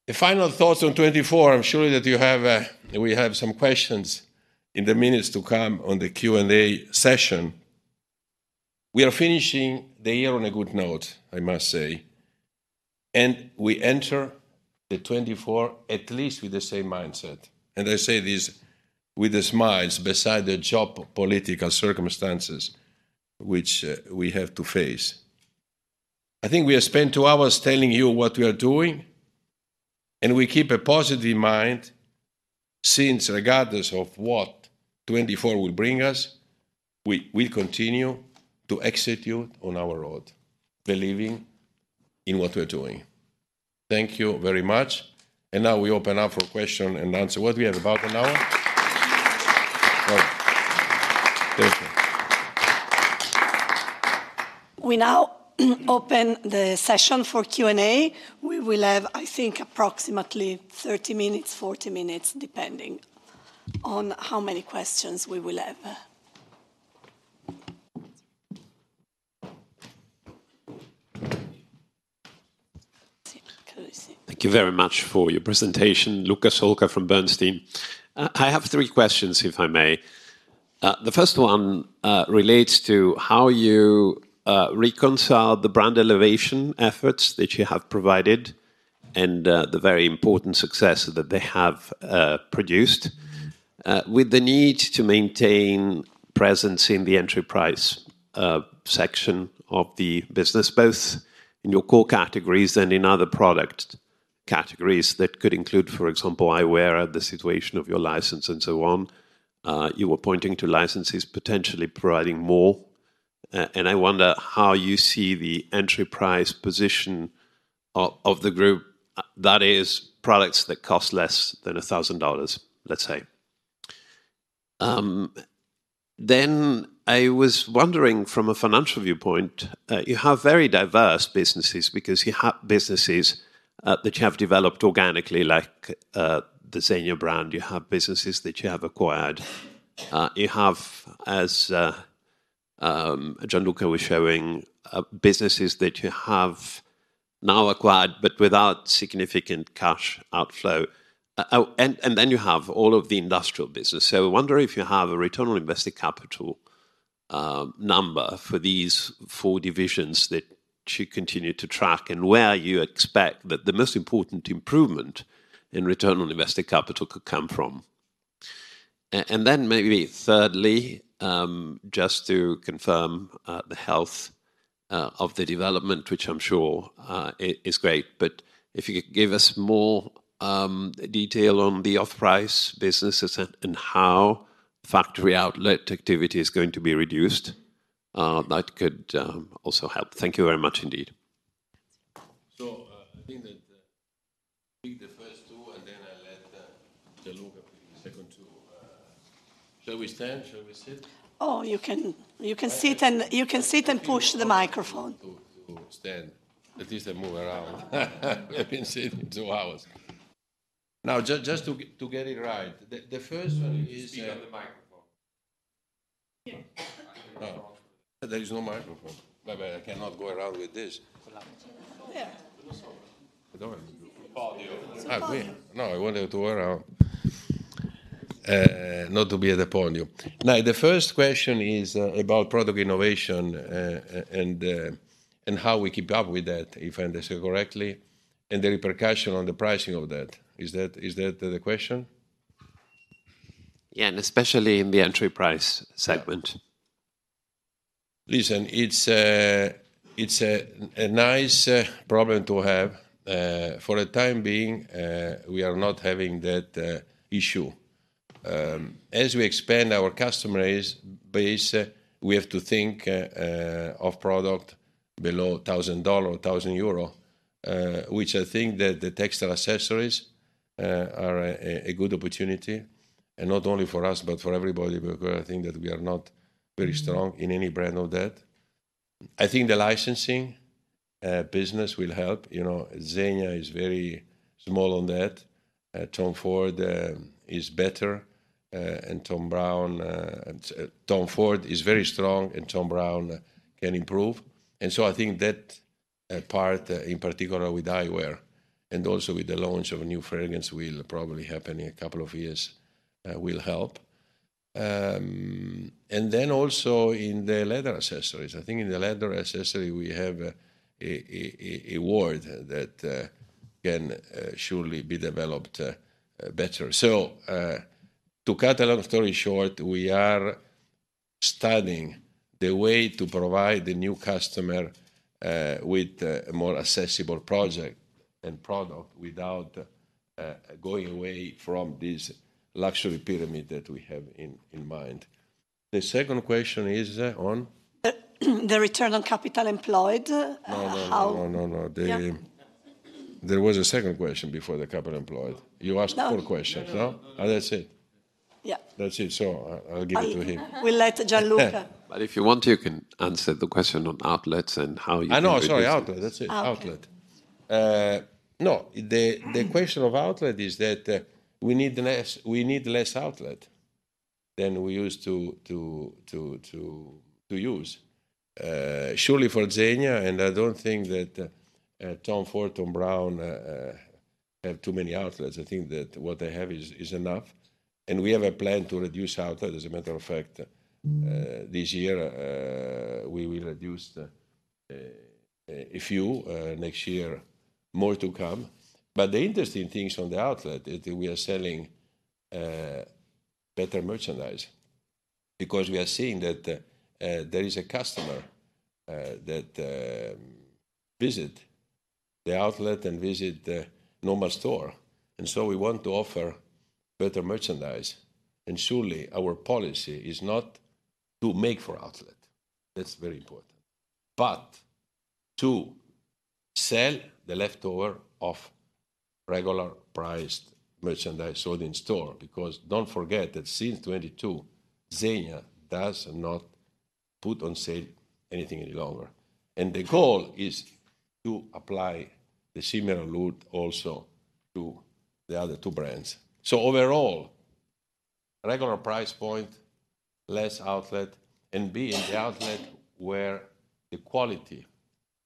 Speaker 2: The final thoughts on 2024, I'm sure that you have, we have some questions in the minutes to come on the Q&A session. We are finishing the year on a good note, I must say, and we enter the 2024 at least with the same mindset, and I say this with a smile, beside the geopolitical circumstances which we have to face. I think we have spent two hours telling you what we are doing, and we keep a positive mind since regardless of what 2024 will bring us, we, we continue to execute on our road, believing in what we're doing. Thank you very much, and now we open up for question and answer. What we have, about an hour? Thank you.
Speaker 11: We now open the session for Q&A. We will have, I think, approximately 30 minutes, 40 minutes, depending on how many questions we will have.
Speaker 12: Thank you very much for your presentation. Luca Solca from Bernstein. I have three questions, if I may. The first one relates to how you reconcile the brand elevation efforts that you have provided and the very important success that they have produced with the need to maintain presence in the enterprise section of the business, both in your core categories and in other product categories. That could include, for example, eyewear, the situation of your license and so on. You were pointing to licenses potentially providing more, and I wonder how you see the enterprise position of the group. That is, products that cost less than $1,000, let's say. Then I was wondering, from a financial viewpoint, you have very diverse businesses because you have businesses that you have developed organically, like, the Zegna brand. You have businesses that you have acquired. You have, as, Gianluca was showing, businesses that you have now acquired but without significant cash outflow. And then you have all of the industrial business. So I wonder if you have a return on invested capital number for these four divisions that you continue to track, and where you expect that the most important improvement in return on invested capital could come from. And then maybe thirdly, just to confirm the health of the development, which I'm sure is great, but if you could give us more detail on the off-price businesses and how factory outlet activity is going to be reduced, that could also help. Thank you very much indeed.
Speaker 2: So, I think that, take the first two, and then I'll let, Gianluca the second two... Shall we stand? Shall we sit?
Speaker 11: Oh, you can, you can sit and—
Speaker 2: Uh-
Speaker 11: You can sit and push the microphone.
Speaker 2: To stand, at least. I move around. We've been sitting two hours. Now, just to get it right, the first one is.
Speaker 8: Speak on the microphone.
Speaker 7: Oh, there is no microphone. But well, I cannot go around with this.
Speaker 11: There.
Speaker 8: The podium.
Speaker 2: Ah, oui. No, I wanted to walk around, not to be at the podium. Now, the first question is about product innovation and how we keep up with that, if I understand correctly, and the repercussion on the pricing of that. Is that, is that the question?
Speaker 12: Yeah, and especially in the entry price segment.
Speaker 2: Listen, it's a nice problem to have. For the time being, we are not having that issue. As we expand our customer base, we have to think of product below $1,000, €1,000, which I think that the textile accessories are a good opportunity and not only for us, but for everybody, because I think that we are not very strong in any brand of that. I think the licensing business will help. You know, Zegna is very small on that. Tom Ford is better, and Thom Browne... Tom Ford is very strong, and Thom Browne can improve. So I think that part in particular with eyewear and also with the launch of a new fragrance will probably happen in a couple of years will help. And then also in the leather accessories, I think in the leather accessory, we have a word that can surely be developed better. So to cut a long story short, we are studying the way to provide the new customer with a more accessible project and product without going away from this luxury pyramid that we have in mind. The second question is on?
Speaker 6: The return on capital employed, how-
Speaker 2: No, no, no, no, no.
Speaker 6: Yeah.
Speaker 2: There was a second question before the capital employed.
Speaker 6: No.
Speaker 2: You asked four questions. No? Oh, that's it.
Speaker 6: Yeah.
Speaker 2: That's it, so I'll give it to him.
Speaker 6: We'll let Gianluca.
Speaker 10: But if you want, you can answer the question on outlets and how you-
Speaker 2: I know, sorry, outlet. That's it.
Speaker 6: Outlet
Speaker 2: ...outlet. No, the question of outlet is that we need less outlet than we used to use. Surely for Zegna, and I don't think that Tom Ford, Thom Browne have too many outlets. I think that what they have is enough, and we have a plan to reduce outlet. As a matter of fact-
Speaker 10: Mm...
Speaker 2: this year, we will reduce a few, next year, more to come. But the interesting things on the outlet is that we are selling better merchandise, because we are seeing that there is a customer that visit the outlet and visit the normal store, and so we want to offer better merchandise. And surely, our policy is not to make for outlet. That's very important. But to sell the leftover of regular-priced merchandise sold in store, because don't forget that since 2022, Zegna does not put on sale anything any longer. And the goal is to apply the similar route also to the other two brands. So overall, regular price point, less outlet, and be in the outlet where the quality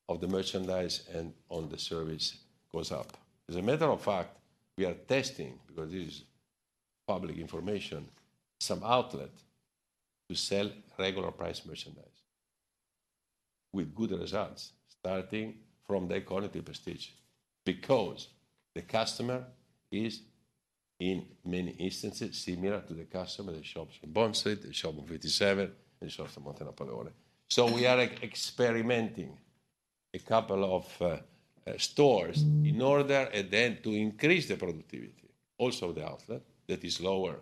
Speaker 2: of the merchandise and on the service goes up. As a matter of fact, we are testing, because this is public information, some outlet to sell regular price merchandise, with good results, starting from the quality of prestige. Because the customer is, in many instances, similar to the customer that shops in Bond Street, that shops in 57, and shops in Montenapoleone. So we are experimenting a couple of stores-
Speaker 10: Mm...
Speaker 2: in order, and then to increase the productivity, also the outlet, that is lower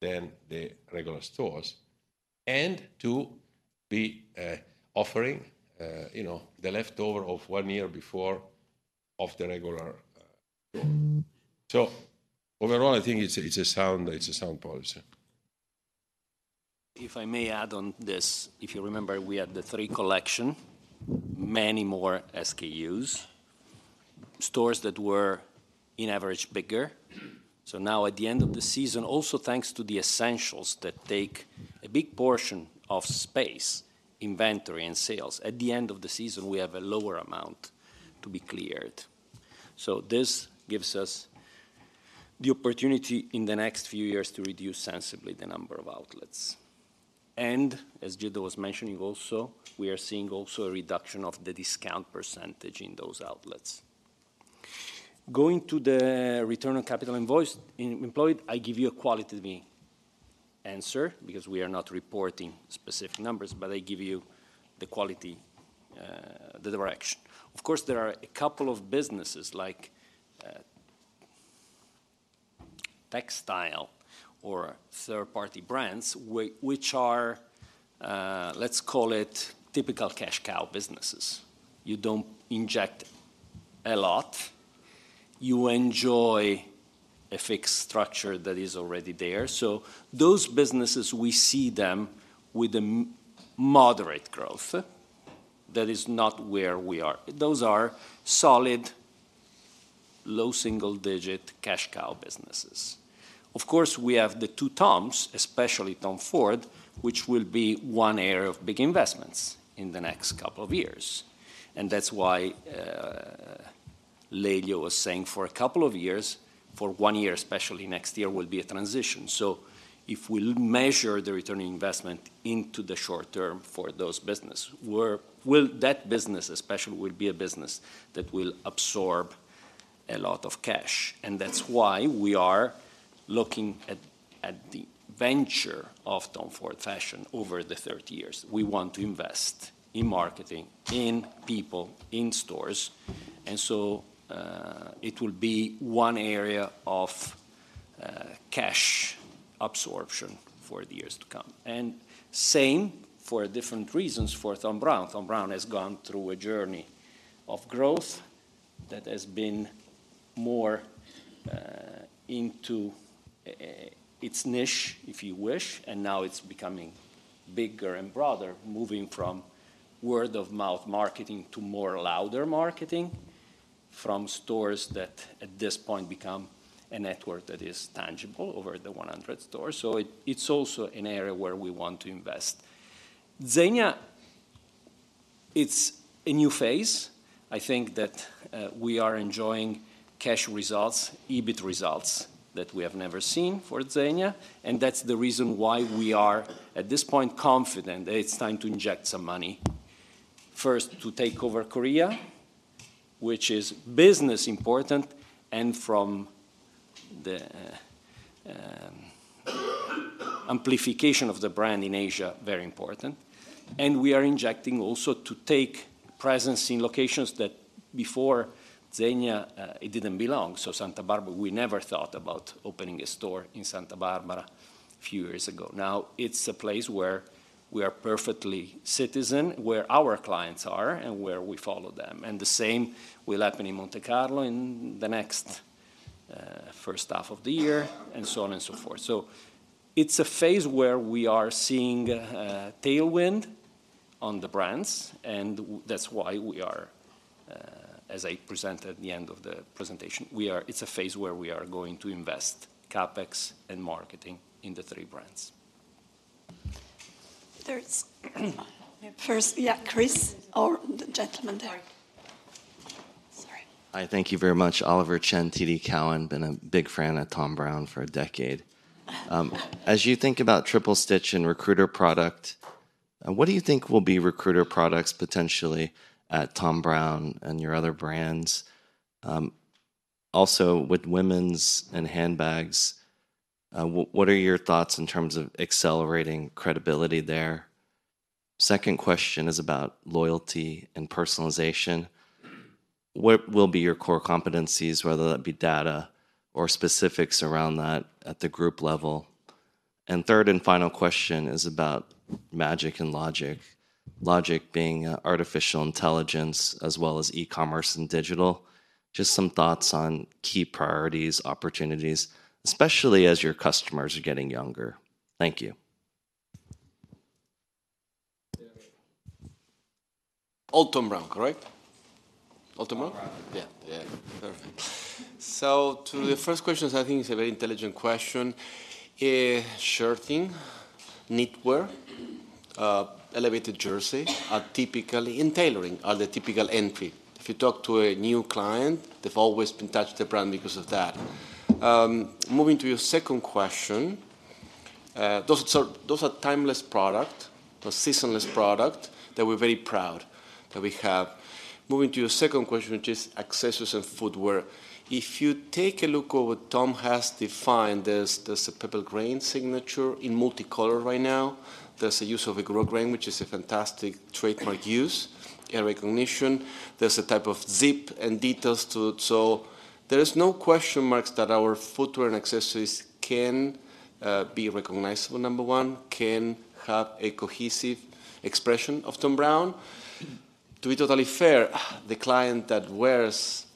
Speaker 2: than the regular stores, and to be offering, you know, the leftover of one year before of the regular.
Speaker 10: Mm.
Speaker 2: So overall, I think it's a sound policy.
Speaker 10: If I may add on this, if you remember, we had the three collection, many more SKUs, stores that were on average bigger. So now, at the end of the season, also thanks to the essentials that take a big portion of space, inventory, and sales, at the end of the season, we have a lower amount to be cleared. So this gives us the opportunity in the next few years to reduce sensibly the number of outlets. And as Gildo was mentioning also, we are seeing also a reduction of the discount percentage in those outlets. Going to the return on capital employed, I give you a qualitative answer, because we are not reporting specific numbers, but I give you the quality, the direction. Of course, there are a couple of businesses like, textile or third-party brands, which are, let's call it, typical cash cow businesses. You don't inject a lot. You enjoy a fixed structure that is already there. So those businesses, we see them with a moderate growth. That is not where we are. Those are solid, low single-digit cash cow businesses. Of course, we have the two Toms, especially Tom Ford, which will be one area of big investments in the next couple of years. And that's why, Leo was saying, for a couple of years, for one year, especially next year, will be a transition. So if we measure the return on investment into the short term for those business, will. That business especially, will be a business that will absorb a lot of cash. And that's why we are looking at, at the venture of Tom Ford Fashion over the 30 years. We want to invest in marketing, in people, in stores, and so, it will be one area of, cash absorption for the years to come. And same, for different reasons, for Thom Browne. Thom Browne has gone through a journey of growth that has been more, into, its niche, if you wish, and now it's becoming bigger and broader, moving from word-of-mouth marketing to more louder marketing, from stores that, at this point, become a network that is tangible over the 100 stores. So it, it's also an area where we want to invest. Zegna, it's a new phase. I think that we are enjoying cash results, EBIT results, that we have never seen for Zegna, and that's the reason why we are, at this point, confident that it's time to inject some money. First, to take over Korea, which is business important, and from-... the amplification of the brand in Asia, very important. And we are injecting also to take presence in locations that before Zegna it didn't belong. So Santa Barbara, we never thought about opening a store in Santa Barbara a few years ago. Now, it's a place where we are perfectly citizen, where our clients are, and where we follow them. And the same will happen in Monte Carlo in the next first half of the year, and so on and so forth. So it's a phase where we are seeing tailwind on the brands, and that's why we are, as I presented at the end of the presentation, we are. It's a phase where we are going to invest CapEx and marketing in the three brands.
Speaker 6: First, yeah, Chris, or the gentleman there. Sorry.
Speaker 3: Hi, thank you very much. Oliver Chen, TD Cowen. Been a big fan of Thom Browne for a decade. As you think about Triple Stitch and recruiter product, what do you think will be recruiter products potentially at Thom Browne and your other brands? Also, with women's and handbags, what, what are your thoughts in terms of accelerating credibility there? Second question is about loyalty and personalization. What will be your core competencies, whether that be data or specifics around that at the group level? And third and final question is about magic and logic. Logic being, artificial intelligence, as well as e-commerce and digital. Just some thoughts on key priorities, opportunities, especially as your customers are getting younger. Thank you.
Speaker 5: All Thom Browne, correct? All Thom Browne.
Speaker 3: Tom Brown.
Speaker 5: Yeah. Yeah, perfect. So to the first question, I think it's a very intelligent question. Shirting, knitwear, elevated jersey are typically, and tailoring, are the typical entry. If you talk to a new client, they've always been touched the brand because of that. Moving to your second question, those are, those are timeless product, the seasonless product, that we're very proud that we have. Moving to your second question, which is accessories and footwear. If you take a look at what Tom has defined, there's, there's a pebble grain signature in multicolor right now. There's a use of a grosgrain, which is a fantastic trademark use and recognition. There's a type of zip and details to it. So there is no question marks that our footwear and accessories can be recognizable, number one, can have a cohesive expression of Thom Browne. To be totally fair, the client that wears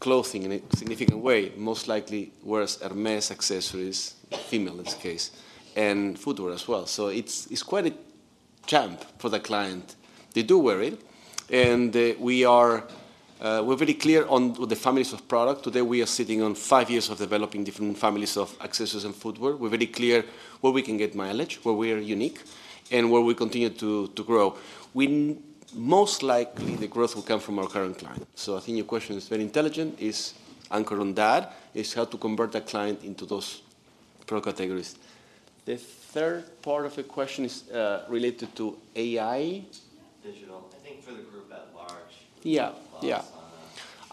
Speaker 5: clothing in a significant way, most likely wears Hermès accessories, female, in this case, and footwear as well. So it's, it's quite a champ for the client. They do wear it, and, we are, we're very clear on the families of product. Today, we are sitting on five years of developing different families of accessories and footwear. We're very clear where we can get mileage, where we are unique, and where we continue to, to grow. Most likely, the growth will come from our current client. So I think your question is very intelligent, is anchored on that, is how to convert the client into those product categories. The third part of the question is, related to AI?
Speaker 3: Digital. I think for the group at large-
Speaker 5: Yeah, yeah ...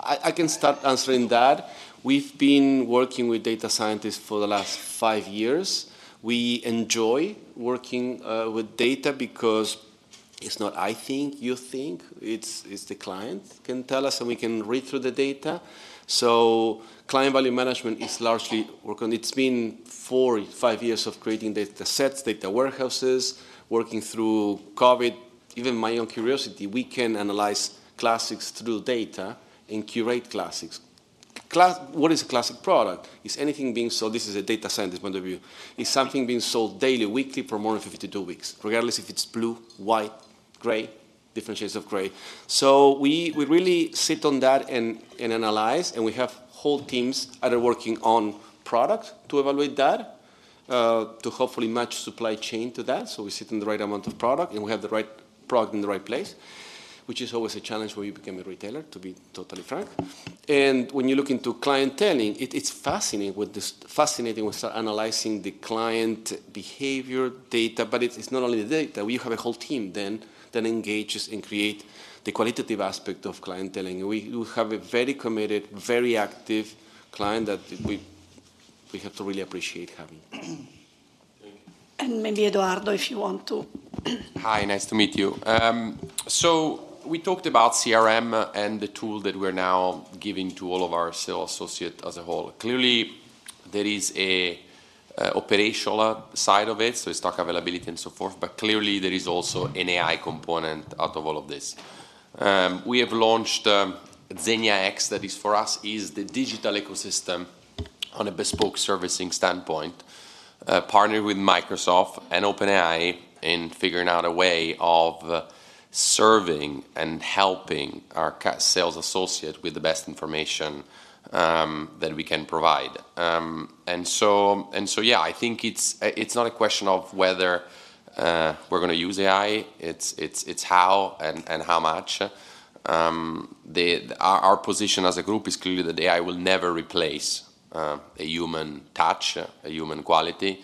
Speaker 3: uh.
Speaker 5: I can start answering that. We've been working with data scientists for the last 5 years. We enjoy working with data because it's not, I think you think, it's the client can tell us, and we can read through the data. So client value management is largely work on... It's been 4, 5 years of creating data sets, data warehouses, working through COVID, even my own curiosity. We can analyze classics through data and curate classics. Class- what is a classic product? It's anything being sold... This is a data scientist point of view. It's something being sold daily, weekly, for more than 52 weeks, regardless if it's blue, white, gray, different shades of gray. So we really sit on that and analyze, and we have whole teams that are working on product to evaluate that to hopefully match supply chain to that. So we sit in the right amount of product, and we have the right product in the right place, which is always a challenge when you become a retailer, to be totally frank. When you look into clienteling, it's fascinating with analyzing the client behavior data, but it's not only the data. We have a whole team then that engages and create the qualitative aspect of clienteling. We have a very committed, very active client that we have to really appreciate having.
Speaker 6: Maybe Edoardo, if you want to.
Speaker 13: Hi, nice to meet you. So we talked about CRM and the tool that we're now giving to all of our sales associate as a whole. Clearly, there is a operational side of it, so stock availability and so forth, but clearly, there is also an AI component out of all of this. We have launched Zegna X, that is, for us, is the digital ecosystem on a bespoke servicing standpoint, partnered with Microsoft and OpenAI in figuring out a way of serving and helping our sales associate with the best information that we can provide. And so, and so yeah, I think it's not a question of whether we're going to use AI, it's how and how much. Our position as a group is clearly that AI will never replace a human touch, a human quality.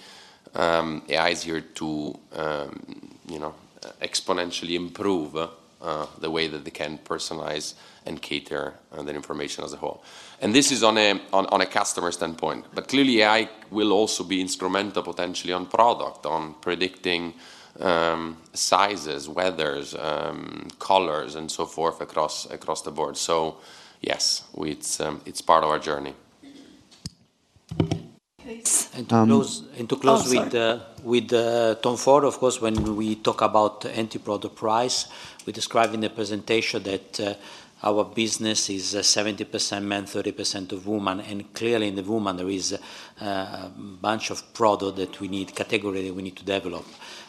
Speaker 13: AI is here to, you know, exponentially improve the way that they can personalize and cater the information as a whole. And this is on a customer standpoint. But clearly, AI will also be instrumental potentially on product, on predicting sizes, weather, colors, and so forth, across the board. So yes, it's part of our journey.
Speaker 6: Please.
Speaker 4: And to close-
Speaker 6: Oh, sorry.
Speaker 4: To close with Tom Ford, of course, when we talk about entry product price, we described in the presentation that our business is 70% men, 30% women. Clearly, in the woman, there is a bunch of product that we need category that we need to develop.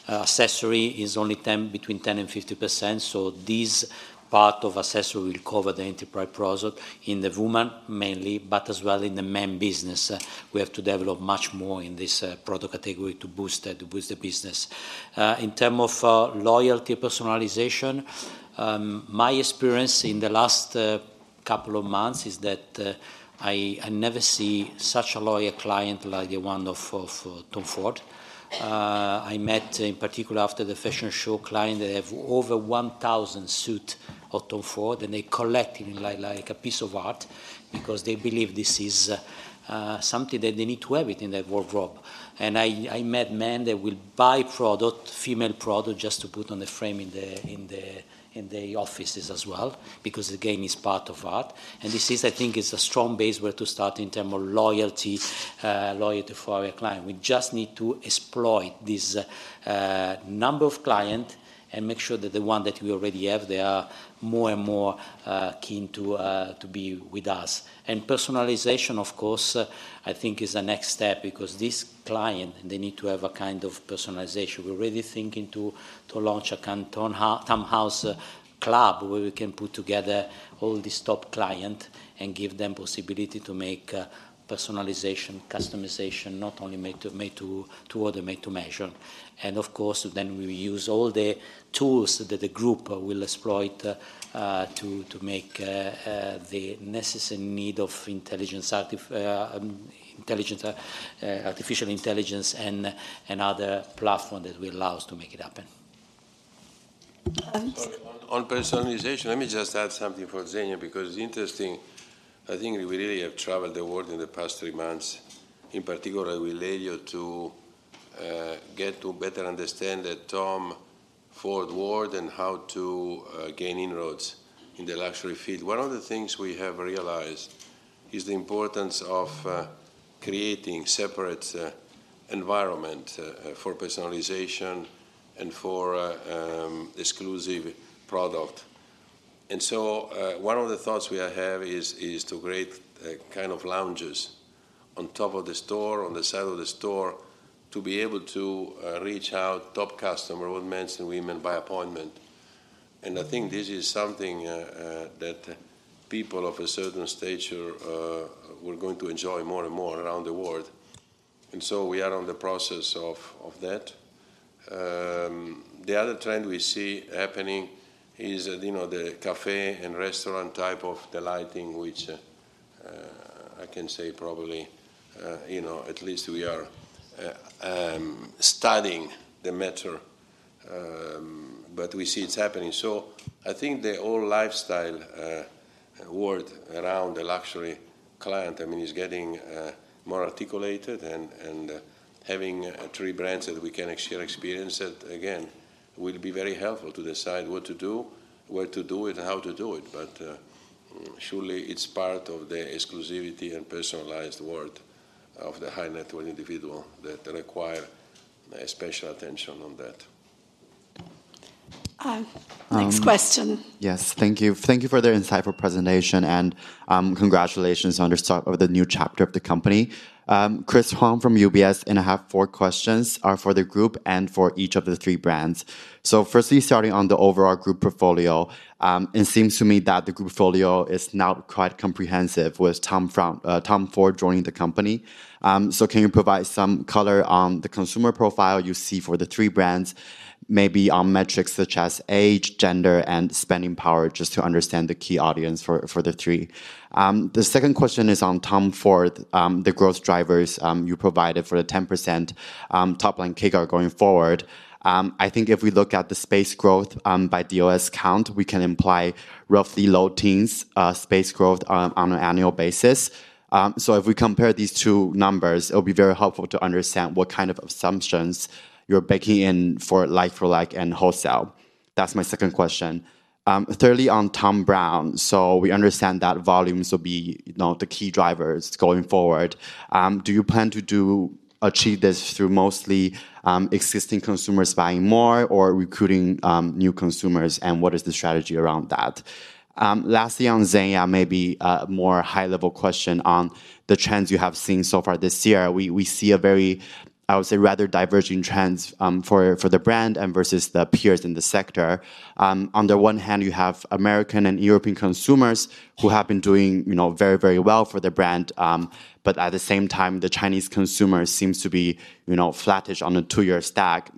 Speaker 4: Accessory is only 10, between 10% and 50%, so this part of accessory will cover the entry price product in the woman mainly, but as well in the men business. We have to develop much more in this product category to boost the business. In terms of loyalty, personalization, my experience in the last couple of months is that I never see such a loyal client like the one of Tom Ford. I met, in particular, after the fashion show, clients that have over 1,000 suits of Tom Ford, and they collect it like, like a piece of art because they believe this is something that they need to have it in their wardrobe. And I, I met men that will buy product, female product, just to put on a frame in their offices as well, because, again, it's part of art. And this is, I think, is a strong base where to start in terms of loyalty, loyalty for our clients. We just need to exploit this number of clients and make sure that the ones that we already have, they are more and more keen to be with us. Personalization, of course, I think is the next step because this client, they need to have a kind of personalization. We're really thinking to launch a Tom House club, where we can put together all these top client and give them possibility to make personalization, customization, not only made to order, made to measure. And of course, then we use all the tools that the group will exploit to make the necessary need of intelligence, active intelligence, artificial intelligence and other platform that will allow us to make it happen.
Speaker 6: Um-
Speaker 2: On personalization, let me just add something for Zegna, because it's interesting. I think we really have traveled the world in the past three months, in particular, with Aurelio to get to better understand the Tom Ford world and how to gain inroads in the luxury field. One of the things we have realized is the importance of creating separate environment for personalization and for exclusive product. And so, one of the thoughts we have is to create kind of lounges on top of the store, on the side of the store, to be able to reach our top customer, with men and women, by appointment. And I think this is something that people of a certain stature were going to enjoy more and more around the world. We are on the process of that. The other trend we see happening is, you know, the cafe and restaurant type of the lighting, which I can say probably, you know, at least we are studying the matter, but we see it's happening. So I think the whole lifestyle world around the luxury client, I mean, is getting more articulated and having three brands that we can actually experience it, again, will be very helpful to decide what to do, where to do it, and how to do it. But surely, it's part of the exclusivity and personalized world of the high-net-worth individual that require special attention on that.
Speaker 6: Next question.
Speaker 14: Yes, thank you. Thank you for the insightful presentation, and congratulations on the start of the new chapter of the company. Chris Huang from UBS, and I have four questions for the group and for each of the three brands. So firstly, starting on the overall group portfolio, it seems to me that the group portfolio is now quite comprehensive with Tom Ford joining the company. So can you provide some color on the consumer profile you see for the three brands, maybe on metrics such as age, gender, and spending power, just to understand the key audience for the three? The second question is on Tom Ford, the growth drivers you provided for the 10% top-line CAGR going forward. I think if we look at the space growth by DOS count, we can imply roughly low teens space growth on an annual basis. So if we compare these two numbers, it will be very helpful to understand what kind of assumptions you're baking in for like for like and wholesale. That's my second question. Thirdly, on Thom Browne, so we understand that volumes will be, you know, the key drivers going forward. Do you plan to achieve this through mostly existing consumers buying more or recruiting new consumers, and what is the strategy around that? Lastly, on Zegna, maybe a more high-level question on the trends you have seen so far this year. We see a very, I would say, rather diverging trends for the brand and versus the peers in the sector. On the one hand, you have American and European consumers who have been doing, you know, very, very well for the brand, but at the same time, the Chinese consumers seems to be, you know, flattish on a two-year stack,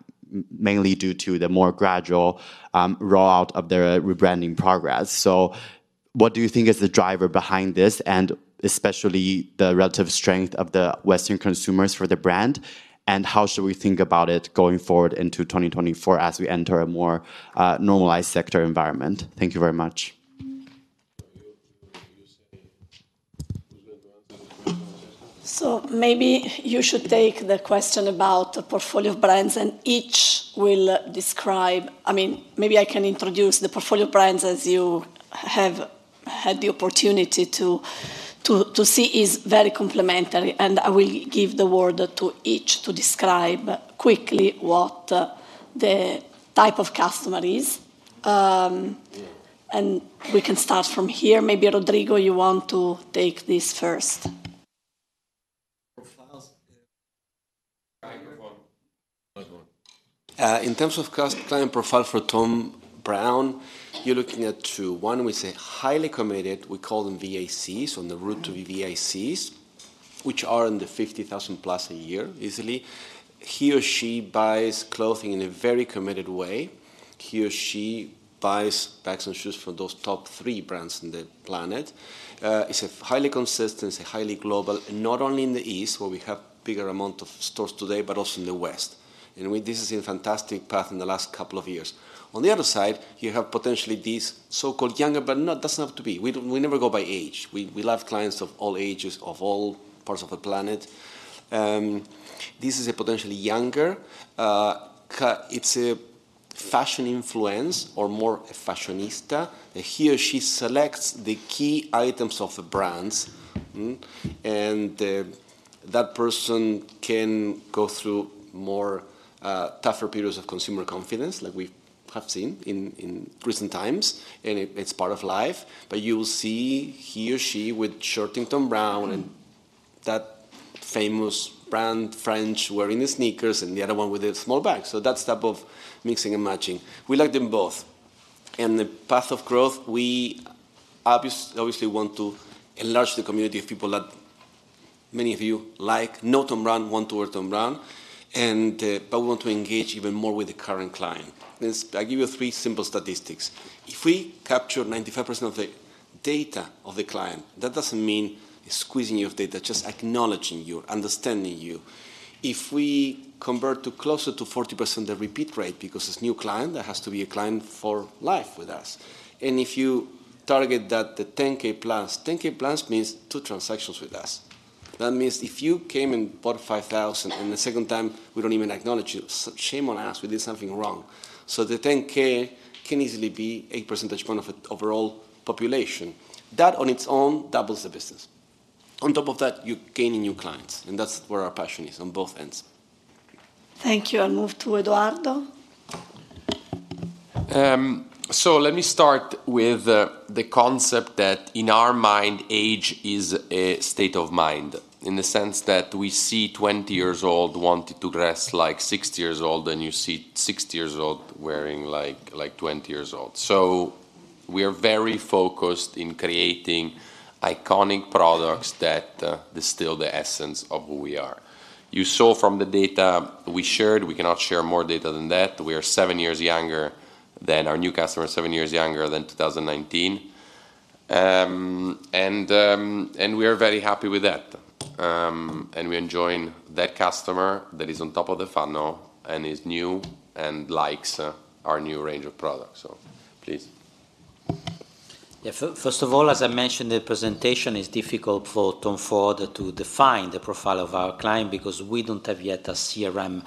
Speaker 14: mainly due to the more gradual roll out of their rebranding progress. So- ...What do you think is the driver behind this, and especially the relative strength of the Western consumers for the brand, and how should we think about it going forward into 2024 as we enter a more, normalized sector environment? Thank you very much.
Speaker 1: So maybe you should take the question about the portfolio of brands, and each will describe—I mean, maybe I can introduce the portfolio brands as you have had the opportunity to see is very complementary, and I will give the word to each to describe quickly what the type of customer is. And we can start from here. Maybe, Rodrigo, you want to take this first?
Speaker 5: Profiles. In terms of client profile for Thom Browne, you're looking at two. One, we say, highly committed. We call them VACs, on the route to VICs, which are in the 50,000+ a year, easily. He or she buys clothing in a very committed way. He or she buys bags and shoes from those top three brands on the planet. It's a highly consistent, it's a highly global, not only in the East, where we have bigger amount of stores today, but also in the West. And this is a fantastic path in the last couple of years. On the other side, you have potentially these so-called younger, but not, doesn't have to be. We never go by age. We love clients of all ages, of all parts of the planet. This is a potentially younger, it's a fashion influencer or more a fashionista. He or she selects the key items of the brands, and that person can go through more, tougher periods of consumer confidence like we have seen in recent times, and it, it's part of life. But you will see he or she with sporting Thom Browne and that famous brand, French, wearing the sneakers and the other one with a small bag. So that's the type of mixing and matching. We like them both. And the path of growth, we obviously want to enlarge the community of people that many of you like, know Thom Browne, want to wear Thom Browne, and, but we want to engage even more with the current client. I give you three simple statistics. If we capture 95% of the data of the client, that doesn't mean squeezing you of data, just acknowledging you, understanding you. If we convert to closer to 40% the repeat rate, because it's new client, that has to be a client for life with us. If you target that, the 10,000 plus, 10,000 plus means two transactions with us. That means if you came and bought 5,000, and the second time, we don't even acknowledge you, shame on us, we did something wrong. The 10,000 can easily be a percentage point of the overall population. That on its own doubles the business. On top of that, you're gaining new clients, and that's where our passion is, on both ends.
Speaker 1: Thank you. I'll move to Edoardo.
Speaker 13: So let me start with the concept that in our mind, age is a state of mind, in the sense that we see 20 years old wanting to dress like 60 years old, and you see 60 years old wearing like, like 20 years old. So we are very focused in creating iconic products that distill the essence of who we are. You saw from the data we shared, we cannot share more data than that. We are seven years younger than our new customer is seven years younger than 2019. We are very happy with that. We're enjoying that customer that is on top of the funnel and is new and likes our new range of products. So please.
Speaker 4: Yeah, first of all, as I mentioned, the presentation is difficult for Tom Ford to define the profile of our client because we don't have yet a CRM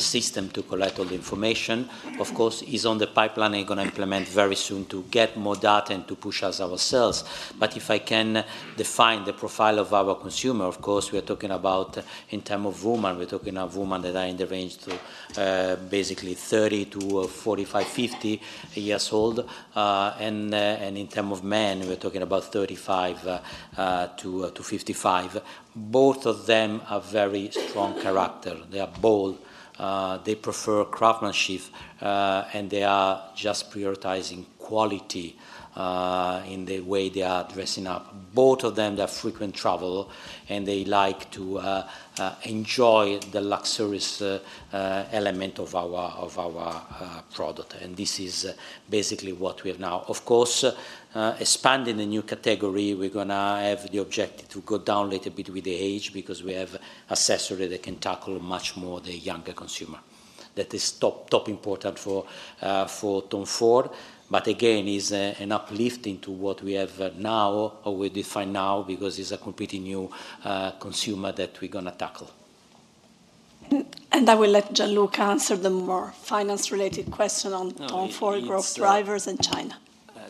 Speaker 4: system to collect all the information. Of course, it's on the pipeline and going to implement very soon to get more data and to push ourselves. But if I can define the profile of our consumer, of course, we are talking about in term of woman, we're talking of woman that are in the range to basically 30 to 45, 50 years old. And in term of men, we're talking about 35 to 55. Both of them are very strong character. They are bold, they prefer craftsmanship, and they are just prioritizing quality in the way they are dressing up. Both of them, they are frequent travel, and they like to enjoy the luxurious element of our, of our product. This is basically what we have now. Of course, expanding the new category, we're gonna have the objective to go down a little bit with the age because we have accessory that can tackle much more the younger consumer. That is top, top important for Tom Ford, but again, is an uplifting to what we have now or we define now because it's a completely new consumer that we're gonna tackle.
Speaker 1: I will let Gianluca answer the more finance-related question on Tom Ford growth drivers in China.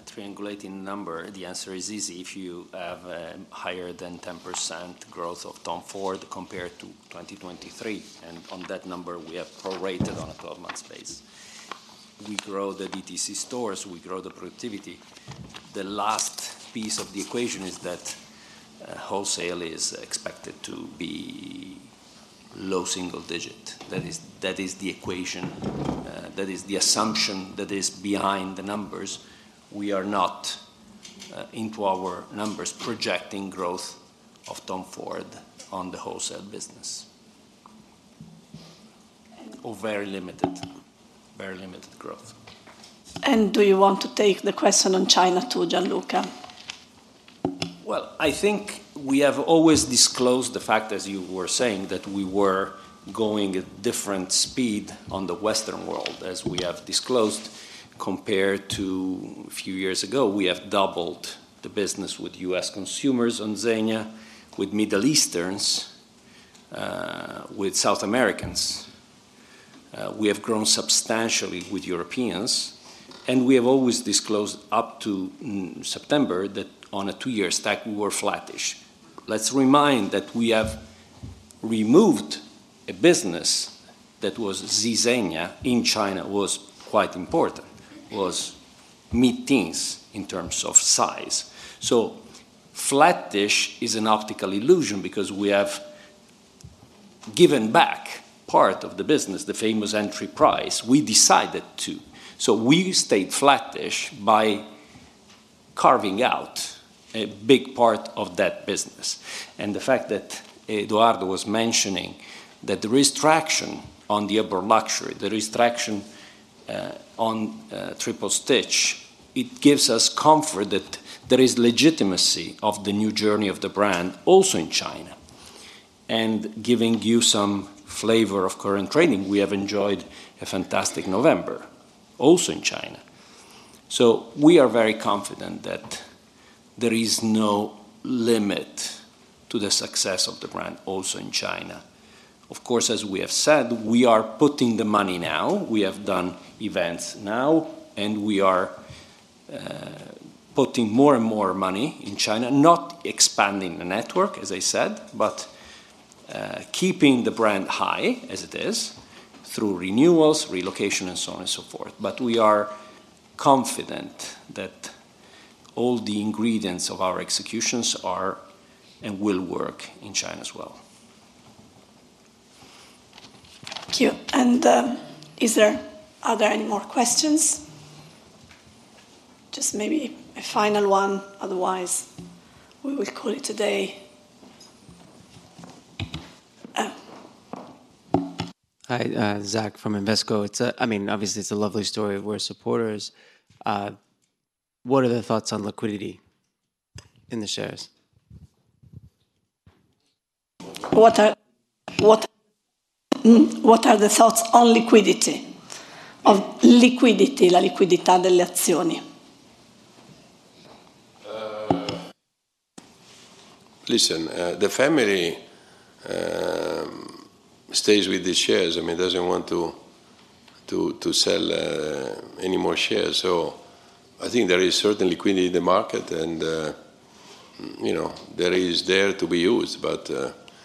Speaker 10: Triangulating number, the answer is easy. If you have a higher than 10% growth of Tom Ford compared to 2023, and on that number, we have prorated on a 12-month base. We grow the DTC stores, we grow the productivity. The last piece of the equation is that, wholesale is expected to be low single-digit. That is, that is the equation, that is the assumption that is behind the numbers. We are not, into our numbers, projecting growth of Tom Ford on the wholesale business... or very limited, very limited growth.
Speaker 1: Do you want to take the question on China, too, Gianluca?
Speaker 10: Well, I think we have always disclosed the fact, as you were saying, that we were going at different speed on the Western world, as we have disclosed. Compared to a few years ago, we have doubled the business with U.S. consumers on Zegna, with Middle Easterns, with South Americans. We have grown substantially with Europeans, and we have always disclosed up to September that on a two-year stack, we were flattish. Let's remind that we have removed a business that was Z Zegna in China, was quite important, was mid-teens in terms of size. So flattish is an optical illusion because we have given back part of the business, the famous entry price. We decided to. So we stayed flattish by carving out a big part of that business. The fact that Edoardo was mentioning that there is traction on the upper luxury, there is traction on Triple Stitch, it gives us comfort that there is legitimacy of the new journey of the brand also in China. Giving you some flavor of current trading, we have enjoyed a fantastic November, also in China. We are very confident that there is no limit to the success of the brand also in China. Of course, as we have said, we are putting the money now. We have done events now, and we are putting more and more money in China, not expanding the network, as I said, but keeping the brand high as it is, through renewals, relocation, and so on and so forth. But we are confident that all the ingredients of our executions are and will work in China as well.
Speaker 1: Thank you. Is there... Are there any more questions? Just maybe a final one, otherwise, we will call it a day.
Speaker 15: Hi, Zach from Invesco. It's a—I mean, obviously it's a lovely story. We're supporters. What are the thoughts on liquidity in the shares?
Speaker 1: What are the thoughts on liquidity? Of liquidity...
Speaker 2: Listen, the family stays with the shares. I mean, doesn't want to sell any more shares. So I think there is certain liquidity in the market, and, you know, there is there to be used. But,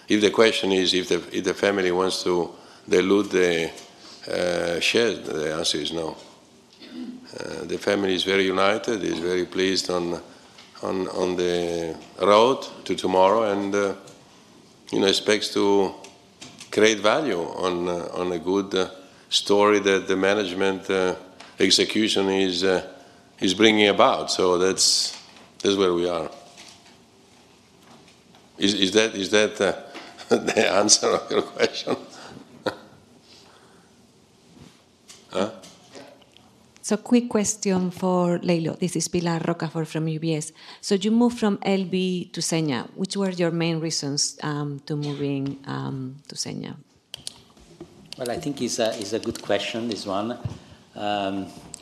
Speaker 2: if the question is if the family wants to dilute the shares, the answer is no. The family is very united, is very pleased on the road to tomorrow and, you know, expects to create value on a good story that the management execution is bringing about. So that's where we are. Is that the answer of your question?
Speaker 16: Quick question for Lelio. This is Pilar Rocafort from UBS. You moved from LVMH to Zegna. Which were your main reasons to moving to Zegna?
Speaker 4: Well, I think it's a good question, this one.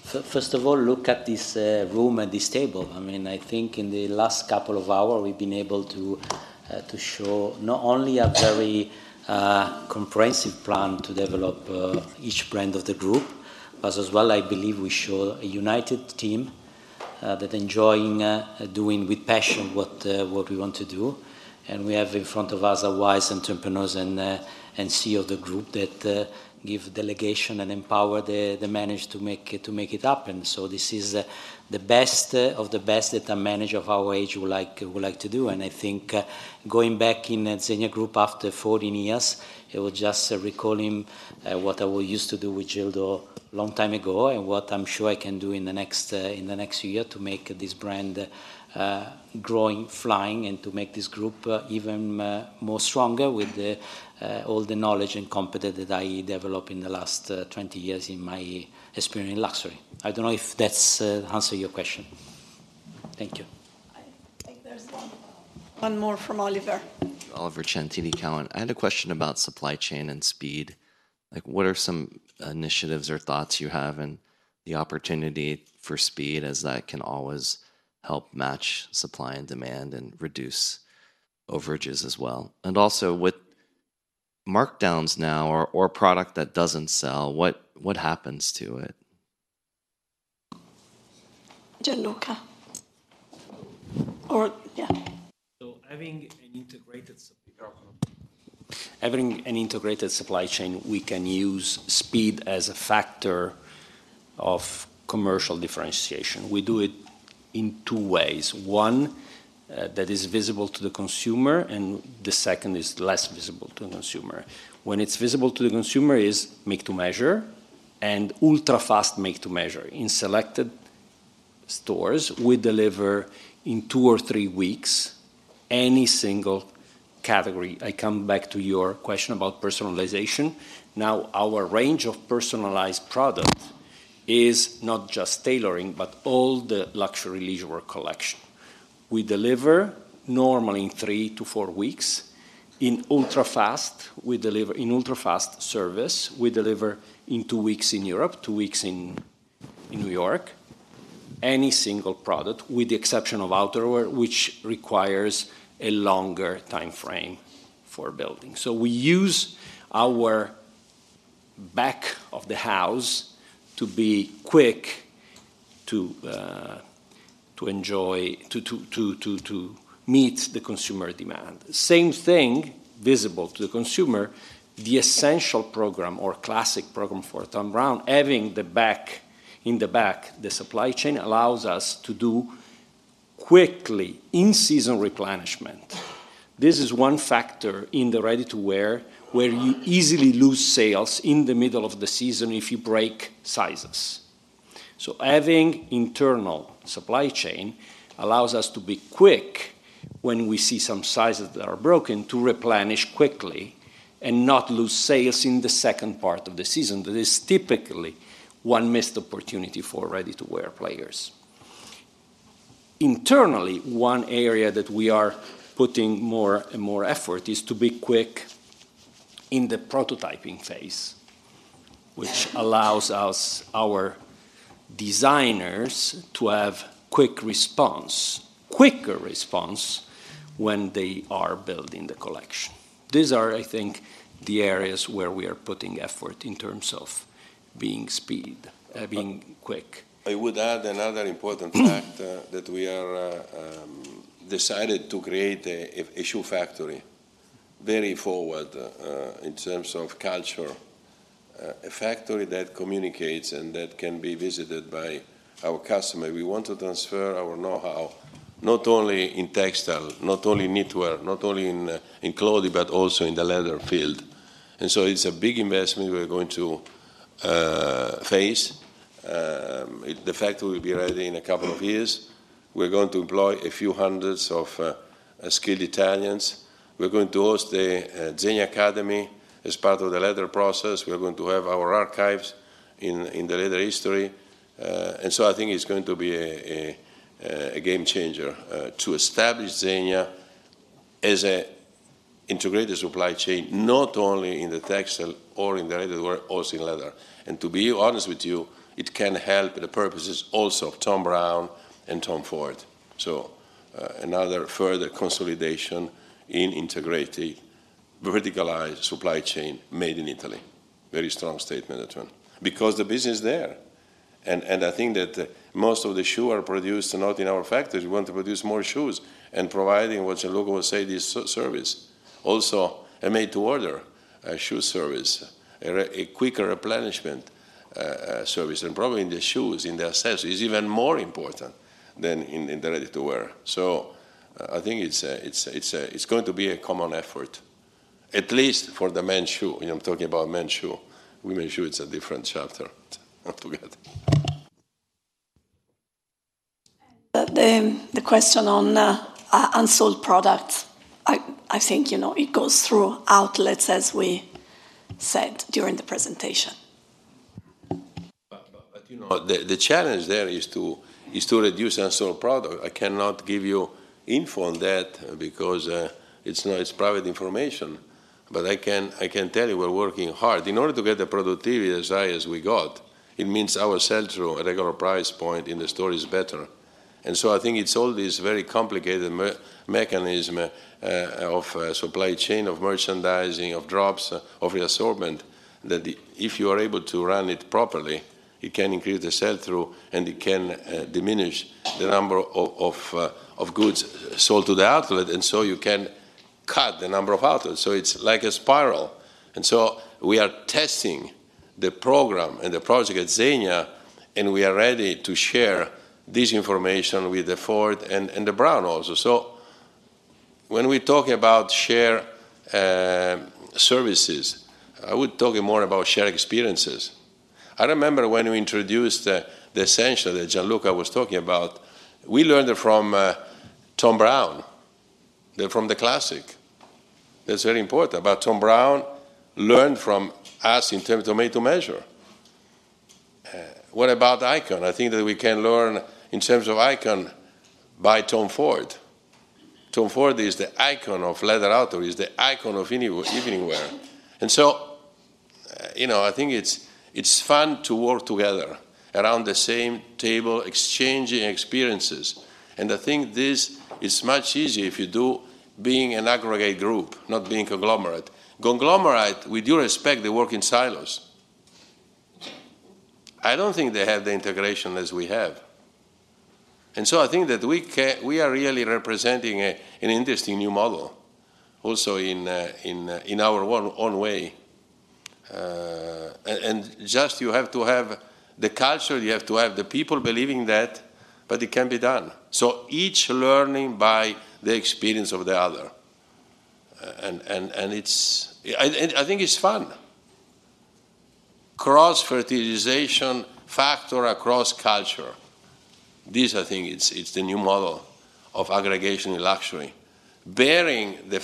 Speaker 4: First of all, look at this room and this table. I mean, I think in the last couple of hour, we've been able to show not only a very comprehensive plan to develop each brand of the group, but as well, I believe we show a united team that enjoying doing with passion what we want to do. And we have in front of us a wise entrepreneurs and CEO of the group that give delegation and empower the manage to make it, to make it happen. So this is the best of the best that a manager of our age would like to do. I think, going back in Zegna Group after 14 years, it was just recalling what I used to do with Gildo long time ago and what I'm sure I can do in the next year to make this brand growing, flying, and to make this group even more stronger with all the knowledge and competence that I develop in the last 20 years in my experience in luxury. I don't know if that's answer your question. Thank you.
Speaker 1: I think there's one more from Oliver.
Speaker 10: Oliver Chen, TD Cowen. I had a question about supply chain and speed. Like, what are some initiatives or thoughts you have in the opportunity for speed, as that can always help match supply and demand and reduce overages as well? And also, with markdowns now or a product that doesn't sell, what happens to it?
Speaker 1: Gianluca. Or, yeah.
Speaker 10: Having an integrated supply chain, we can use speed as a factor of commercial differentiation. We do it in two ways: one, that is visible to the consumer, and the second is less visible to the consumer. When it's visible to the consumer is Make to Measure and ultra-fast Make to Measure in selected stores, we deliver in two or three weeks any single category. I come back to your question about personalization. Now, our range of personalized product is not just tailoring, but all the luxury leisurewear collection. We deliver normally in three to four weeks. In ultrafast service, we deliver in two weeks in Europe, two weeks in New York, any single product, with the exception of outerwear, which requires a longer timeframe for building. So we use our back of the house to be quick, to meet the consumer demand. Same thing, visible to the consumer, the essential program or classic program for Thom Browne, having the back, in the back, the supply chain allows us to do quickly in-season replenishment. This is one factor in the ready-to-wear, where you easily lose sales in the middle of the season if you break sizes. So having internal supply chain allows us to be quick when we see some sizes that are broken, to replenish quickly and not lose sales in the second part of the season. That is typically one missed opportunity for ready-to-wear players. Internally, one area that we are putting more and more effort is to be quick in the prototyping phase, which allows us, our designers, to have quick response, quicker response, when they are building the collection. These are, I think, the areas where we are putting effort in terms of being speed, being quick.
Speaker 2: I would add another important factor, that we are decided to create a shoe factory, very forward in terms of culture. A factory that communicates and that can be visited by our customer. We want to transfer our know-how, not only in textile, not only in knitwear, not only in clothing, but also in the leather field. And so it's a big investment we're going to face. The factory will be ready in a couple of years. We're going to employ a few hundreds of skilled Italians. We're going to host a Zegna Academy as part of the leather process. We are going to have our archives in the leather history. And so I think it's going to be a game changer to establish Zegna as an integrated supply chain, not only in the textile or in the ready-to-wear, also in leather. And to be honest with you, it can help the purposes also of Thom Browne and Tom Ford. So, another further consolidation in integrating verticalized supply chain made in Italy. Very strong statement, that one. Because the business is there, and I think that most of the shoes are produced not in our factories. We want to produce more shoes, and providing what Gianluca would say is service. Also, a made-to-order shoe service, a quicker replenishment service, and probably in the shoes, in themselves, is even more important than in the ready-to-wear. So I think it's going to be a common effort, at least for the men's shoe. You know, I'm talking about men's shoe. Women's shoe, it's a different chapter altogether.
Speaker 1: But then the question on unsold products, I think, you know, it goes through outlets, as we said during the presentation.
Speaker 2: But, you know, the challenge there is to reduce unsold product. I cannot give you info on that because it's not. It's private information, but I can tell you we're working hard. In order to get the productivity as high as we got, it means our sell-through at regular price point in the store is better. And so I think it's all this very complicated mechanism of supply chain, of merchandising, of drops, of reassortment, that if you are able to run it properly, you can increase the sell-through, and you can diminish the number of goods sold to the outlet, and so you can cut the number of outlets. So it's like a spiral, and so we are testing the program and the project at ZEGNA, and we are ready to share this information with the Ford and, and the Browne also. So when we talk about share, services, I would talk more about shared experiences. I remember when we introduced the, the Essential that Gianluca was talking about, we learned it from, Thom Browne, learned from the classic. That's very important, but Thom Browne learned from us in terms of made to measure. What about Icon? I think that we can learn in terms of Icon by Tom Ford. Tom Ford is the icon of leather outerwear, is the icon of anywhere, anywhere. You know, I think it's fun to work together around the same table, exchanging experiences, and I think this is much easier if you do, being an aggregate group, not being conglomerate. Conglomerate, with due respect, they work in silos. I don't think they have the integration as we have, and so I think that we are really representing an interesting new model, also in our own way. And I think it's fun. Cross-fertilization factor across culture, this I think it's the new model of aggregation in luxury, bearing the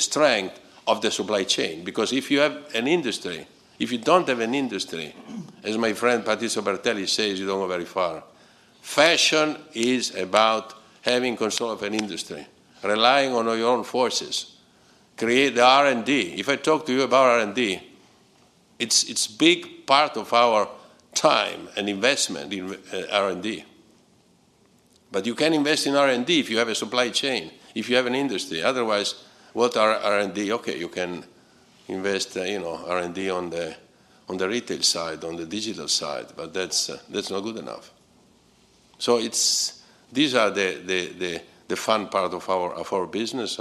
Speaker 2: strength of the supply chain. Because if you have an industry... If you don't have an industry, as my friend Patrizio Bertelli says, you don't go very far. Fashion is about having control of an industry, relying on your own forces, create the R&D. If I talk to you about R&D, it's big part of our time and investment in R&D. But you can invest in R&D if you have a supply chain, if you have an industry. Otherwise, what are R&D? Okay, you can invest, you know, R&D on the retail side, on the digital side, but that's not good enough. So it's... These are the fun part of our business,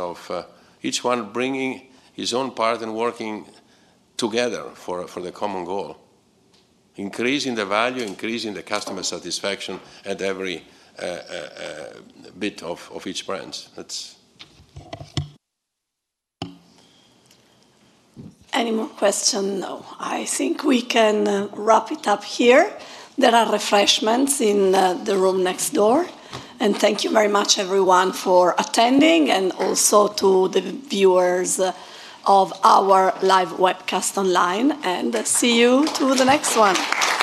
Speaker 2: each one bringing his own part and working together for the common goal, increasing the value, increasing the customer satisfaction at every bit of each brand. That's-
Speaker 1: Any more question? No. I think we can wrap it up here. There are refreshments in the room next door, and thank you very much, everyone, for attending, and also to the viewers of our live webcast online, and see you to the next one.